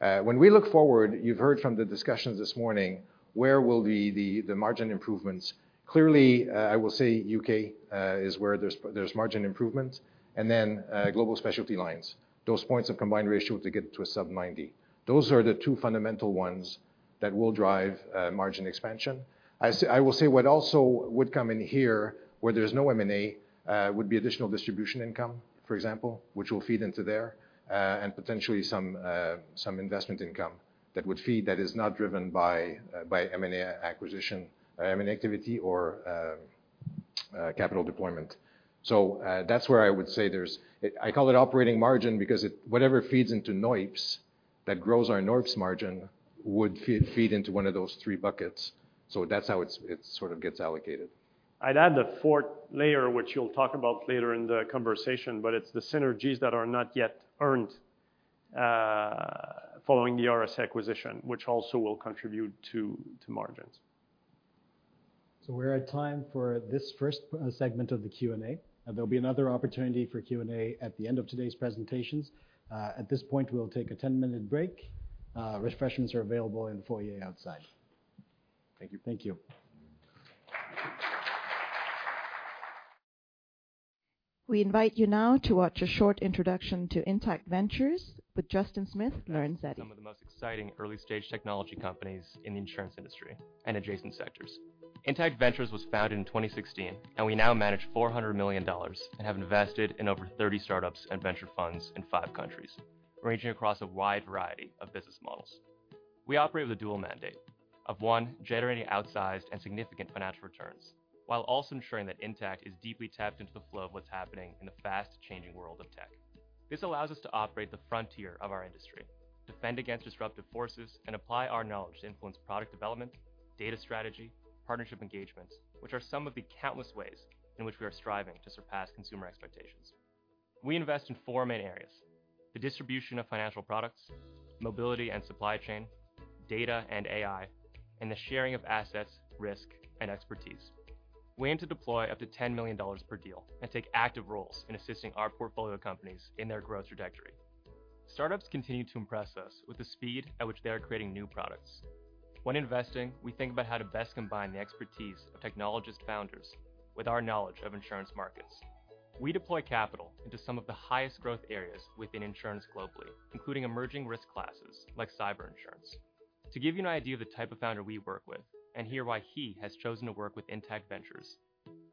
When we look forward, you've heard from the discussions this morning, where will the margin improvements. Clearly, I will say U.K. is where there's margin improvements, and then global specialty lines. Those points of combined ratio to get to a sub-90. Those are the two fundamental ones that will drive margin expansion. I will say what also would come in here, where there's no M&A, would be additional distribution income, for example, which will feed into there. Potentially some investment income that would feed that is not driven by M&A acquisition, M&A activity or capital deployment. That's where I would say I call it operating margin because whatever feeds into NOIPS that grows our NOIPS margin would feed into one of those three buckets. That's how it sort of gets allocated. I'd add a fourth layer, which you'll talk about later in the conversation, but it's the synergies that are not yet earned following the RSA acquisition, which also will contribute to margins. We're at time for this first segment of the Q&A. There'll be another opportunity for Q&A at the end of today's presentations. At this point, we'll take a 10-minute break. Refreshments are available in the foyer outside. Thank you. Thank you. We invite you now to watch a short introduction to Intact Ventures with Justin Smith-Lorenzetti. Some of the most exciting early stage technology companies in the insurance industry and adjacent sectors. Intact Ventures was founded in 2016, and we now manage $400 million and have invested in over 30 startups and venture funds in five countries, ranging across a wide variety of business models. We operate with a dual mandate of, one, generating outsized and significant financial returns while also ensuring that Intact is deeply tapped into the flow of what's happening in the fast changing world of tech. This allows us to operate the frontier of our industry, defend against disruptive forces, and apply our knowledge to influence product development, data strategy, partnership engagements, which are some of the countless ways in which we are striving to surpass consumer expectations. We invest in four main areas, the distribution of financial products, mobility and supply chain, data and AI, and the sharing of assets, risk and expertise. We aim to deploy up to 10 million dollars per deal and take active roles in assisting our portfolio companies in their growth trajectory. Startups continue to impress us with the speed at which they are creating new products. When investing, we think about how to best combine the expertise of technologist founders with our knowledge of insurance markets. We deploy capital into some of the highest growth areas within insurance globally, including emerging risk classes like cyber insurance. To give you an idea of the type of founder we work with and hear why he has chosen to work with Intact Ventures,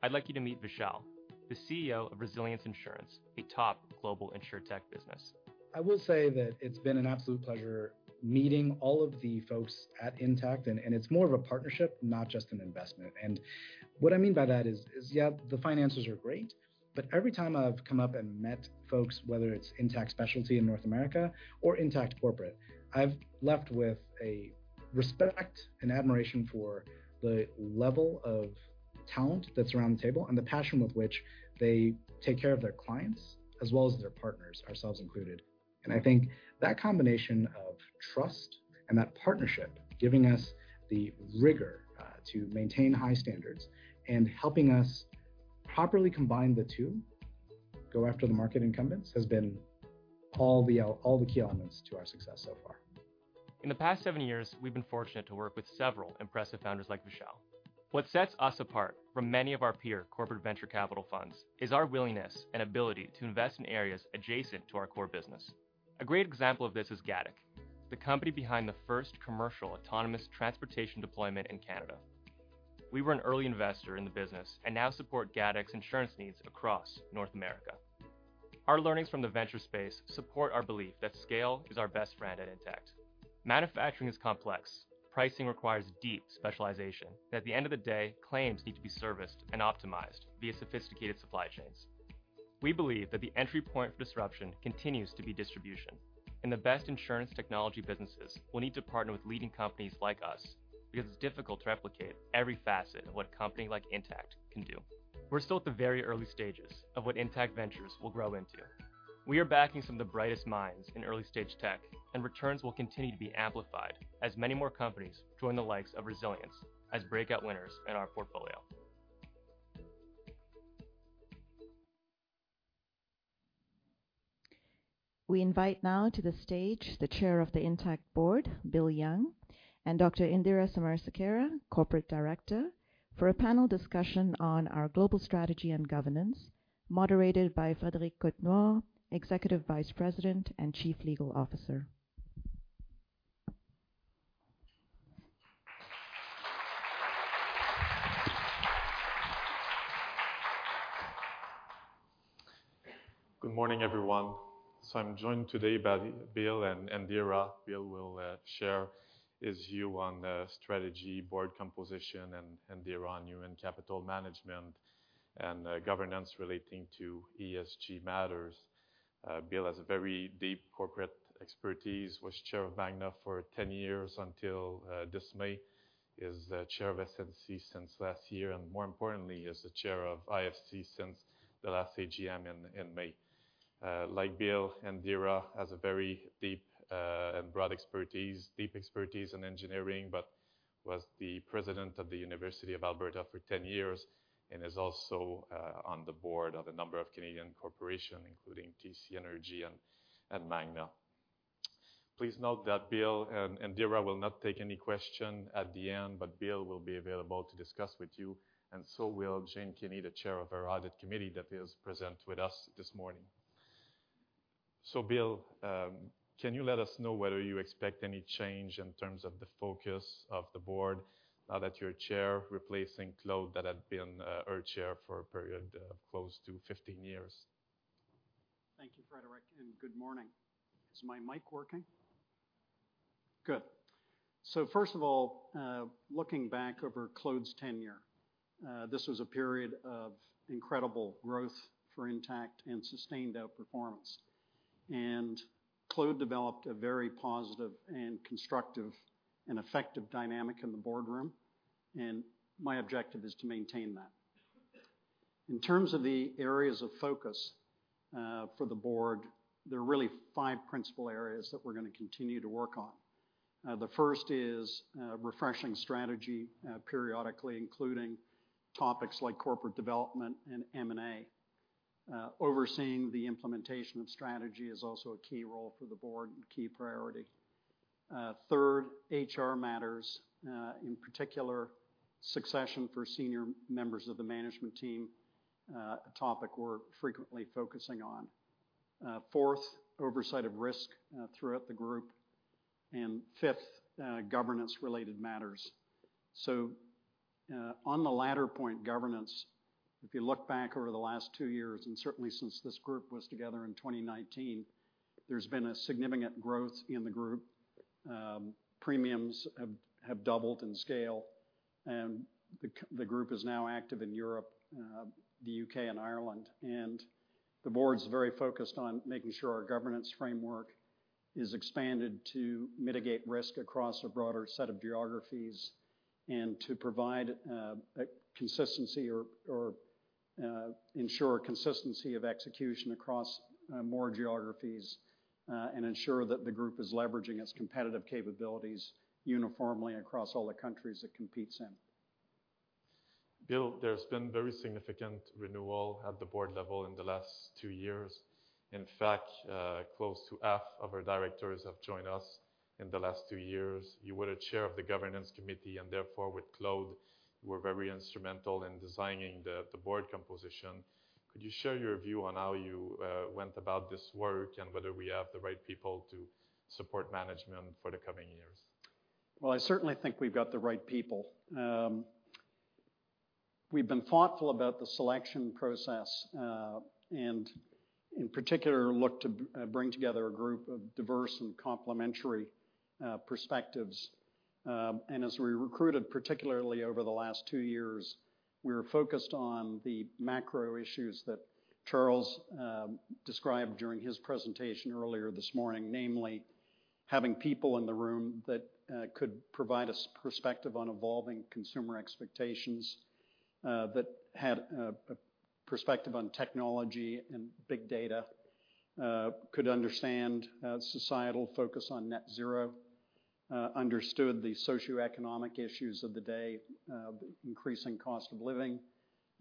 I'd like you to meet Vishaal, the CEO of Resilience Insurance, a top global Insurtech business. I will say that it's been an absolute pleasure meeting all of the folks at Intact, and it's more of a partnership, not just an investment. What I mean by that is, yeah, the finances are great, but every time I've come up and met folks, whether it's Intact Specialty in North America or Intact Corporate, I've left with a respect and admiration for the level of talent that's around the table and the passion with which they take care of their clients as well as their partners, ourselves included. I think that combination of trust and that partnership giving us the rigor to maintain high standards and helping us properly combine the two go after the market incumbents has been all the key elements to our success so far. In the past seven years, we've been fortunate to work with several impressive founders like Vishal. What sets us apart from many of our peer corporate venture capital funds is our willingness and ability to invest in areas adjacent to our core business. A great example of this is Gatik, the company behind the first commercial autonomous transportation deployment in Canada. We were an early investor in the business and now support Gatik's insurance needs across North America. Our learnings from the venture space support our belief that scale is our best friend at Intact. Manufacturing is complex. Pricing requires deep specialization. At the end of the day, claims need to be serviced and optimized via sophisticated supply chains. We believe that the entry point for disruption continues to be distribution, and the best insurance technology businesses will need to partner with leading companies like us because it's difficult to replicate every facet of what a company like Intact can do. We're still at the very early stages of what Intact Ventures will grow into. We are backing some of the brightest minds in early stage tech, and returns will continue to be amplified as many more companies join the likes of Resilience as breakout winners in our portfolio. We invite now to the stage the Chair of the Intact Board, Bill Young, and Dr. Indira Samarasekera, Corporate Director, for a panel discussion on our global strategy and governance, moderated by Frédéric Cotnoir, Executive Vice President and Chief Legal Officer. Good morning, everyone. I'm joined today by Bill and Indira. Bill will share his view on the strategy board composition and Indira on our capital management and governance relating to ESG matters. Bill has a very deep corporate expertise, was chair of Magna for 10 years until this May. He's the chair of SNC since last year, and more importantly, is the chair of IFC since the last AGM in May. Like Bill, Indira has a very deep and broad expertise in engineering, but was the president of the University of Alberta for 10 years and is also on the board of a number of Canadian corporations, including TC Energy and Magna. Please note that Bill and Indira will not take any question at the end, but Bill will be available to discuss with you, and so will Jane Kinney, the Chair of our audit committee that is present with us this morning. Bill, can you let us know whether you expect any change in terms of the focus of the board now that you're Chair replacing Claude that had been, our Chair for a period of close to 15 years? Thank you, Frédéric, and good morning. Is my mic working? Good. First of all, looking back over Claude's tenure, this was a period of incredible growth for Intact and sustained outperformance. Claude developed a very positive and constructive and effective dynamic in the boardroom, and my objective is to maintain that. In terms of the areas of focus, for the board, there are really five principal areas that we're gonna continue to work on. The first is, refreshing strategy, periodically, including topics like corporate development and M&A. Overseeing the implementation of strategy is also a key role for the board and key priority. Third, HR matters. In particular, succession for senior members of the management team, a topic we're frequently focusing on. Fourth, oversight of risk, throughout the group. Fifth, governance-related matters. On the latter point, governance, if you look back over the last two years and certainly since this group was together in 2019, there's been a significant growth in the group. Premiums have doubled in scale, and the group is now active in Europe, the U.K., and Ireland. The board's very focused on making sure our governance framework is expanded to mitigate risk across a broader set of geographies and to provide a consistency or ensure consistency of execution across more geographies. Ensure that the group is leveraging its competitive capabilities uniformly across all the countries it competes in. Bill, there's been very significant renewal at the board level in the last two years. In fact, close to half of our directors have joined us in the last two years. You were the chair of the governance committee and therefore with Claude, you were very instrumental in designing the board composition. Could you share your view on how you went about this work and whether we have the right people to support management for the coming years? Well, I certainly think we've got the right people. We've been thoughtful about the selection process, and in particular, look to bring together a group of diverse and complementary perspectives. As we recruited, particularly over the last two years, we were focused on the macro issues that Charles described during his presentation earlier this morning. Namely, having people in the room that could provide us perspective on evolving consumer expectations, that had a perspective on technology and big data, could understand societal focus on net zero, understood the socioeconomic issues of the day, increasing cost of living,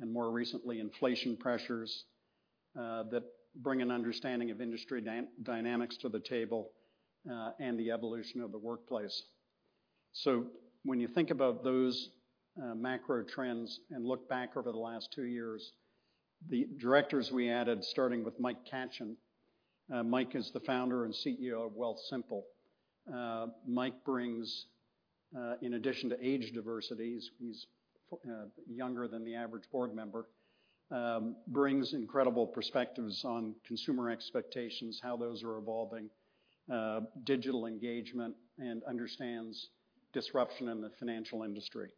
and more recently, inflation pressures, that bring an understanding of industry dynamics to the table, and the evolution of the workplace. When you think about those macro trends and look back over the last two years, the directors we added, starting with Michael Katchen. Mike is the founder and CEO of Wealthsimple. Mike brings, in addition to age diversity, he's younger than the average board member, brings incredible perspectives on consumer expectations, how those are evolving, digital engagement, and understands disruption in the financial industry.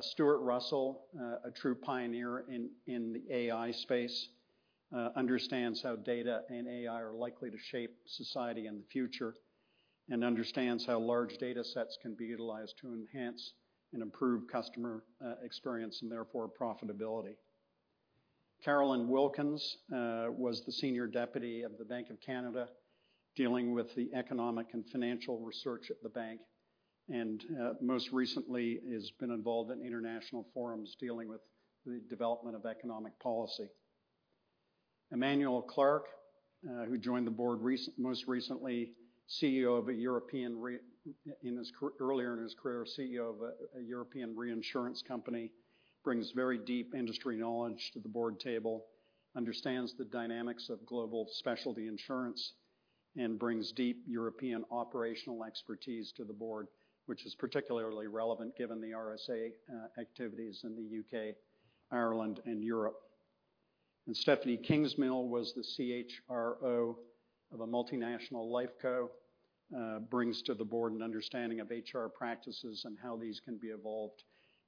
Stuart Russell, a true pioneer in the AI space, understands how data and AI are likely to shape society in the future and understands how large datasets can be utilized to enhance and improve customer experience and therefore profitability. Carolyn Wilkins was the Senior Deputy Governor of the Bank of Canada, dealing with the economic and financial research at the bank. Most recently has been involved in international forums dealing with the development of economic policy. Emmanuel Clarke, who joined the board most recently, earlier in his career, CEO of a European reinsurance company, brings very deep industry knowledge to the board table, understands the dynamics of global specialty insurance, and brings deep European operational expertise to the board, which is particularly relevant given the RSA activities in the U.K., Ireland, and Europe. Stephanie Kingsmill was the CHRO of a multinational life company. Brings to the board an understanding of HR practices and how these can be evolved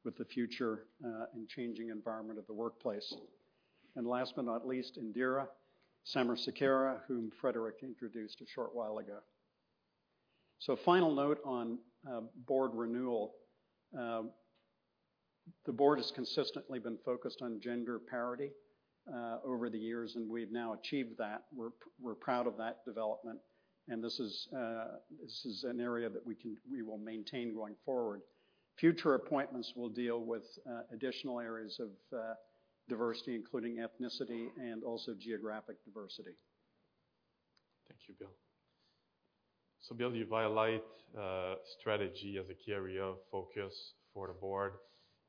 with the future and changing environment of the workplace. Last but not least, Indira Samarasekera, whom Frédéric introduced a short while ago. Final note on board renewal. The board has consistently been focused on gender parity over the years, and we've now achieved that. We're proud of that development, and this is an area that we will maintain going forward. Future appointments will deal with additional areas of diversity, including ethnicity and also geographic diversity. Thank you, Bill. Bill, you highlight strategy as a key area of focus for the board.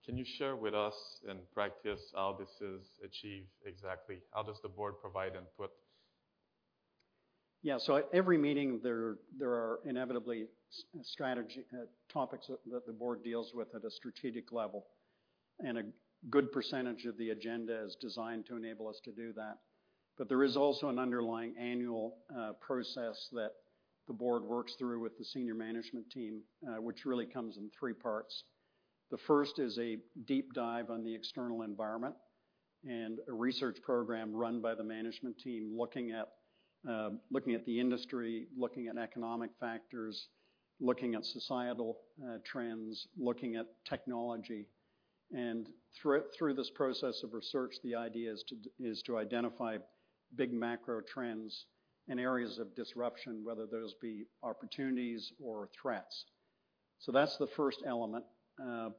Can you share with us in practice how this is achieved exactly? How does the board provide input? At every meeting there are inevitably strategy topics that the board deals with at a strategic level, and a good percentage of the agenda is designed to enable us to do that. There is also an underlying annual process that the board works through with the senior management team, which really comes in three parts. The first is a deep dive on the external environment and a research program run by the management team looking at the industry, economic factors, societal trends, technology. Through this process of research, the idea is to identify big macro trends and areas of disruption, whether those be opportunities or threats. That's the first element.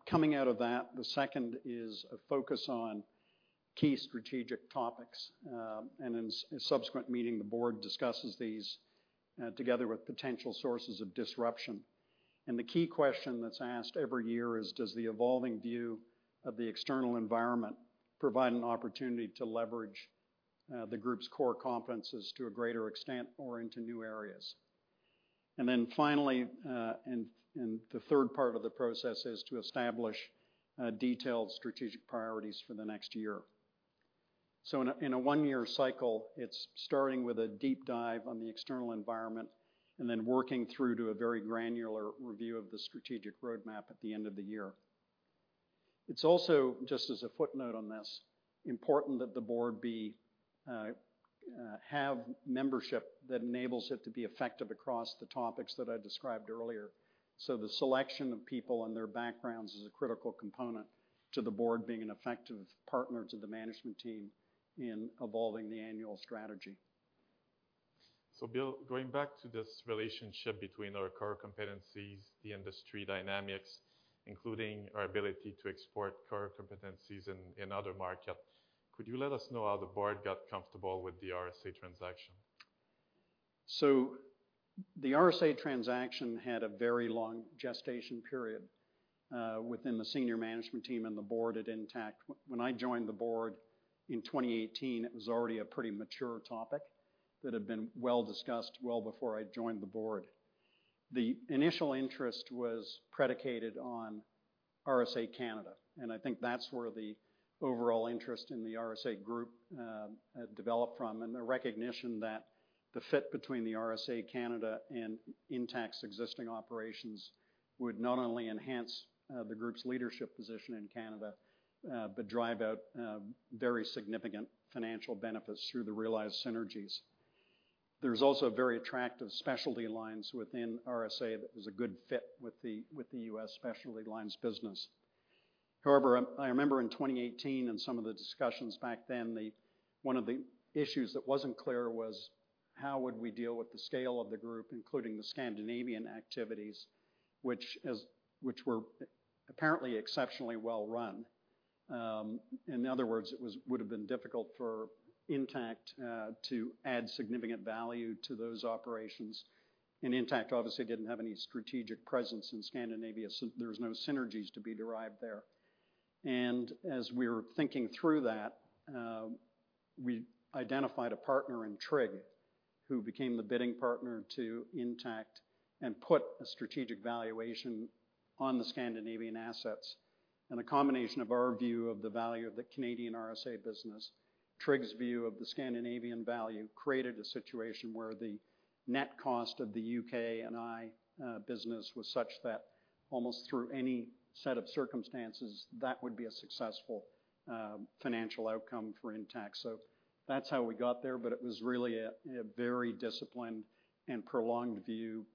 Coming out of that, the second is a focus on key strategic topics. In subsequent meeting, the board discusses these together with potential sources of disruption. The key question that's asked every year is: Does the evolving view of the external environment provide an opportunity to leverage the group's core competences to a greater extent or into new areas? Then finally, the third part of the process is to establish detailed strategic priorities for the next year. In a one-year cycle, it's starting with a deep dive on the external environment and then working through to a very granular review of the strategic roadmap at the end of the year. It's also, just as a footnote on this, important that the board have membership that enables it to be effective across the topics that I described earlier. The selection of people and their backgrounds is a critical component to the board being an effective partner to the management team in evolving the annual strategy. Bill, going back to this relationship between our core competencies, the industry dynamics, including our ability to export core competencies in other market, could you let us know how the board got comfortable with the RSA transaction? The RSA transaction had a very long gestation period within the senior management team and the board at Intact. When I joined the board in 2018, it was already a pretty mature topic that had been well discussed well before I joined the board. The initial interest was predicated on RSA Canada, and I think that's where the overall interest in the RSA group had developed from, and the recognition that the fit between the RSA Canada and Intact's existing operations would not only enhance the group's leadership position in Canada, but drive out very significant financial benefits through the realized synergies. There's also very attractive specialty lines within RSA that was a good fit with the U.S. specialty lines business. However, I remember in 2018 in some of the discussions back then, the one of the issues that wasn't clear was: How would we deal with the scale of the group, including the Scandinavian activities, which were apparently exceptionally well run? In other words, it would have been difficult for Intact to add significant value to those operations. Intact obviously didn't have any strategic presence in Scandinavia, so there's no synergies to be derived there. As we were thinking through that, we identified a partner in Tryg, who became the bidding partner to Intact and put a strategic valuation on the Scandinavian assets. A combination of our view of the value of the Canadian RSA business, Tryg's view of the Scandinavian value, created a situation where the net cost of the UK&I business was such that almost through any set of circumstances, that would be a successful financial outcome for Intact. That's how we got there, but it was really a very disciplined and prolonged view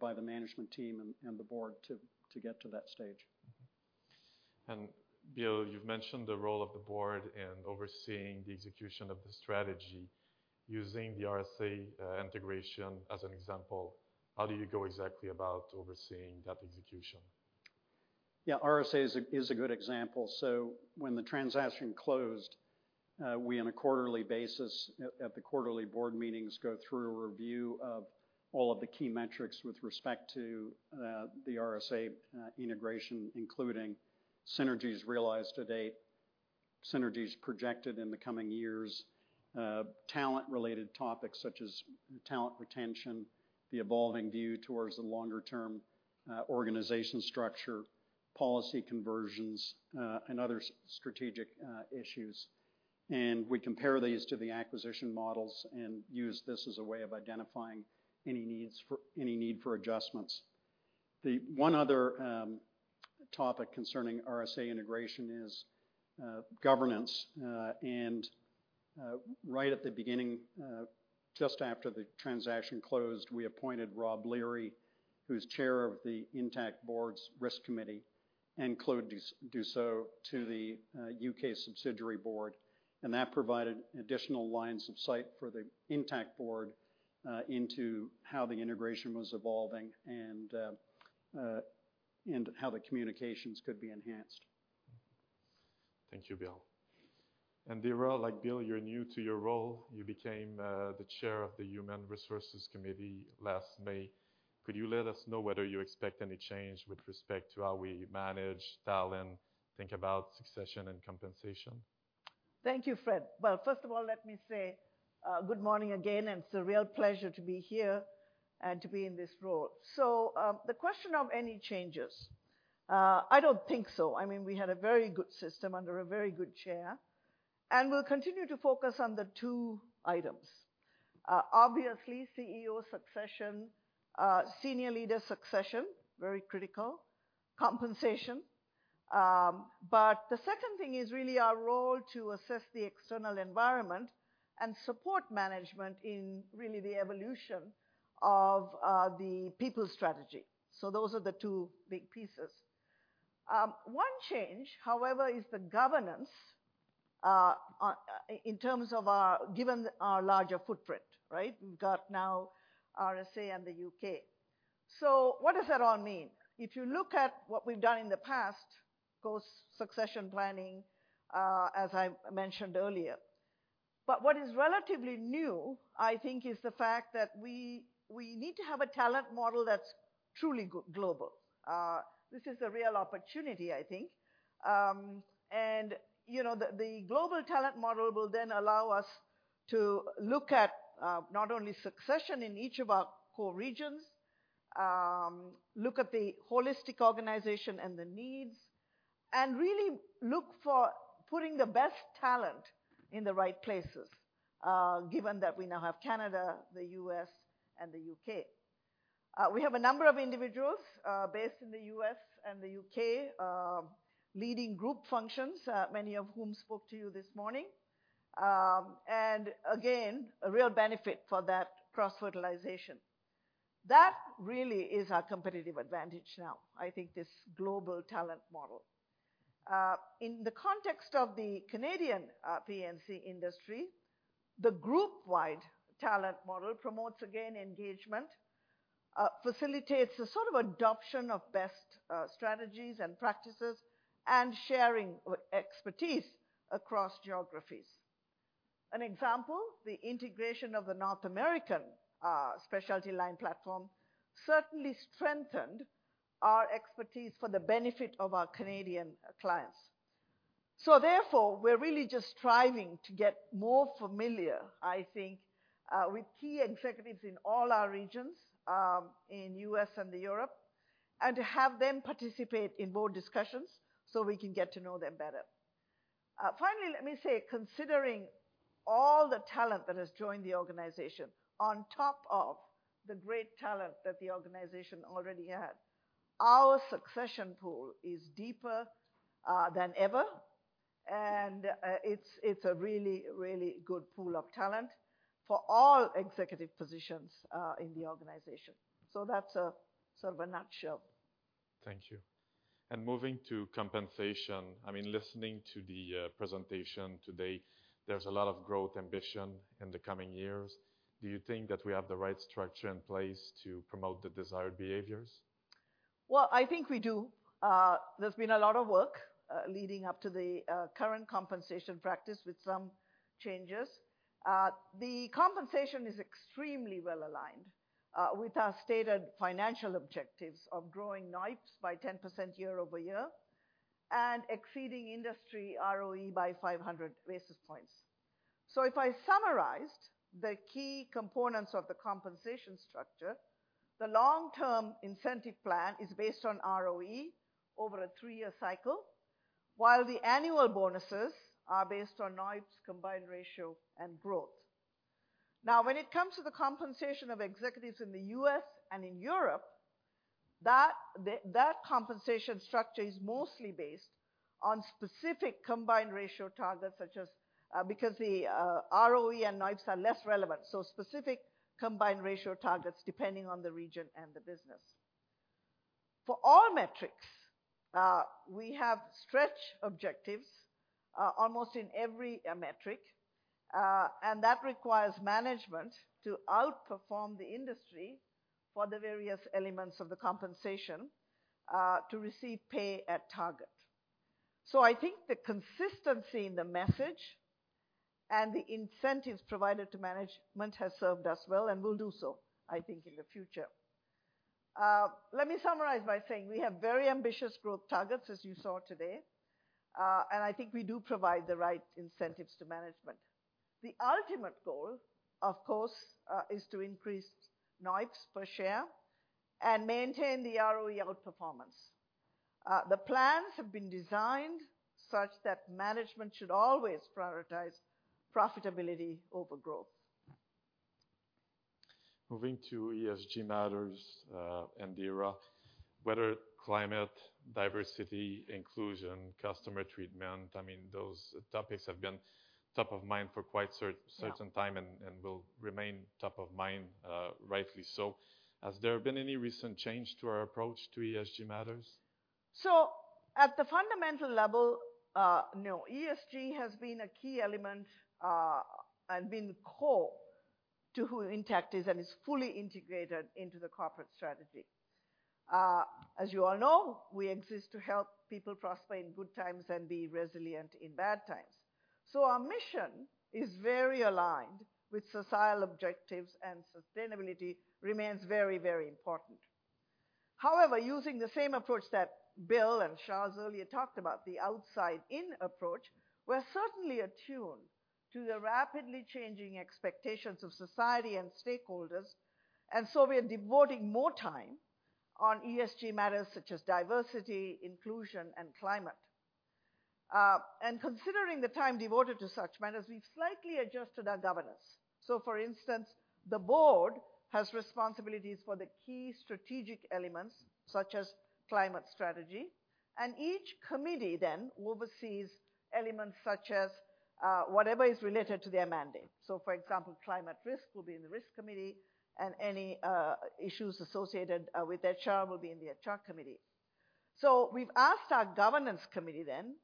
by the management team and the board to get to that stage. Bill, you've mentioned the role of the board in overseeing the execution of the strategy. Using the RSA integration as an example, how do you go exactly about overseeing that execution? Yeah, RSA is a good example. When the transaction closed, we on a quarterly basis at the quarterly board meetings go through a review of all of the key metrics with respect to the RSA integration, including synergies realized to date, synergies projected in the coming years, talent-related topics such as talent retention, the evolving view towards the longer term organization structure, policy conversions, and other strategic issues. We compare these to the acquisition models and use this as a way of identifying any need for adjustments. The one other topic concerning RSA integration is governance. Right at the beginning, just after the transaction closed, we appointed Rob Leary, who's chair of the Intact Board's Risk Committee, and Claude Dussault to the U.K. subsidiary board. That provided additional lines of sight for the Intact board into how the integration was evolving and how the communications could be enhanced. Thank you, Bill. Indira, like Bill, you're new to your role. You became the Chair of the Human Resources Committee last May. Could you let us know whether you expect any change with respect to how we manage talent, think about succession and compensation? Thank you, Frédéric. First of all, let me say good morning again, and it's a real pleasure to be here and to be in this role. The question of any changes, I don't think so. I mean, we had a very good system under a very good chair, and we'll continue to focus on the two items. Obviously CEO succession, senior leader succession, very critical. Compensation. The second thing is really our role to assess the external environment and support management in really the evolution of the people strategy. Those are the two big pieces. One change, however, is the governance given our larger footprint, right? We've got now RSA and the U.K. So what does that all mean? If you look at what we've done in the past, of course, succession planning, as I mentioned earlier. What is relatively new, I think, is the fact that we need to have a talent model that's truly global. This is a real opportunity, I think. You know, the global talent model will then allow us to look at, not only succession in each of our core regions, look at the holistic organization and the needs, and really look for putting the best talent in the right places, given that we now have Canada, the U.S., and the U.K. We have a number of individuals, based in the U.S .and the U.K., leading group functions, many of whom spoke to you this morning. Again, a real benefit for that cross-fertilization. That really is our competitive advantage now, I think this global talent model. In the context of the Canadian P&C industry, the group-wide talent model promotes, again, engagement, facilitates the sort of adoption of best strategies and practices, and sharing with expertise across geographies. An example, the integration of the North American specialty line platform certainly strengthened our expertise for the benefit of our Canadian clients. Therefore, we're really just striving to get more familiar, I think, with key executives in all our regions, in the U.S. and Europe, and to have them participate in board discussions so we can get to know them better. Finally, let me say, considering all the talent that has joined the organization on top of the great talent that the organization already had, our succession pool is deeper than ever, and it's a really, really good pool of talent for all executive positions in the organization. That's sort of a nutshell. Thank you. Moving to compensation. I mean, listening to the presentation today, there's a lot of growth ambition in the coming years. Do you think that we have the right structure in place to promote the desired behaviors? Well, I think we do. There's been a lot of work leading up to the current compensation practice with some changes. The compensation is extremely well-aligned with our stated financial objectives of growing NOIPS by 10% year-over-year, and exceeding industry ROE by 500 basis points. If I summarized the key components of the compensation structure, the long-term incentive plan is based on ROE over a three-year cycle, while the annual bonuses are based on NOIPS combined ratio and growth. Now, when it comes to the compensation of executives in the U.S. and in Europe, that compensation structure is mostly based on specific combined ratio targets because the ROE and NOIPS are less relevant. Specific combined ratio targets depending on the region and the business. For all metrics, we have stretch objectives, almost in every metric, and that requires management to outperform the industry for the various elements of the compensation to receive pay at target. I think the consistency in the message and the incentives provided to management has served us well, and will do so, I think, in the future. Let me summarize by saying we have very ambitious growth targets, as you saw today, and I think we do provide the right incentives to management. The ultimate goal, of course, is to increase NOIPS per share and maintain the ROE outperformance. The plans have been designed such that management should always prioritize profitability over growth. Moving to ESG matters, Indira. Whether climate, diversity, inclusion, customer treatment, I mean, those topics have been top of mind for quite certain time. Yeah. Will remain top of mind, rightly so. Has there been any recent change to our approach to ESG matters? At the fundamental level, no. ESG has been a key element, and been core to who Intact is and is fully integrated into the corporate strategy. As you all know, we exist to help people prosper in good times and be resilient in bad times. Our mission is very aligned with societal objectives, and sustainability remains very, very important. However, using the same approach that Bill Young and Charles Brindamour earlier talked about, the outside-in approach, we're certainly attuned to the rapidly changing expectations of society and stakeholders, and so we are devoting more time on ESG matters such as diversity, inclusion, and climate. Considering the time devoted to such matters, we've slightly adjusted our governance. For instance, the board has responsibilities for the key strategic elements such as climate strategy, and each committee then oversees elements such as whatever is related to their mandate. For example, climate risk will be in the risk committee and any issues associated with HR will be in the HR committee. We've asked our governance committee then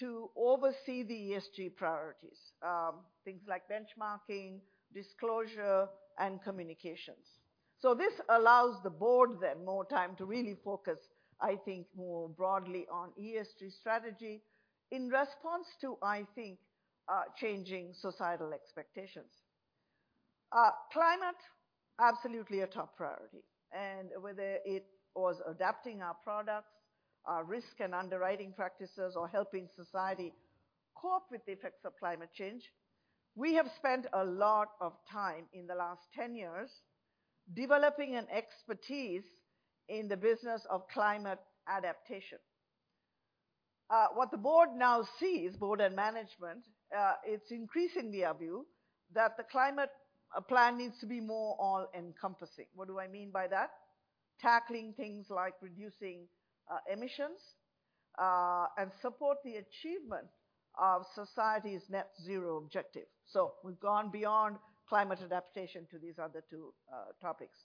to oversee the ESG priorities, things like benchmarking, disclosure, and communications. This allows the board then more time to really focus, I think, more broadly on ESG strategy in response to, I think, changing societal expectations. Climate, absolutely a top priority, and whether it was adapting our products, our risk and underwriting practices, or helping society cope with the effects of climate change, we have spent a lot of time in the last 10 years developing an expertise in the business of climate adaptation. What the board now sees, board and management, it's increasingly our view that the climate plan needs to be more all-encompassing. What do I mean by that? Tackling things like reducing emissions and support the achievement of society's net zero objective. We've gone beyond climate adaptation to these other two topics.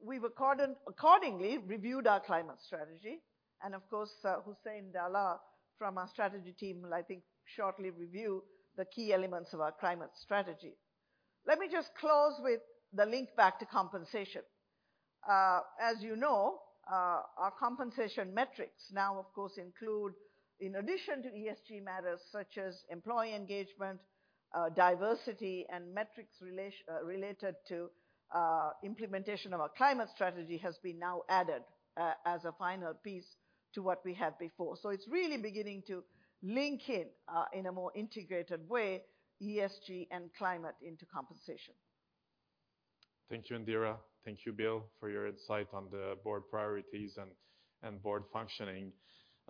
We've accordingly reviewed our climate strategy and of course, Hussain Dhalla from our strategy team will, I think, shortly review the key elements of our climate strategy. Let me just close with the link back to compensation. As you know, our compensation metrics now of course include, in addition to ESG matters such as employee engagement, diversity, and metrics related to implementation of our climate strategy has been now added as a final piece to what we had before. It's really beginning to link in a more integrated way, ESG and climate into compensation. Thank you, Indira. Thank you, Bill, for your insight on the board priorities and board functioning.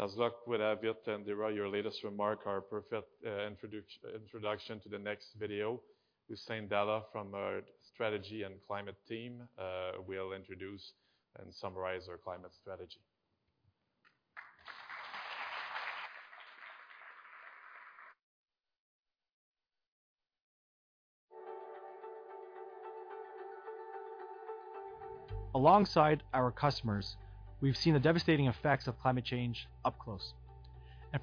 As luck would have it, Indira, your latest remark our perfect introduction to the next video. Hussain Dhalla from our Strategy and Climate team will introduce and summarize our climate strategy. Alongside our customers, we've seen the devastating effects of climate change up close.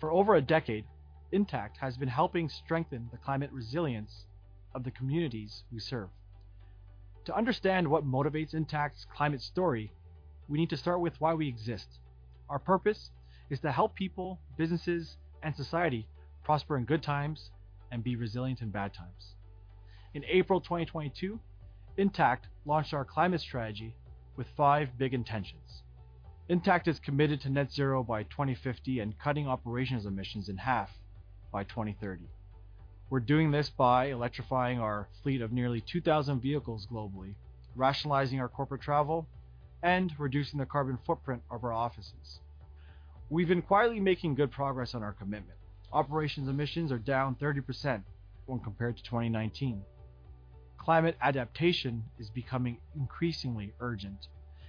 For over a decade, Intact has been helping strengthen the climate resilience of the communities we serve. To understand what motivates Intact's climate story, we need to start with why we exist. Our purpose is to help people, businesses, and society prosper in good times and be resilient in bad times. In April 2022, Intact launched our climate strategy with five big intentions. Intact is committed to net zero by 2050 and cutting operations emissions in half by 2030. We're doing this by electrifying our fleet of nearly 2,000 vehicles globally, rationalizing our corporate travel, and reducing the carbon footprint of our offices. We've been quietly making good progress on our commitment. Operations emissions are down 30% when compared to 2019. Climate adaptation is becoming increasingly urgent,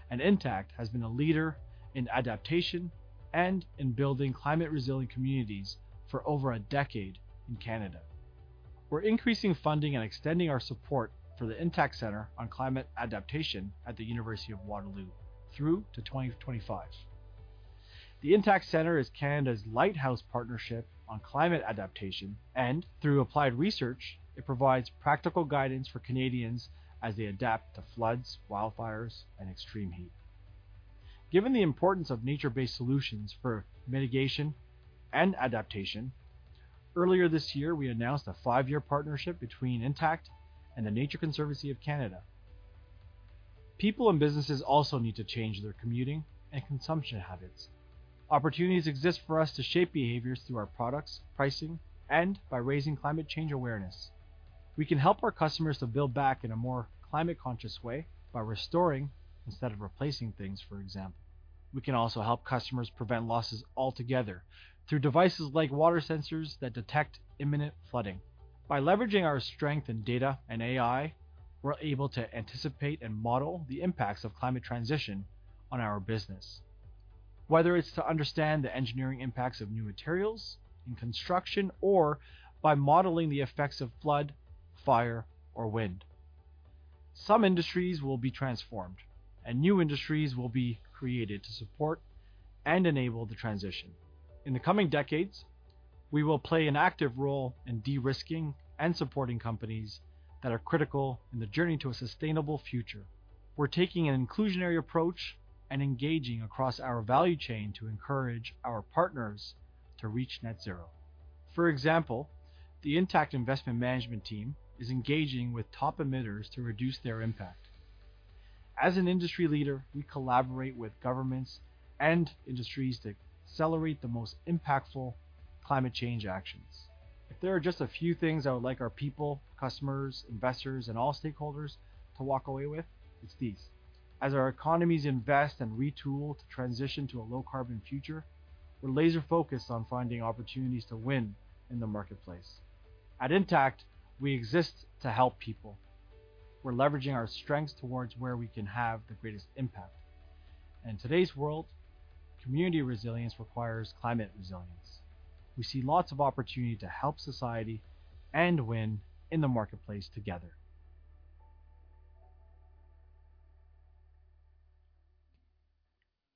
and Intact has been a leader in adaptation and in building climate resilient communities for over a decade in Canada. We're increasing funding and extending our support for the Intact Centre on Climate Adaptation at the University of Waterloo through to 2025. The Intact Centre is Canada's lighthouse partnership on climate adaptation, and through applied research, it provides practical guidance for Canadians as they adapt to floods, wildfires, and extreme heat. Given the importance of nature-based solutions for mitigation and adaptation, earlier this year, we announced a five-year partnership between Intact and the Nature Conservancy of Canada. People and businesses also need to change their commuting and consumption habits. Opportunities exist for us to shape behaviors through our products, pricing, and by raising climate change awareness. We can help our customers to build back in a more climate conscious way by restoring instead of replacing things, for example. We can also help customers prevent losses altogether through devices like water sensors that detect imminent flooding. By leveraging our strength in data and AI, we're able to anticipate and model the impacts of climate transition on our business, whether it's to understand the engineering impacts of new materials in construction or by modeling the effects of flood, fire, or wind. Some industries will be transformed and new industries will be created to support and enable the transition. In the coming decades, we will play an active role in de-risking and supporting companies that are critical in the journey to a sustainable future. We're taking an inclusionary approach and engaging across our value chain to encourage our partners to reach net zero. For example, the Intact Investment Management team is engaging with top emitters to reduce their impact. As an industry leader, we collaborate with governments and industries to accelerate the most impactful climate change actions. If there are just a few things I would like our people, customers, investors, and all stakeholders to walk away with, it's these. As our economies invest and retool to transition to a low carbon future, we're laser focused on finding opportunities to win in the marketplace. At Intact, we exist to help people. We're leveraging our strengths towards where we can have the greatest impact. In today's world, community resilience requires climate resilience. We see lots of opportunity to help society and win in the marketplace together.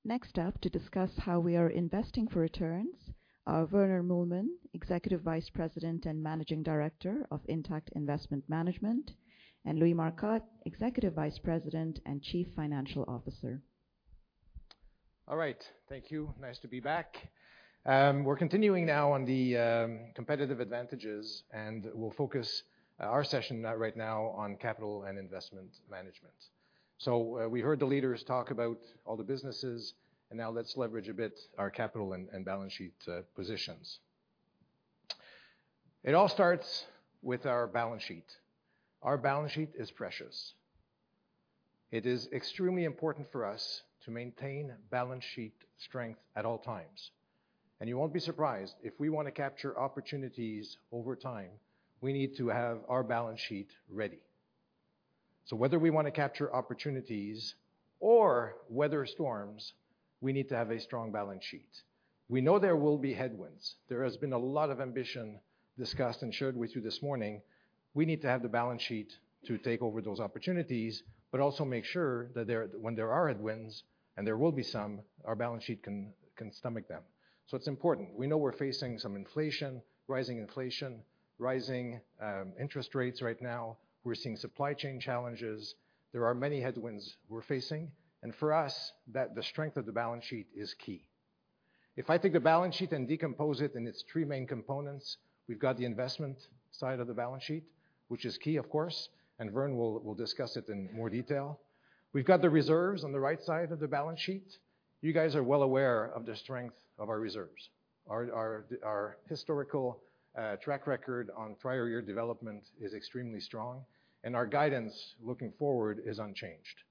Next up to discuss how we are investing for returns are Werner Muehlemann, Executive Vice President and Managing Director of Intact Investment Management, and Louis Marcotte, Executive Vice President and Chief Financial Officer. All right, thank you. Nice to be back. We're continuing now on the competitive advantages, and we'll focus our session right now on capital and investment management. We heard the leaders talk about all the businesses, and now let's leverage a bit our capital and balance sheet positions. It all starts with our balance sheet. Our balance sheet is precious. It is extremely important for us to maintain balance sheet strength at all times. You won't be surprised if we wanna capture opportunities over time, we need to have our balance sheet ready. Whether we wanna capture opportunities or weather storms, we need to have a strong balance sheet. We know there will be headwinds. There has been a lot of ambition discussed and shared with you this morning. We need to have the balance sheet to take over those opportunities, but also make sure that when there are headwinds, and there will be some, our balance sheet can stomach them. It's important. We know we're facing some inflation, rising inflation, rising interest rates right now. We're seeing supply chain challenges. There are many headwinds we're facing, and for us, that the strength of the balance sheet is key. If I take the balance sheet and decompose it in its three main components, we've got the investment side of the balance sheet, which is key, of course, and Wern will discuss it in more detail. We've got the reserves on the right side of the balance sheet. You guys are well aware of the strength of our reserves. Our historical track record on prior year development is extremely strong, and our guidance looking forward is unchanged.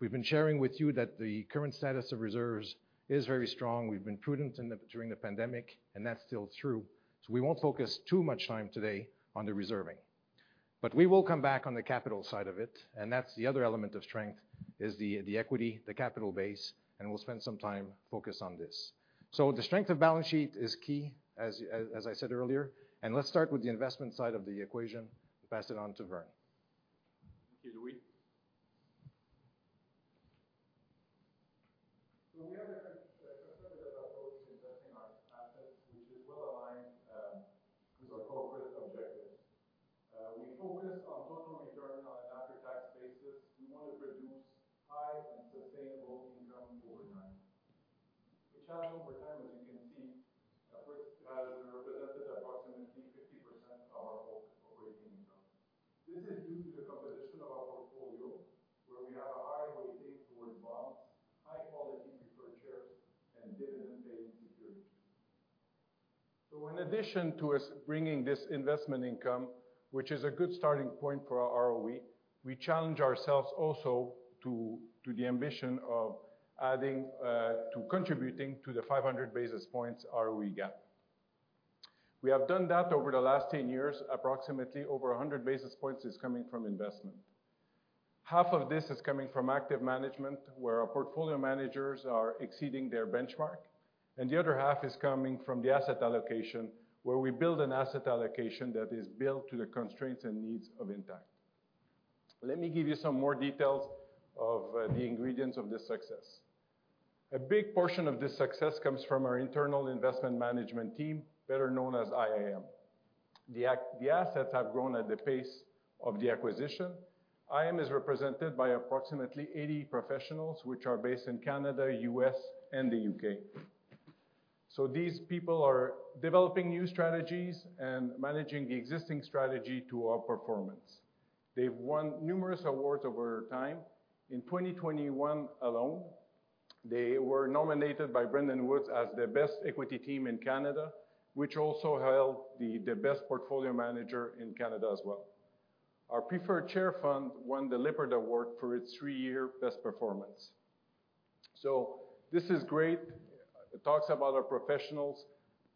We've been sharing with you that the current status of reserves is very strong. We've been prudent during the pandemic, and that's still true, so we won't focus too much time today on the reserving. But we will come back on the capital side of it, and that's the other element of strength, is the equity, the capital base, and we'll spend some time focused on this. The strength of balance sheet is key, as I said earlier, and let's start with the investment side of the equation. Pass it on to Wern. Thank you, Louis. We have a conservative approach to investing our assets, which is well aligned with our corporate objectives. We focus on total return on an after-tax basis. We want to produce high and sustainable income over time, which has over time, as you can see, represented approximately 50% of our total operating income. This is due to the composition of our portfolio, where we have a high weighting towards bonds, high-quality preferred shares, and dividend-paying securities. In addition to us bringing this investment income, which is a good starting point for our ROE, we challenge ourselves also to the ambition of adding to contributing to the 500 basis points ROE gap. We have done that over the last 10 years. Approximately over 100 basis points is coming from investment. Half of this is coming from active management, where our portfolio managers are exceeding their benchmark, and the other half is coming from the asset allocation, where we build an asset allocation that is built to the constraints and needs of Intact. Let me give you some more details of the ingredients of this success. A big portion of this success comes from our internal investment management team, better known as IIM. The assets have grown at the pace of the acquisition. IIM is represented by approximately 80 professionals, which are based in Canada, U.S., and the U.K. These people are developing new strategies and managing the existing strategy to outperformance. They've won numerous awards over time. In 2021 alone, they were nominated by Brendan Wood as the best equity team in Canada, which also held the best portfolio manager in Canada as well. Our preferred share fund won the Lipper Award for its three-year best performance. This is great. It talks about our professionals,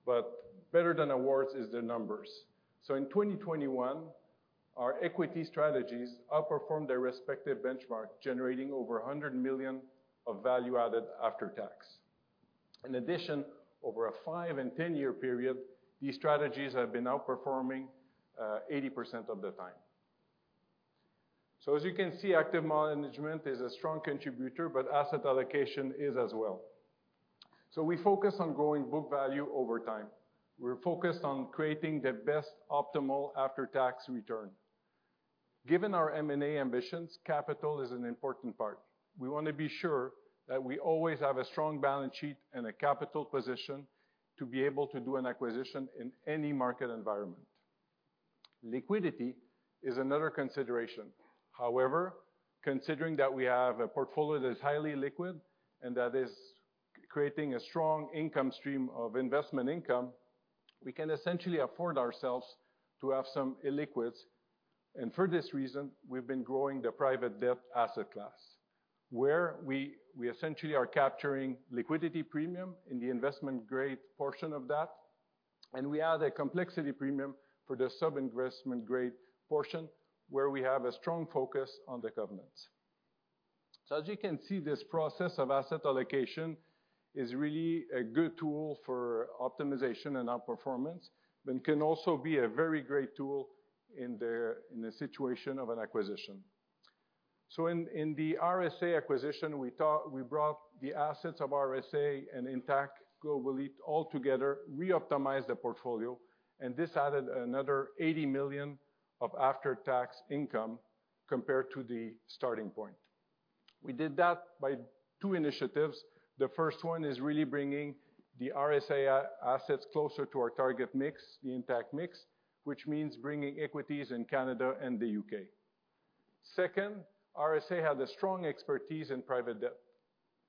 but better than awards is the numbers. In 2021, our equity strategies outperformed their respective benchmark, generating over 100 million of value added after tax. In addition, over a five and 10-year period, these strategies have been outperforming 80% of the time. As you can see, active management is a strong contributor, but asset allocation is as well. We focus on growing book value over time. We're focused on creating the best optimal after-tax return. Given our M&A ambitions, capital is an important part. We wanna be sure that we always have a strong balance sheet and a capital position to be able to do an acquisition in any market environment. Liquidity is another consideration. However, considering that we have a portfolio that is highly liquid and that is creating a strong income stream of investment income, we can essentially afford ourselves to have some illiquids. For this reason, we've been growing the private debt asset class, where we essentially are capturing liquidity premium in the investment grade portion of that. We add a complexity premium for the sub-investment grade portion, where we have a strong focus on the governance. As you can see, this process of asset allocation is really a good tool for optimization and outperformance, and can also be a very great tool in the situation of an acquisition. In the RSA acquisition, we thought we brought the assets of RSA and Intact Global Elite all together, reoptimize the portfolio, and this added another 80 million of after-tax income compared to the starting point. We did that by two initiatives. The first one is really bringing the RSA assets closer to our target mix, the Intact mix, which means bringing equities in Canada and the U.K. Second, RSA had a strong expertise in private debt.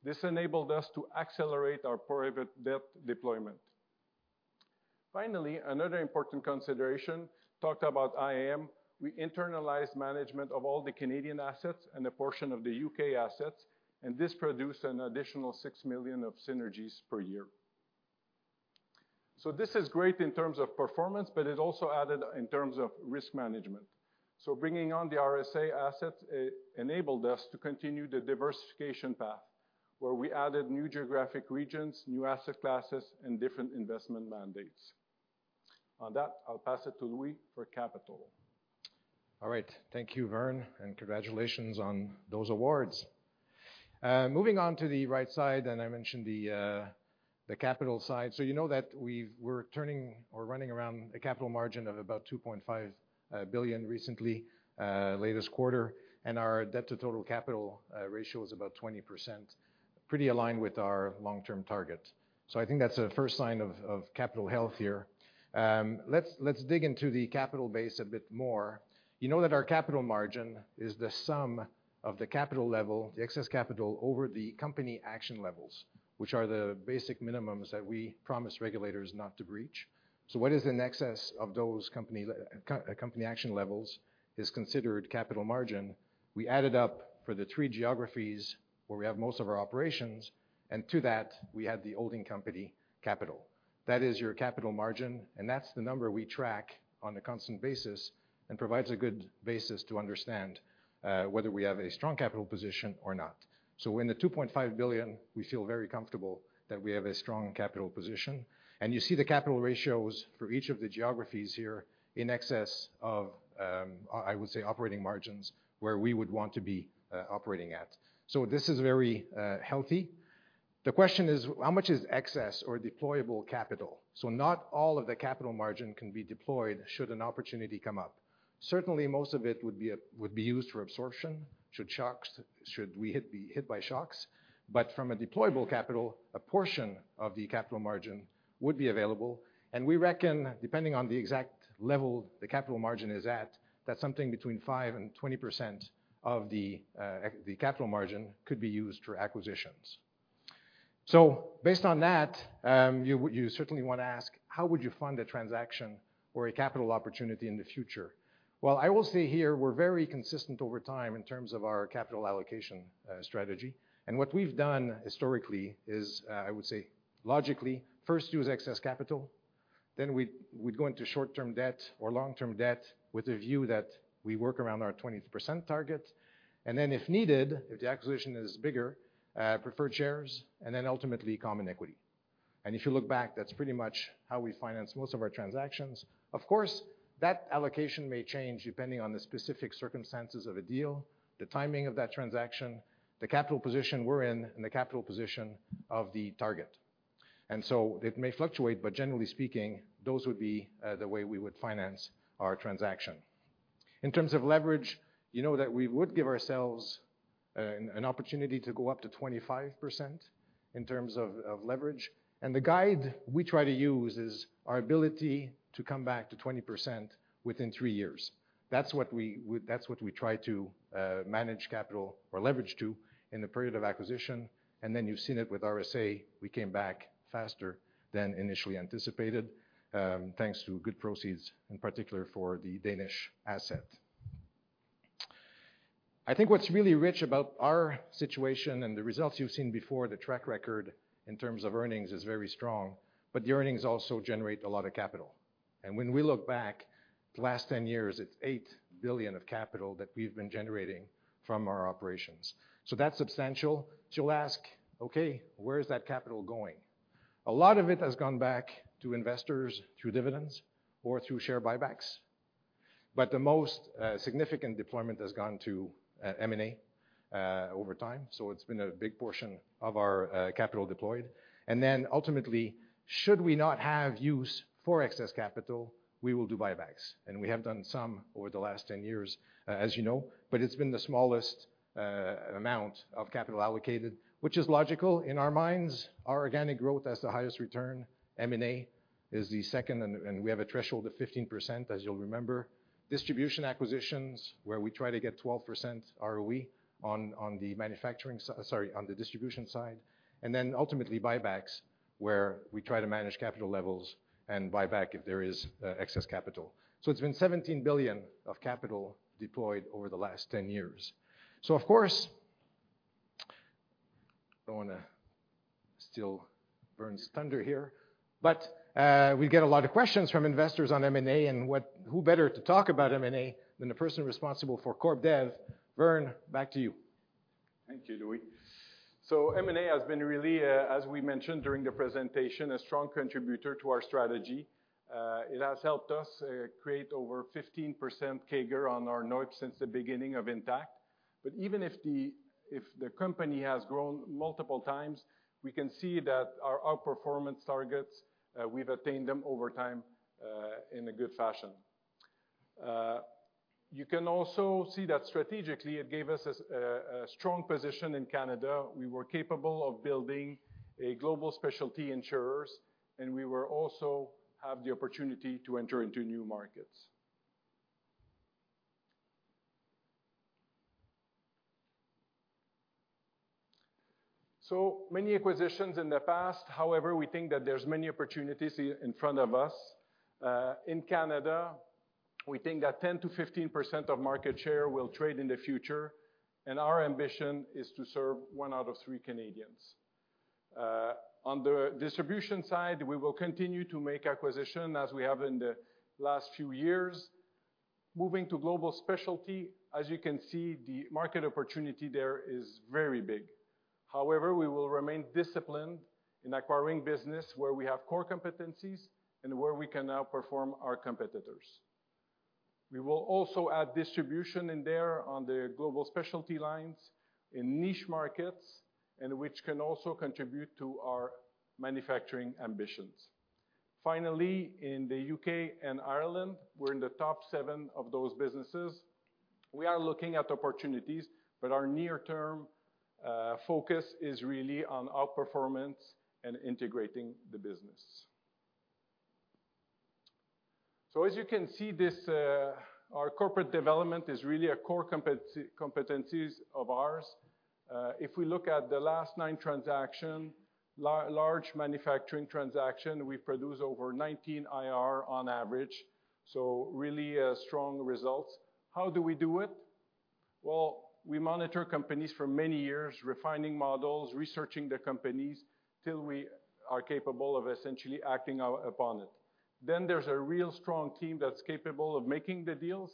This enabled us to accelerate our private debt deployment. Finally, another important consideration, talked about IIM. We internalized management of all the Canadian assets and a portion of the U.K. assets, and this produced an additional 6 million of synergies per year. This is great in terms of performance, but it also added in terms of risk management. Bringing on the RSA assets enabled us to continue the diversification path, where we added new geographic regions, new asset classes, and different investment mandates. On that, I'll pass it to Louis for capital. All right. Thank you, Vern, and congratulations on those awards. Moving on to the right side, and I mentioned the capital side. You know that we're turning or running around a capital margin of about 2.5 billion recently, latest quarter, and our debt to total capital ratio is about 20%, pretty aligned with our long-term target. I think that's a first sign of capital health here. Let's dig into the capital base a bit more. You know that our capital margin is the sum of the capital level, the excess capital over the company action levels, which are the basic minimums that we promised regulators not to breach. What is in excess of those company action levels is considered capital margin. We added up for the three geographies where we have most of our operations, and to that, we have the holding company capital. That is your capital margin, and that's the number we track on a constant basis and provides a good basis to understand whether we have a strong capital position or not. In the 2.5 billion, we feel very comfortable that we have a strong capital position. You see the capital ratios for each of the geographies here in excess of, I would say operating margins, where we would want to be operating at. This is very healthy. The question is how much is excess or deployable capital? Not all of the capital margin can be deployed should an opportunity come up. Certainly, most of it would be used for absorption should we be hit by shocks. But from a deployable capital, a portion of the capital margin would be available. We reckon, depending on the exact level the capital margin is at, that something between 5%-20% of the capital margin could be used for acquisitions. Based on that, you certainly wanna ask, how would you fund a transaction or a capital opportunity in the future? Well, I will say here we're very consistent over time in terms of our capital allocation strategy. What we've done historically is, I would say logically, first use excess capital, then we'd go into short-term debt or long-term debt with a view that we work around our 20% target. If needed, if the acquisition is bigger, preferred shares, and then ultimately common equity. If you look back, that's pretty much how we finance most of our transactions. Of course, that allocation may change depending on the specific circumstances of a deal, the timing of that transaction, the capital position we're in, and the capital position of the target. It may fluctuate, but generally speaking, those would be the way we would finance our transaction. In terms of leverage, you know that we would give ourselves an opportunity to go up to 25% in terms of leverage. The guide we try to use is our ability to come back to 20% within three years. That's what we try to manage capital or leverage to in the period of acquisition. You've seen it with RSA. We came back faster than initially anticipated, thanks to good proceeds, in particular for the Danish asset. I think what's really rich about our situation and the results you've seen before, the track record in terms of earnings is very strong, but the earnings also generate a lot of capital. When we look back the last 10 years, it's 8 billion of capital that we've been generating from our operations. That's substantial. You'll ask, "Okay, where is that capital going?" A lot of it has gone back to investors through dividends or through share buybacks, but the most significant deployment has gone to M&A over time. It's been a big portion of our capital deployed. Ultimately, should we not have use for excess capital, we will do buybacks. We have done some over the last 10 years, as you know, but it's been the smallest amount of capital allocated, which is logical. In our minds, our organic growth has the highest return. M&A is the second, and we have a threshold of 15%, as you'll remember. Distribution acquisitions, where we try to get 12% ROE on the manufacturing side, sorry, on the distribution side. Then ultimately, buybacks, where we try to manage capital levels and buy back if there is excess capital. It's been 17 billion of capital deployed over the last 10 years. Of course, don't wanna steal Wern's thunder here, but we get a lot of questions from investors on M&A and what, who better to talk about M&A than the person responsible for corp dev. Wern, back to you. Thank you, Louis. M&A has been really, as we mentioned during the presentation, a strong contributor to our strategy. It has helped us create over 15% CAGR on our NOIPS since the beginning of Intact. Even if the company has grown multiple times, we can see that our outperformance targets, we've attained them over time, in a good fashion. You can also see that strategically, it gave us a strong position in Canada. We were capable of building a global specialty insurer, and we also have the opportunity to enter into new markets. Many acquisitions in the past. However, we think that there's many opportunities in front of us. In Canada, we think that 10%-15% of market share will trade in the future, and our ambition is to serve 1/3 of Canadians. On the distribution side, we will continue to make acquisitions as we have in the last few years. Moving to global specialty, as you can see, the market opportunity there is very big. However, we will remain disciplined in acquiring business where we have core competencies and where we can outperform our competitors. We will also add distribution in there on the global specialty lines in niche markets, and which can also contribute to our margin ambitions. Finally, in the U.K. and Ireland, we're in the top seven of those businesses. We are looking at opportunities, but our near-term focus is really on outperformance and integrating the business. As you can see this, our corporate development is really a core competencies of ours. If we look at the last nine transaction, large manufacturing transaction, we produce over 19% IRR on average. Really, strong results. How do we do it? Well, we monitor companies for many years, refining models, researching the companies till we are capable of essentially acting upon it. Then there's a real strong team that's capable of making the deals,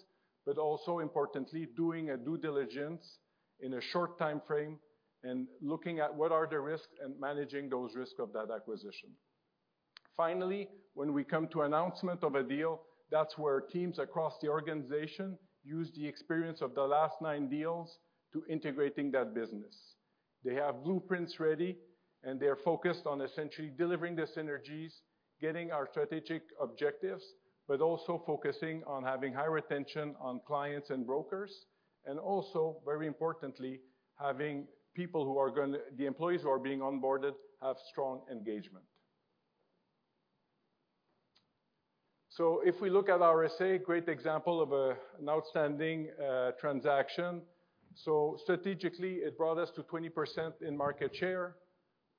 but also importantly, doing a due diligence in a short timeframe and looking at what are the risks and managing those risk of that acquisition. Finally, when we come to announcement of a deal, that's where teams across the organization use the experience of the last nine deals to integrating that business. They have blueprints ready, and they are focused on essentially delivering the synergies, getting our strategic objectives, but also focusing on having high retention on clients and brokers, and also, very importantly, having the employees who are being onboarded have strong engagement. If we look at RSA, great example of an outstanding transaction. Strategically, it brought us to 20% in market share.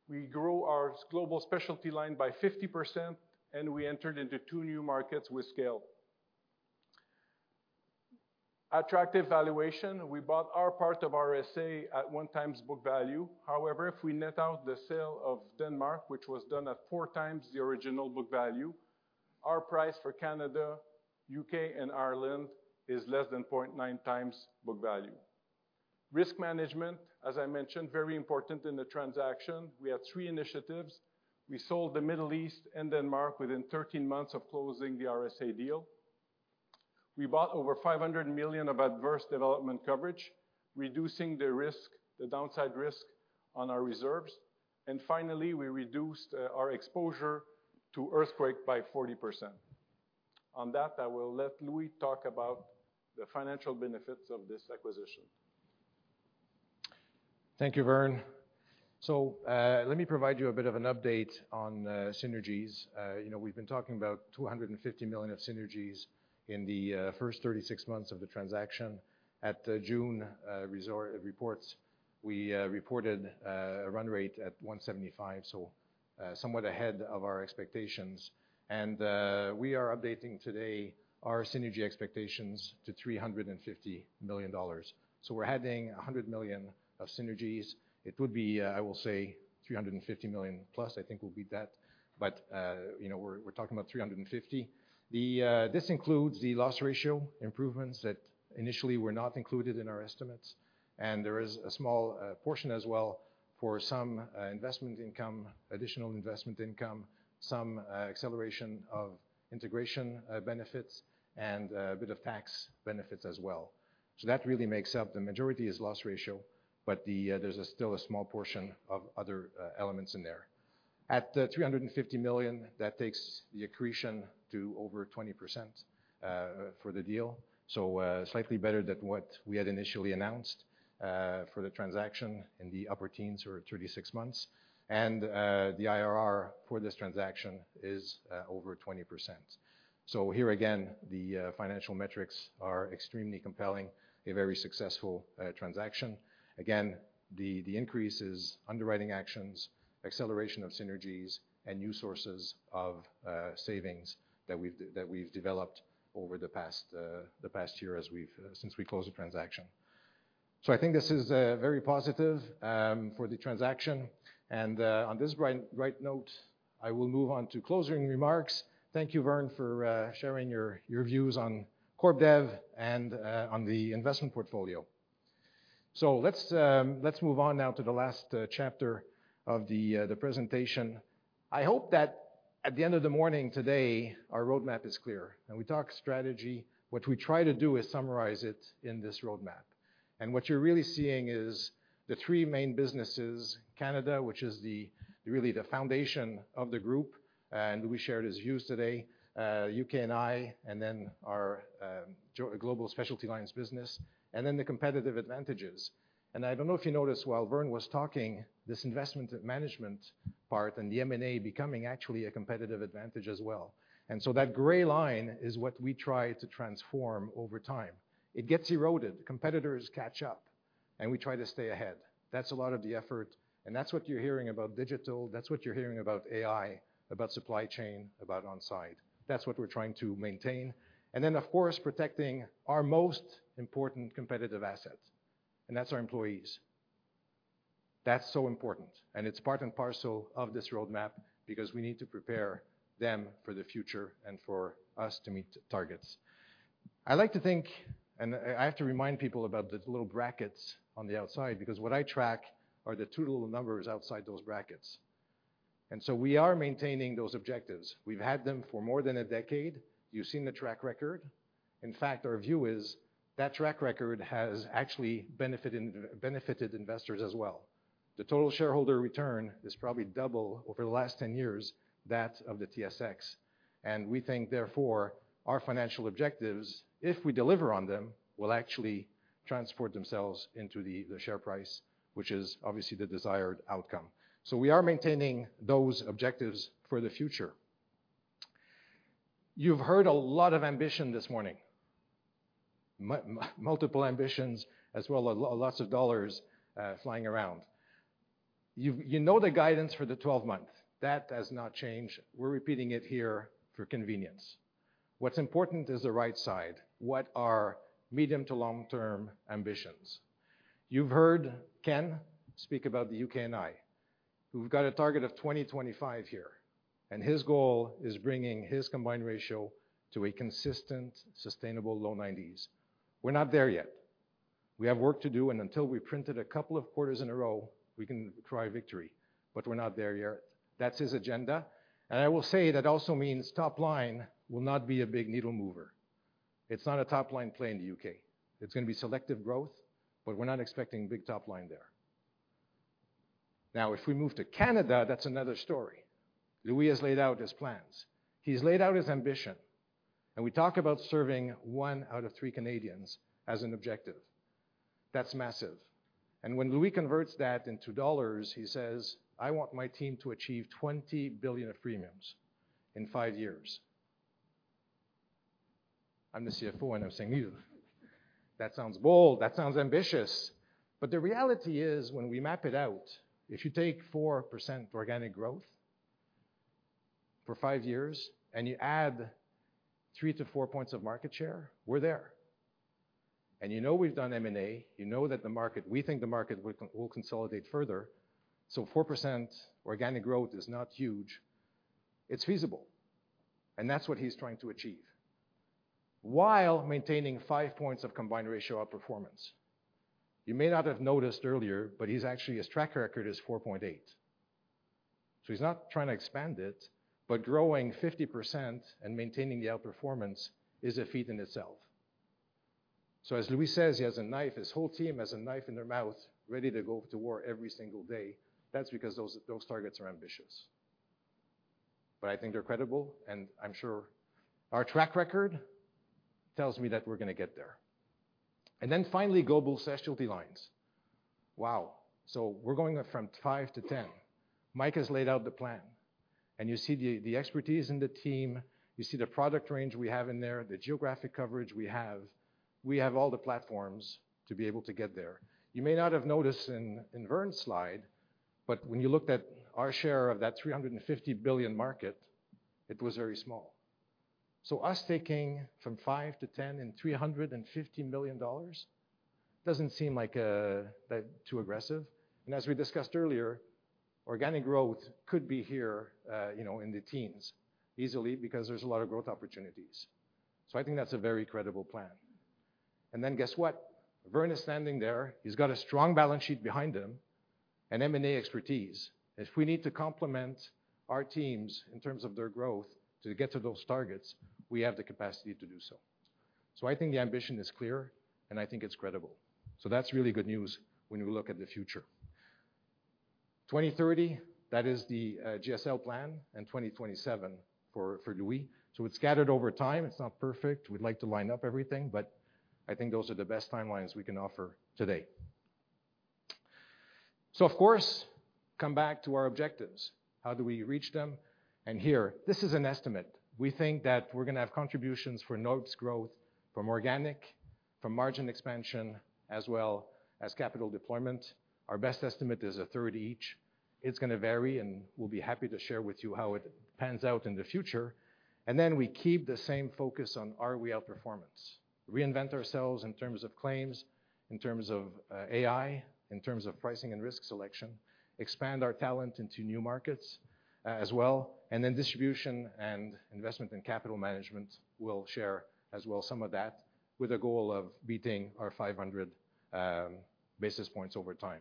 We grow our global specialty line by 50%, and we entered into two new markets with scale. Attractive valuation. We bought our part of RSA at 1x book value. However, if we net out the sale of Denmark, which was done at 4x the original book value, our price for Canada, U.K., and Ireland is less than 0.9x book value. Risk management, as I mentioned, very important in the transaction. We had three initiatives. We sold the Middle East and Denmark within 13 months of closing the RSA deal. We bought over 500 million of adverse development coverage, reducing the risk, the downside risk on our reserves. Finally, we reduced our exposure to earthquake by 40%. On that, I will let Louis talk about the financial benefits of this acquisition. Thank you, Wern. Let me provide you a bit of an update on synergies. You know, we've been talking about 250 million of synergies in the first 36 months of the transaction. At the June reports, we reported a run rate at 175, so somewhat ahead of our expectations. We are updating today our synergy expectations to 350 million dollars. We're adding 100 million of synergies. It would be, I will say 350 million+. I think we'll beat that. You know, we're talking about 350. This includes the loss ratio improvements that initially were not included in our estimates, and there is a small portion as well for some investment income, additional investment income, some acceleration of integration benefits and a bit of tax benefits as well. That really makes up the majority, is loss ratio, but there's still a small portion of other elements in there. At the 350 million, that takes the accretion to over 20% for the deal. Slightly better than what we had initially announced for the transaction in the upper teens for 36 months. The IRR for this transaction is over 20%. Here again, the financial metrics are extremely compelling, a very successful transaction. Again, the increase is underwriting actions, acceleration of synergies, and new sources of savings that we've developed over the past year as we've since we closed the transaction. I think this is very positive for the transaction. On this right note, I will move on to closing remarks. Thank you, Wern, for sharing your views on corp dev and on the investment portfolio. Let's move on now to the last chapter of the presentation. I hope that at the end of the morning today, our roadmap is clear. When we talk strategy, what we try to do is summarize it in this roadmap. What you're really seeing is the three main businesses, Canada, which is really the foundation of the group, and we shared its views today. UK&I, and then our global specialty lines business, and then the competitive advantages. I don't know if you noticed while Vern was talking, this investment management part and the M&A becoming actually a competitive advantage as well. That gray line is what we try to transform over time. It gets eroded, competitors catch up, and we try to stay ahead. That's a lot of the effort, and that's what you're hearing about digital, that's what you're hearing about AI, about supply chain, about On Side. That's what we're trying to maintain. Then, of course, protecting our most important competitive asset, and that's our employees. That's so important, and it's part and parcel of this roadmap because we need to prepare them for the future and for us to meet targets. I like to think, and I have to remind people about the little brackets on the outside because what I track are the two little numbers outside those brackets. We are maintaining those objectives. We've had them for more than a decade. You've seen the track record. In fact, our view is that track record has actually benefited investors as well. The total shareholder return is probably double over the last 10 years that of the TSX. We think therefore, our financial objectives, if we deliver on them, will actually translate themselves into the share price, which is obviously the desired outcome. We are maintaining those objectives for the future. You've heard a lot of ambition this morning. Multiple ambitions as well as lots of dollars flying around. You know the guidance for the 12 months. That has not changed. We're repeating it here for convenience. What's important is the right side. What are medium to long-term ambitions? You've heard Ken speak about the UK&I, who've got a target of 2025 here, and his goal is bringing his combined ratio to a consistent, sustainable low-90s. We're not there yet. We have work to do, and until we printed a couple of quarters in a row, we can cry victory, but we're not there yet. That's his agenda. I will say that also means top line will not be a big needle mover. It's not a top-line play in the U.K. It's gonna be selective growth, but we're not expecting big top line there. Now, if we move to Canada, that's another story. Louis has laid out his plans. He's laid out his ambition, and we talk about serving one out of three Canadians as an objective. That's massive. When Louis converts that into dollars, he says, "I want my team to achieve 20 billion of premiums in five years." I'm the CFO, and I'm saying, "That sounds bold. That sounds ambitious." The reality is when we map it out, if you take 4% organic growth for five years and you add 3 points-4 points of market share, we're there. You know we've done M&A, you know that the market we think the market will consolidate further. 4% organic growth is not huge. It's feasible, and that's what he's trying to achieve while maintaining 5 points of combined ratio outperformance. You may not have noticed earlier, but he's actually, his track record is 4.8. He's not trying to expand it, but growing 50% and maintaining the outperformance is a feat in itself. As Louis says, he has a knife, his whole team has a knife in their mouth, ready to go to war every single day. That's because those targets are ambitious. I think they're credible, and I'm sure our track record tells me that we're gonna get there. Finally, Global Specialty Lines. Wow. We're going from $5-$10. Mike has laid out the plan, and you see the expertise in the team, you see the product range we have in there, the geographic coverage we have. We have all the platforms to be able to get there. You may not have noticed in Wern's slide, but when you looked at our share of that 350 billion market, it was very small. Us taking from 5%-10% and $350 million doesn't seem like that too aggressive. As we discussed earlier, organic growth could be here, you know, in the teens easily because there's a lot of growth opportunities. I think that's a very credible plan. Guess what? Wern is standing there. He's got a strong balance sheet behind him and M&A expertise. If we need to complement our teams in terms of their growth to get to those targets, we have the capacity to do so. I think the ambition is clear, and I think it's credible. That's really good news when we look at the future. 2030, that is the GSL plan and 2027 for Louis. It's scattered over time. It's not perfect. We'd like to line up everything, but I think those are the best timelines we can offer today. Of course, come back to our objectives. How do we reach them? Here, this is an estimate. We think that we're gonna have contributions for NOIPS growth from organic, from margin expansion, as well as capital deployment. Our best estimate is a third each. It's gonna vary, and we'll be happy to share with you how it pans out in the future. Then we keep the same focus on ROE outperformance. Reinvent ourselves in terms of claims, in terms of AI, in terms of pricing and risk selection, expand our talent into new markets, as well, and then distribution and investment in capital management. We'll share as well some of that with a goal of beating our 500 basis points over time.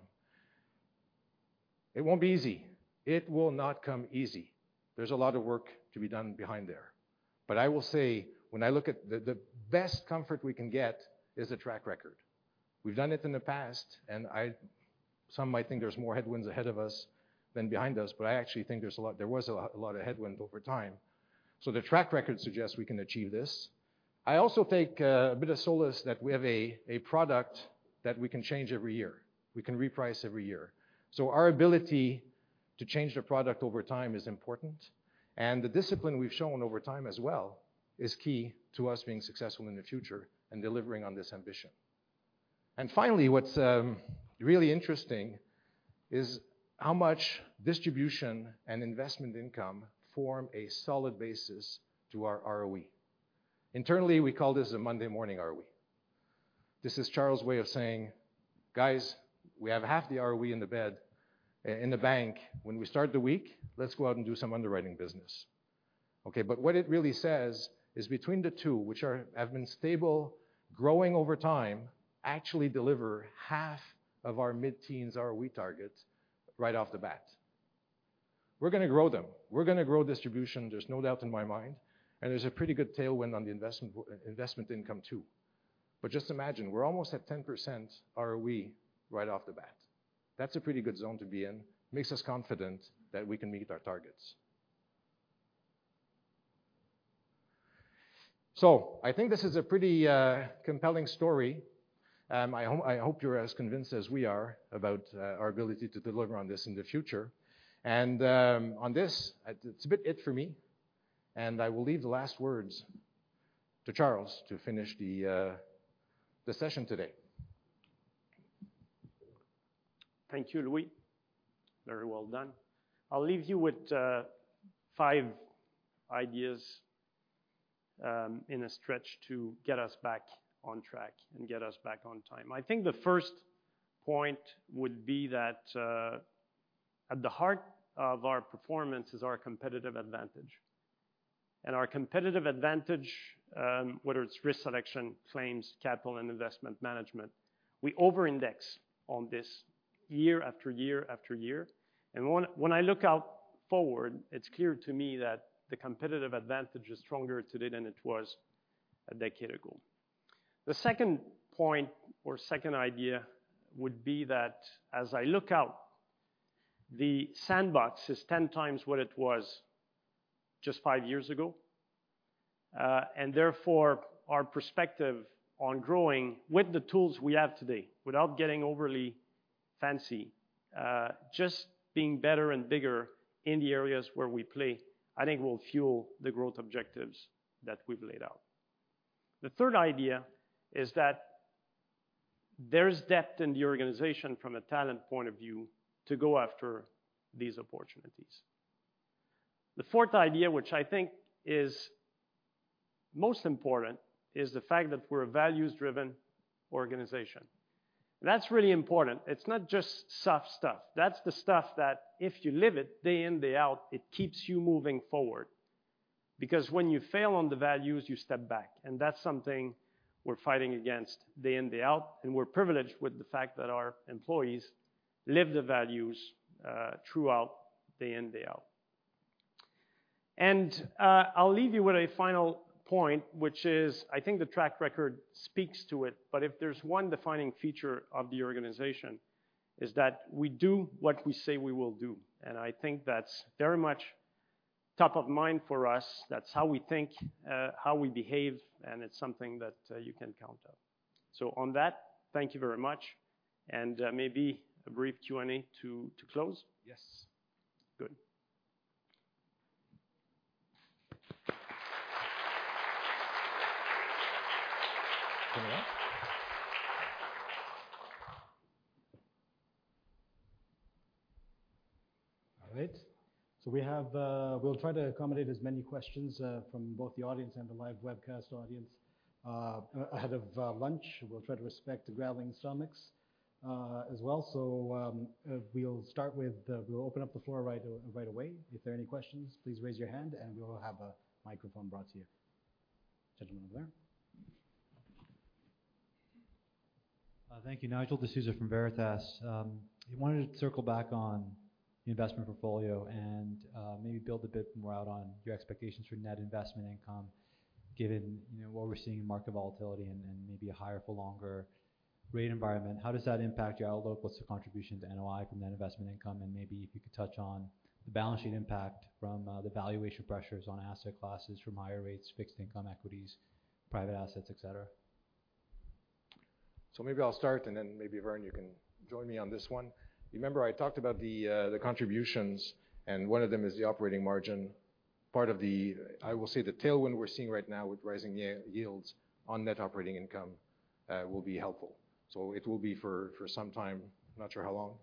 It won't be easy. It will not come easy. There's a lot of work to be done behind there. I will say, when I look at the best comfort we can get is the track record. We've done it in the past, some might think there's more headwinds ahead of us than behind us, but I actually think there was a lot of headwinds over time. The track record suggests we can achieve this. I also take a bit of solace that we have a product that we can change every year, we can reprice every year. Our ability to change the product over time is important, and the discipline we've shown over time as well is key to us being successful in the future and delivering on this ambition. Finally, what's really interesting is how much distribution and investment income form a solid basis to our ROE. Internally, we call this a Monday morning ROE. This is Charles' way of saying, "Guys, we have half the ROE in the bag when we start the week. Let's go out and do some underwriting business." Okay, what it really says is between the two, which have been stable, growing over time, actually deliver half of our mid-teens ROE targets right off the bat. We're gonna grow them. We're gonna grow distribution, there's no doubt in my mind, and there's a pretty good tailwind on the investment income too. Just imagine, we're almost at 10% ROE right off the bat. That's a pretty good zone to be in. Makes us confident that we can meet our targets. I think this is a pretty compelling story. I hope you're as convinced as we are about our ability to deliver on this in the future. On this, that's about it for me, and I will leave the last words to Charles to finish the session today. Thank you, Louis. Very well done. I'll leave you with five ideas in a stretch to get us back on track and get us back on time. I think the first point would be that at the heart of our performance is our competitive advantage. Our competitive advantage, whether it's risk selection, claims, capital, and investment management, we over-index on this year after year after year. When I look forward, it's clear to me that the competitive advantage is stronger today than it was a decade ago. The second point or second idea would be that as I look out, the sandbox is ten times what it was just five years ago. Therefore, our perspective on growing with the tools we have today without getting overly fancy, just being better and bigger in the areas where we play, I think will fuel the growth objectives that we've laid out. The third idea is that there's depth in the organization from a talent point of view to go after these opportunities. The fourth idea, which I think is most important, is the fact that we're a values-driven organization. That's really important. It's not just soft stuff. That's the stuff that if you live it day in, day out, it keeps you moving forward. Because when you fail on the values, you step back, and that's something we're fighting against day in, day out, and we're privileged with the fact that our employees live the values throughout day in, day out. I'll leave you with a final point, which is, I think the track record speaks to it, but if there's one defining feature of the organization, is that we do what we say we will do. I think that's very much top of mind for us. That's how we think, how we behave, and it's something that you can count on. On that, thank you very much and maybe a brief Q&A to close. Yes. Good. All right. We'll try to accommodate as many questions from both the audience and the live webcast audience ahead of lunch. We'll try to respect growling stomachs as well. We'll open up the floor right away. If there are any questions, please raise your hand and we will have a microphone brought to you. Gentleman over there. Thank you. Nigel D'Souza from Veritas. I wanted to circle back on the investment portfolio and maybe build a bit more out on your expectations for net investment income, given, you know, what we're seeing in market volatility and a higher for longer rate environment. How does that impact your outlook? What's the contribution to NOI from net investment income? And maybe if you could touch on the balance sheet impact from the valuation pressures on asset classes from higher rates, fixed income equities, private assets, et cetera. Maybe I'll start, and then maybe, Wern, you can join me on this one. Remember I talked about the contributions, and one of them is the operating margin. Part of the, I will say, the tailwind we're seeing right now with rising yields on net operating income will be helpful. It will be for some time, not sure how long,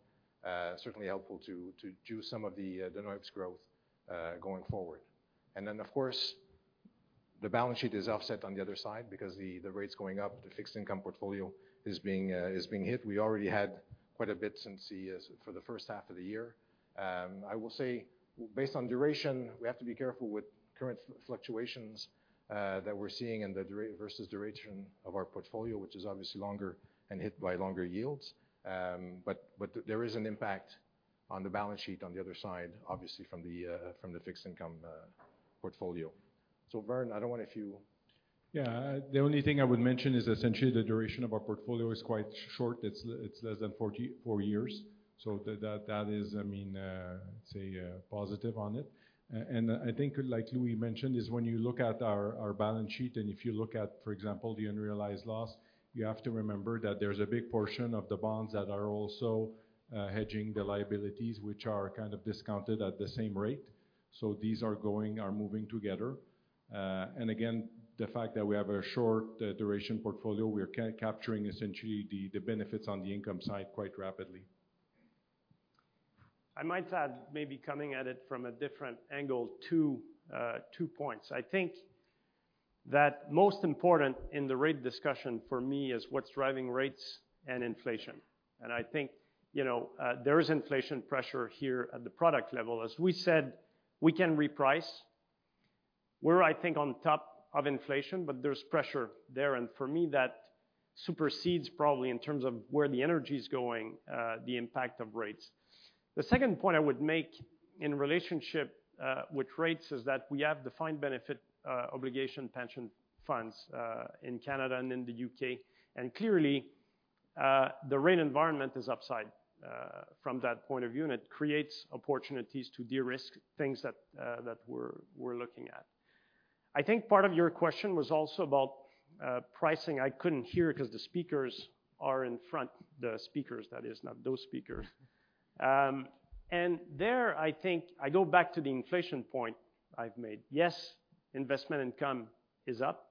certainly helpful to do some of the dynamics growth going forward. Then, of course, the balance sheet is offset on the other side because the rates going up, the fixed income portfolio is being hit. We already had quite a bit since the first half of the year. I will say based on duration, we have to be careful with current fluctuations that we're seeing and the duration of our portfolio, which is obviously longer and hit by longer yields. But there is an impact on the balance sheet on the other side, obviously, from the fixed income portfolio. Wern, I don't know if you... Yeah. The only thing I would mention is essentially the duration of our portfolio is quite short. It's less than four years. That is, I mean, positive on it. I think like Louis mentioned, when you look at our balance sheet and if you look at, for example, the unrealized loss, you have to remember that there's a big portion of the bonds that are also hedging the liabilities, which are kind of discounted at the same rate. These are moving together. Again, the fact that we have a short duration portfolio, we are capturing essentially the benefits on the income side quite rapidly. I might add maybe coming at it from a different angle, two points. I think the most important in the rate discussion for me is what's driving rates and inflation. I think, you know, there is inflation pressure here at the product level. As we said, we can reprice. We're, I think, on top of inflation, but there's pressure there, and for me, that supersedes probably in terms of where the energy is going, the impact of rates. The second point I would make in relationship with rates is that we have defined benefit obligation pension funds in Canada and in the U.K. Clearly, the rate environment is upside from that point of view, and it creates opportunities to de-risk things that we're looking at. I think part of your question was also about pricing. I couldn't hear 'cause the speakers are in front. The speakers, that is, not those speakers. There, I think I go back to the inflation point I've made. Yes, investment income is up.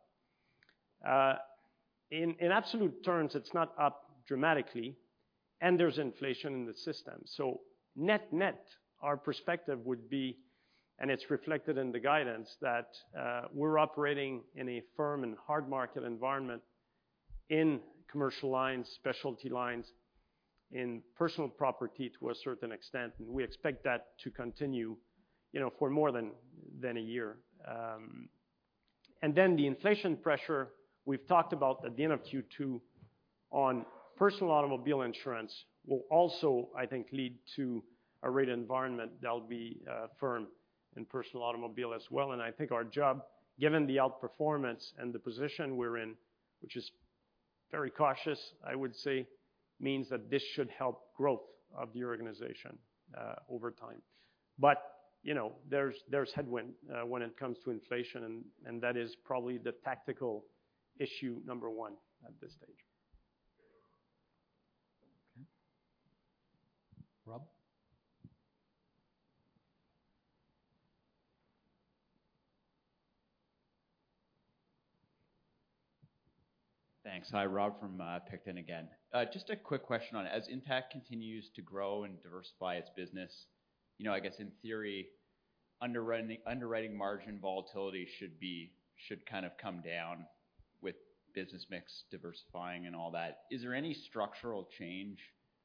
In absolute terms, it's not up dramatically, and there's inflation in the system. Net-net, our perspective would be, and it's reflected in the guidance, that we're operating in a firm and hard market environment in commercial lines, specialty lines, in personal property to a certain extent, and we expect that to continue, you know, for more than a year. Then the inflation pressure we've talked about at the end of Q2 on personal automobile insurance will also, I think, lead to a rate environment that will be firm in personal automobile as well. I think our job, given the outperformance and the position we're in, which is very cautious, I would say, means that this should help growth of the organization over time. You know, there's headwind when it comes to inflation and that is probably the tactical issue number one at this stage. Okay. Rob? Thanks. Hi, Rob from Picton again. Just a quick question on as Intact continues to grow and diversify its business, you know, I guess in theory, underwriting margin volatility should kind of come down with business mix diversifying and all that. Is there any structural change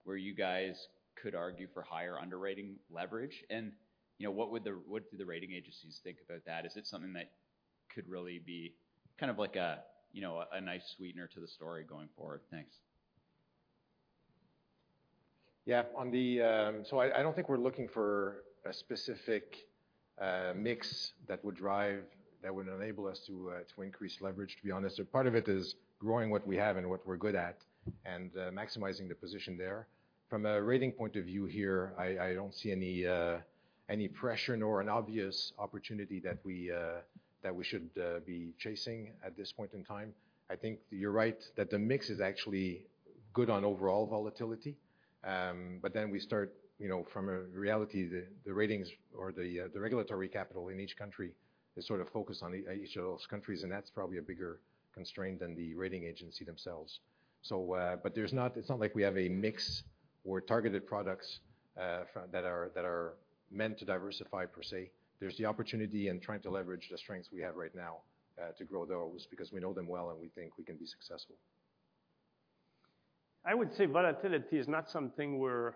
where you guys could argue for higher underwriting leverage? You know, what do the rating agencies think about that? Is it something that could really be kind of like a, you know, a nice sweetener to the story going forward? Thanks. Yeah. I don't think we're looking for a specific mix that would enable us to increase leverage, to be honest. Part of it is growing what we have and what we're good at and maximizing the position there. From a rating point of view here, I don't see any pressure nor an obvious opportunity that we should be chasing at this point in time. I think you're right that the mix is actually good on overall volatility. We start, you know, from a reality, the ratings or the regulatory capital in each country is sort of focused on each of those countries, and that's probably a bigger constraint than the rating agency themselves. It's not like we have a mix or targeted products that are meant to diversify per se. There's the opportunity in trying to leverage the strengths we have right now to grow those because we know them well and we think we can be successful. I would say volatility is not something we're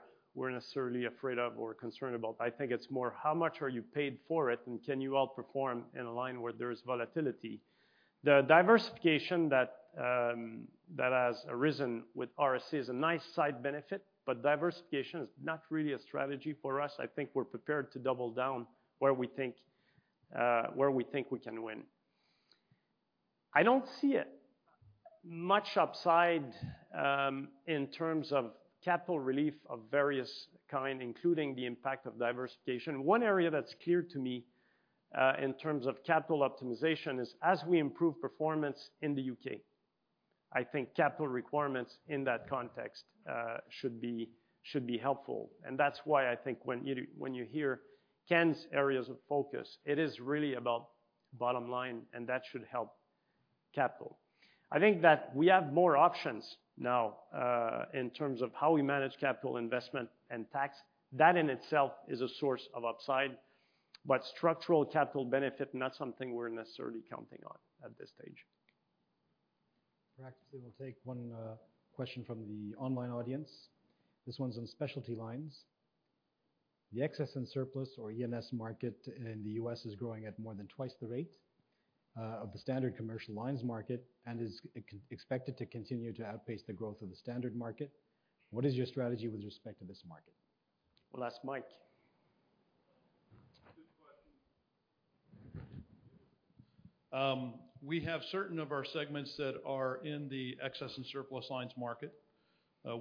necessarily afraid of or concerned about. I think it's more how much are you paid for it, and can you outperform in a line where there's volatility? The diversification that has arisen with RSA is a nice side benefit, but diversification is not really a strategy for us. I think we're prepared to double down where we think we can win. I don't see much upside in terms of capital relief of various kind, including the impact of diversification. One area that's clear to me in terms of capital optimization is as we improve performance in the U.K. I think capital requirements in that context should be helpful. That's why I think when you hear Ken's areas of focus, it is really about bottom line, and that should help capital. I think that we have more options now in terms of how we manage capital investment and tax. That in itself is a source of upside. Structural capital benefit, not something we're necessarily counting on at this stage. Perhaps we will take one question from the online audience. This one's on specialty lines. The excess and surplus or E&S market in the U.S. is growing at more than twice the rate of the standard commercial lines market and is expected to continue to outpace the growth of the standard market. What is your strategy with respect to this market? We'll ask Mike. Good question. We have certain of our segments that are in the excess and surplus lines market.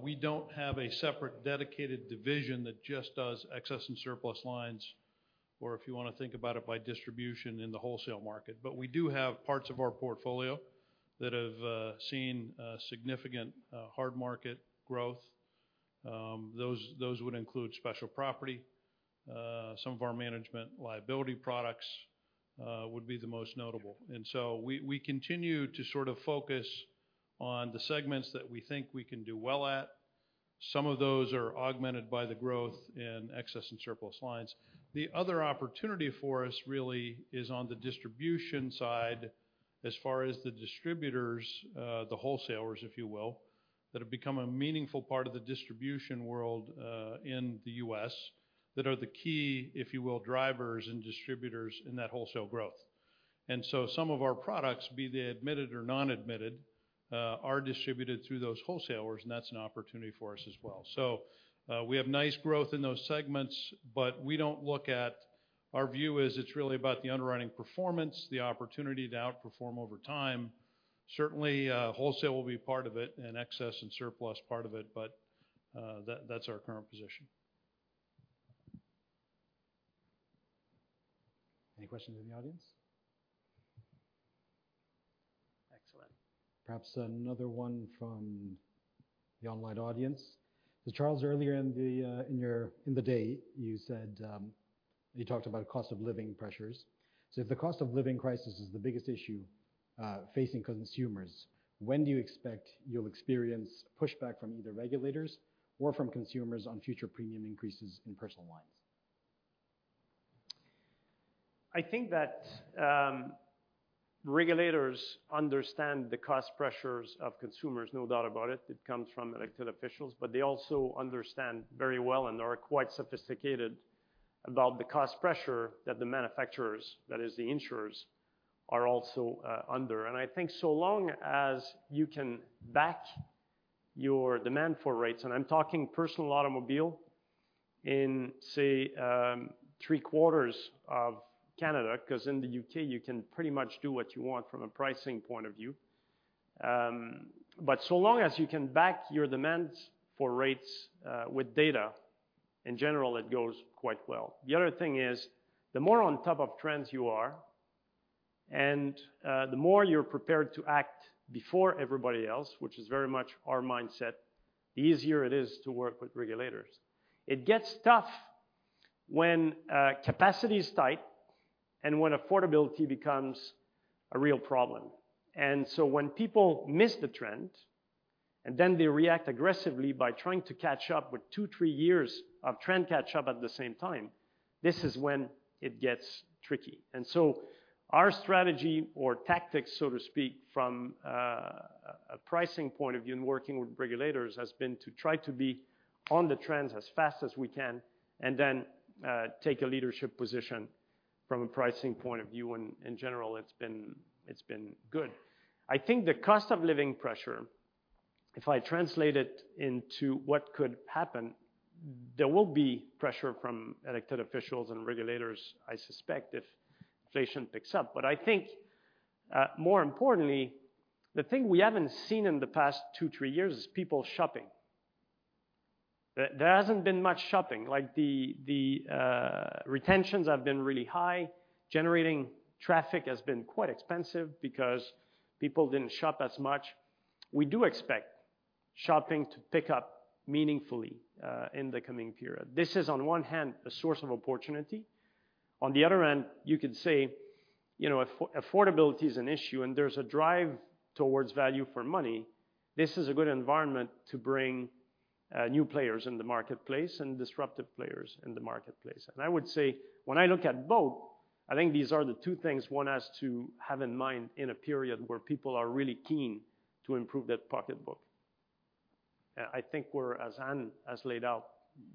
We don't have a separate dedicated division that just does excess and surplus lines or if you wanna think about it by distribution in the wholesale market. But we do have parts of our portfolio that have seen significant hard market growth. Those would include special property, some of our management liability products, would be the most notable. We continue to sort of focus on the segments that we think we can do well at. Some of those are augmented by the growth in excess and surplus lines. The other opportunity for us really is on the distribution side as far as the distributors, the wholesalers if you will, that have become a meaningful part of the distribution world, in the U.S. that are the key, if you will, drivers and distributors in that wholesale growth. Some of our products, be they admitted or non-admitted, are distributed through those wholesalers, and that's an opportunity for us as well. We have nice growth in those segments, but our view is it's really about the underwriting performance, the opportunity to outperform over time. Certainly, wholesale will be part of it and excess and surplus part of it, but, that's our current position. Any questions in the audience? Excellent. Perhaps another one from the online audience. Charles, earlier in the day, you said you talked about cost of living pressures. If the cost of living crisis is the biggest issue facing consumers, when do you expect you'll experience pushback from either regulators or from consumers on future premium increases in personal lines? I think that regulators understand the cost pressures of consumers, no doubt about it. It comes from elected officials. They also understand very well and are quite sophisticated about the cost pressure that the manufacturers, that is the insurers, are also under. I think so long as you can back your demand for rates, and I'm talking personal automobile in, say, three quarters of Canada, 'cause in the U.K. you can pretty much do what you want from a pricing point of view. So long as you can back your demands for rates with data, in general it goes quite well. The other thing is, the more on top of trends you are and the more you're prepared to act before everybody else, which is very much our mindset, the easier it is to work with regulators. It gets tough when, capacity is tight and when affordability becomes a real problem. When people miss the trend and then they react aggressively by trying to catch up with two, three years of trend catch up at the same time, this is when it gets tricky. Our strategy or tactics, so to speak, from, a pricing point of view and working with regulators has been to try to be on the trends as fast as we can and then, take a leadership position from a pricing point of view. In general, it's been good. I think the cost of living pressure, if I translate it into what could happen, there will be pressure from elected officials and regulators, I suspect, if inflation picks up. I think, more importantly, the thing we haven't seen in the past two, three years is people shopping. There hasn't been much shopping. Like the retentions have been really high. Generating traffic has been quite expensive because people didn't shop as much. We do expect shopping to pick up meaningfully in the coming period. This is on one hand, a source of opportunity. On the other hand, you could say, you know, affordability is an issue and there's a drive towards value for money. This is a good environment to bring new players in the marketplace and disruptive players in the marketplace. I would say when I look at both, I think these are the two things one has to have in mind in a period where people are really keen to improve their pocketbook. I think we're as Anne has laid out,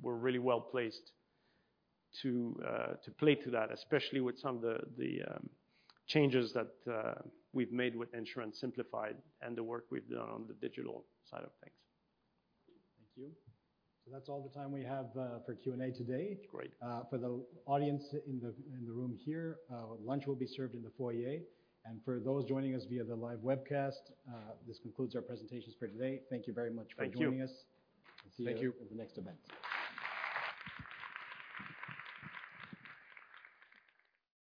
we're really well placed to play to that, especially with some of the changes that we've made with insurance simplified and the work we've done on the digital side of things. Thank you. That's all the time we have for Q&A today. Great. For the audience in the room here, lunch will be served in the foyer. For those joining us via the live webcast, this concludes our presentations for today. Thank you very much for joining us. Thank you. Thank you. We'll see you at the next event.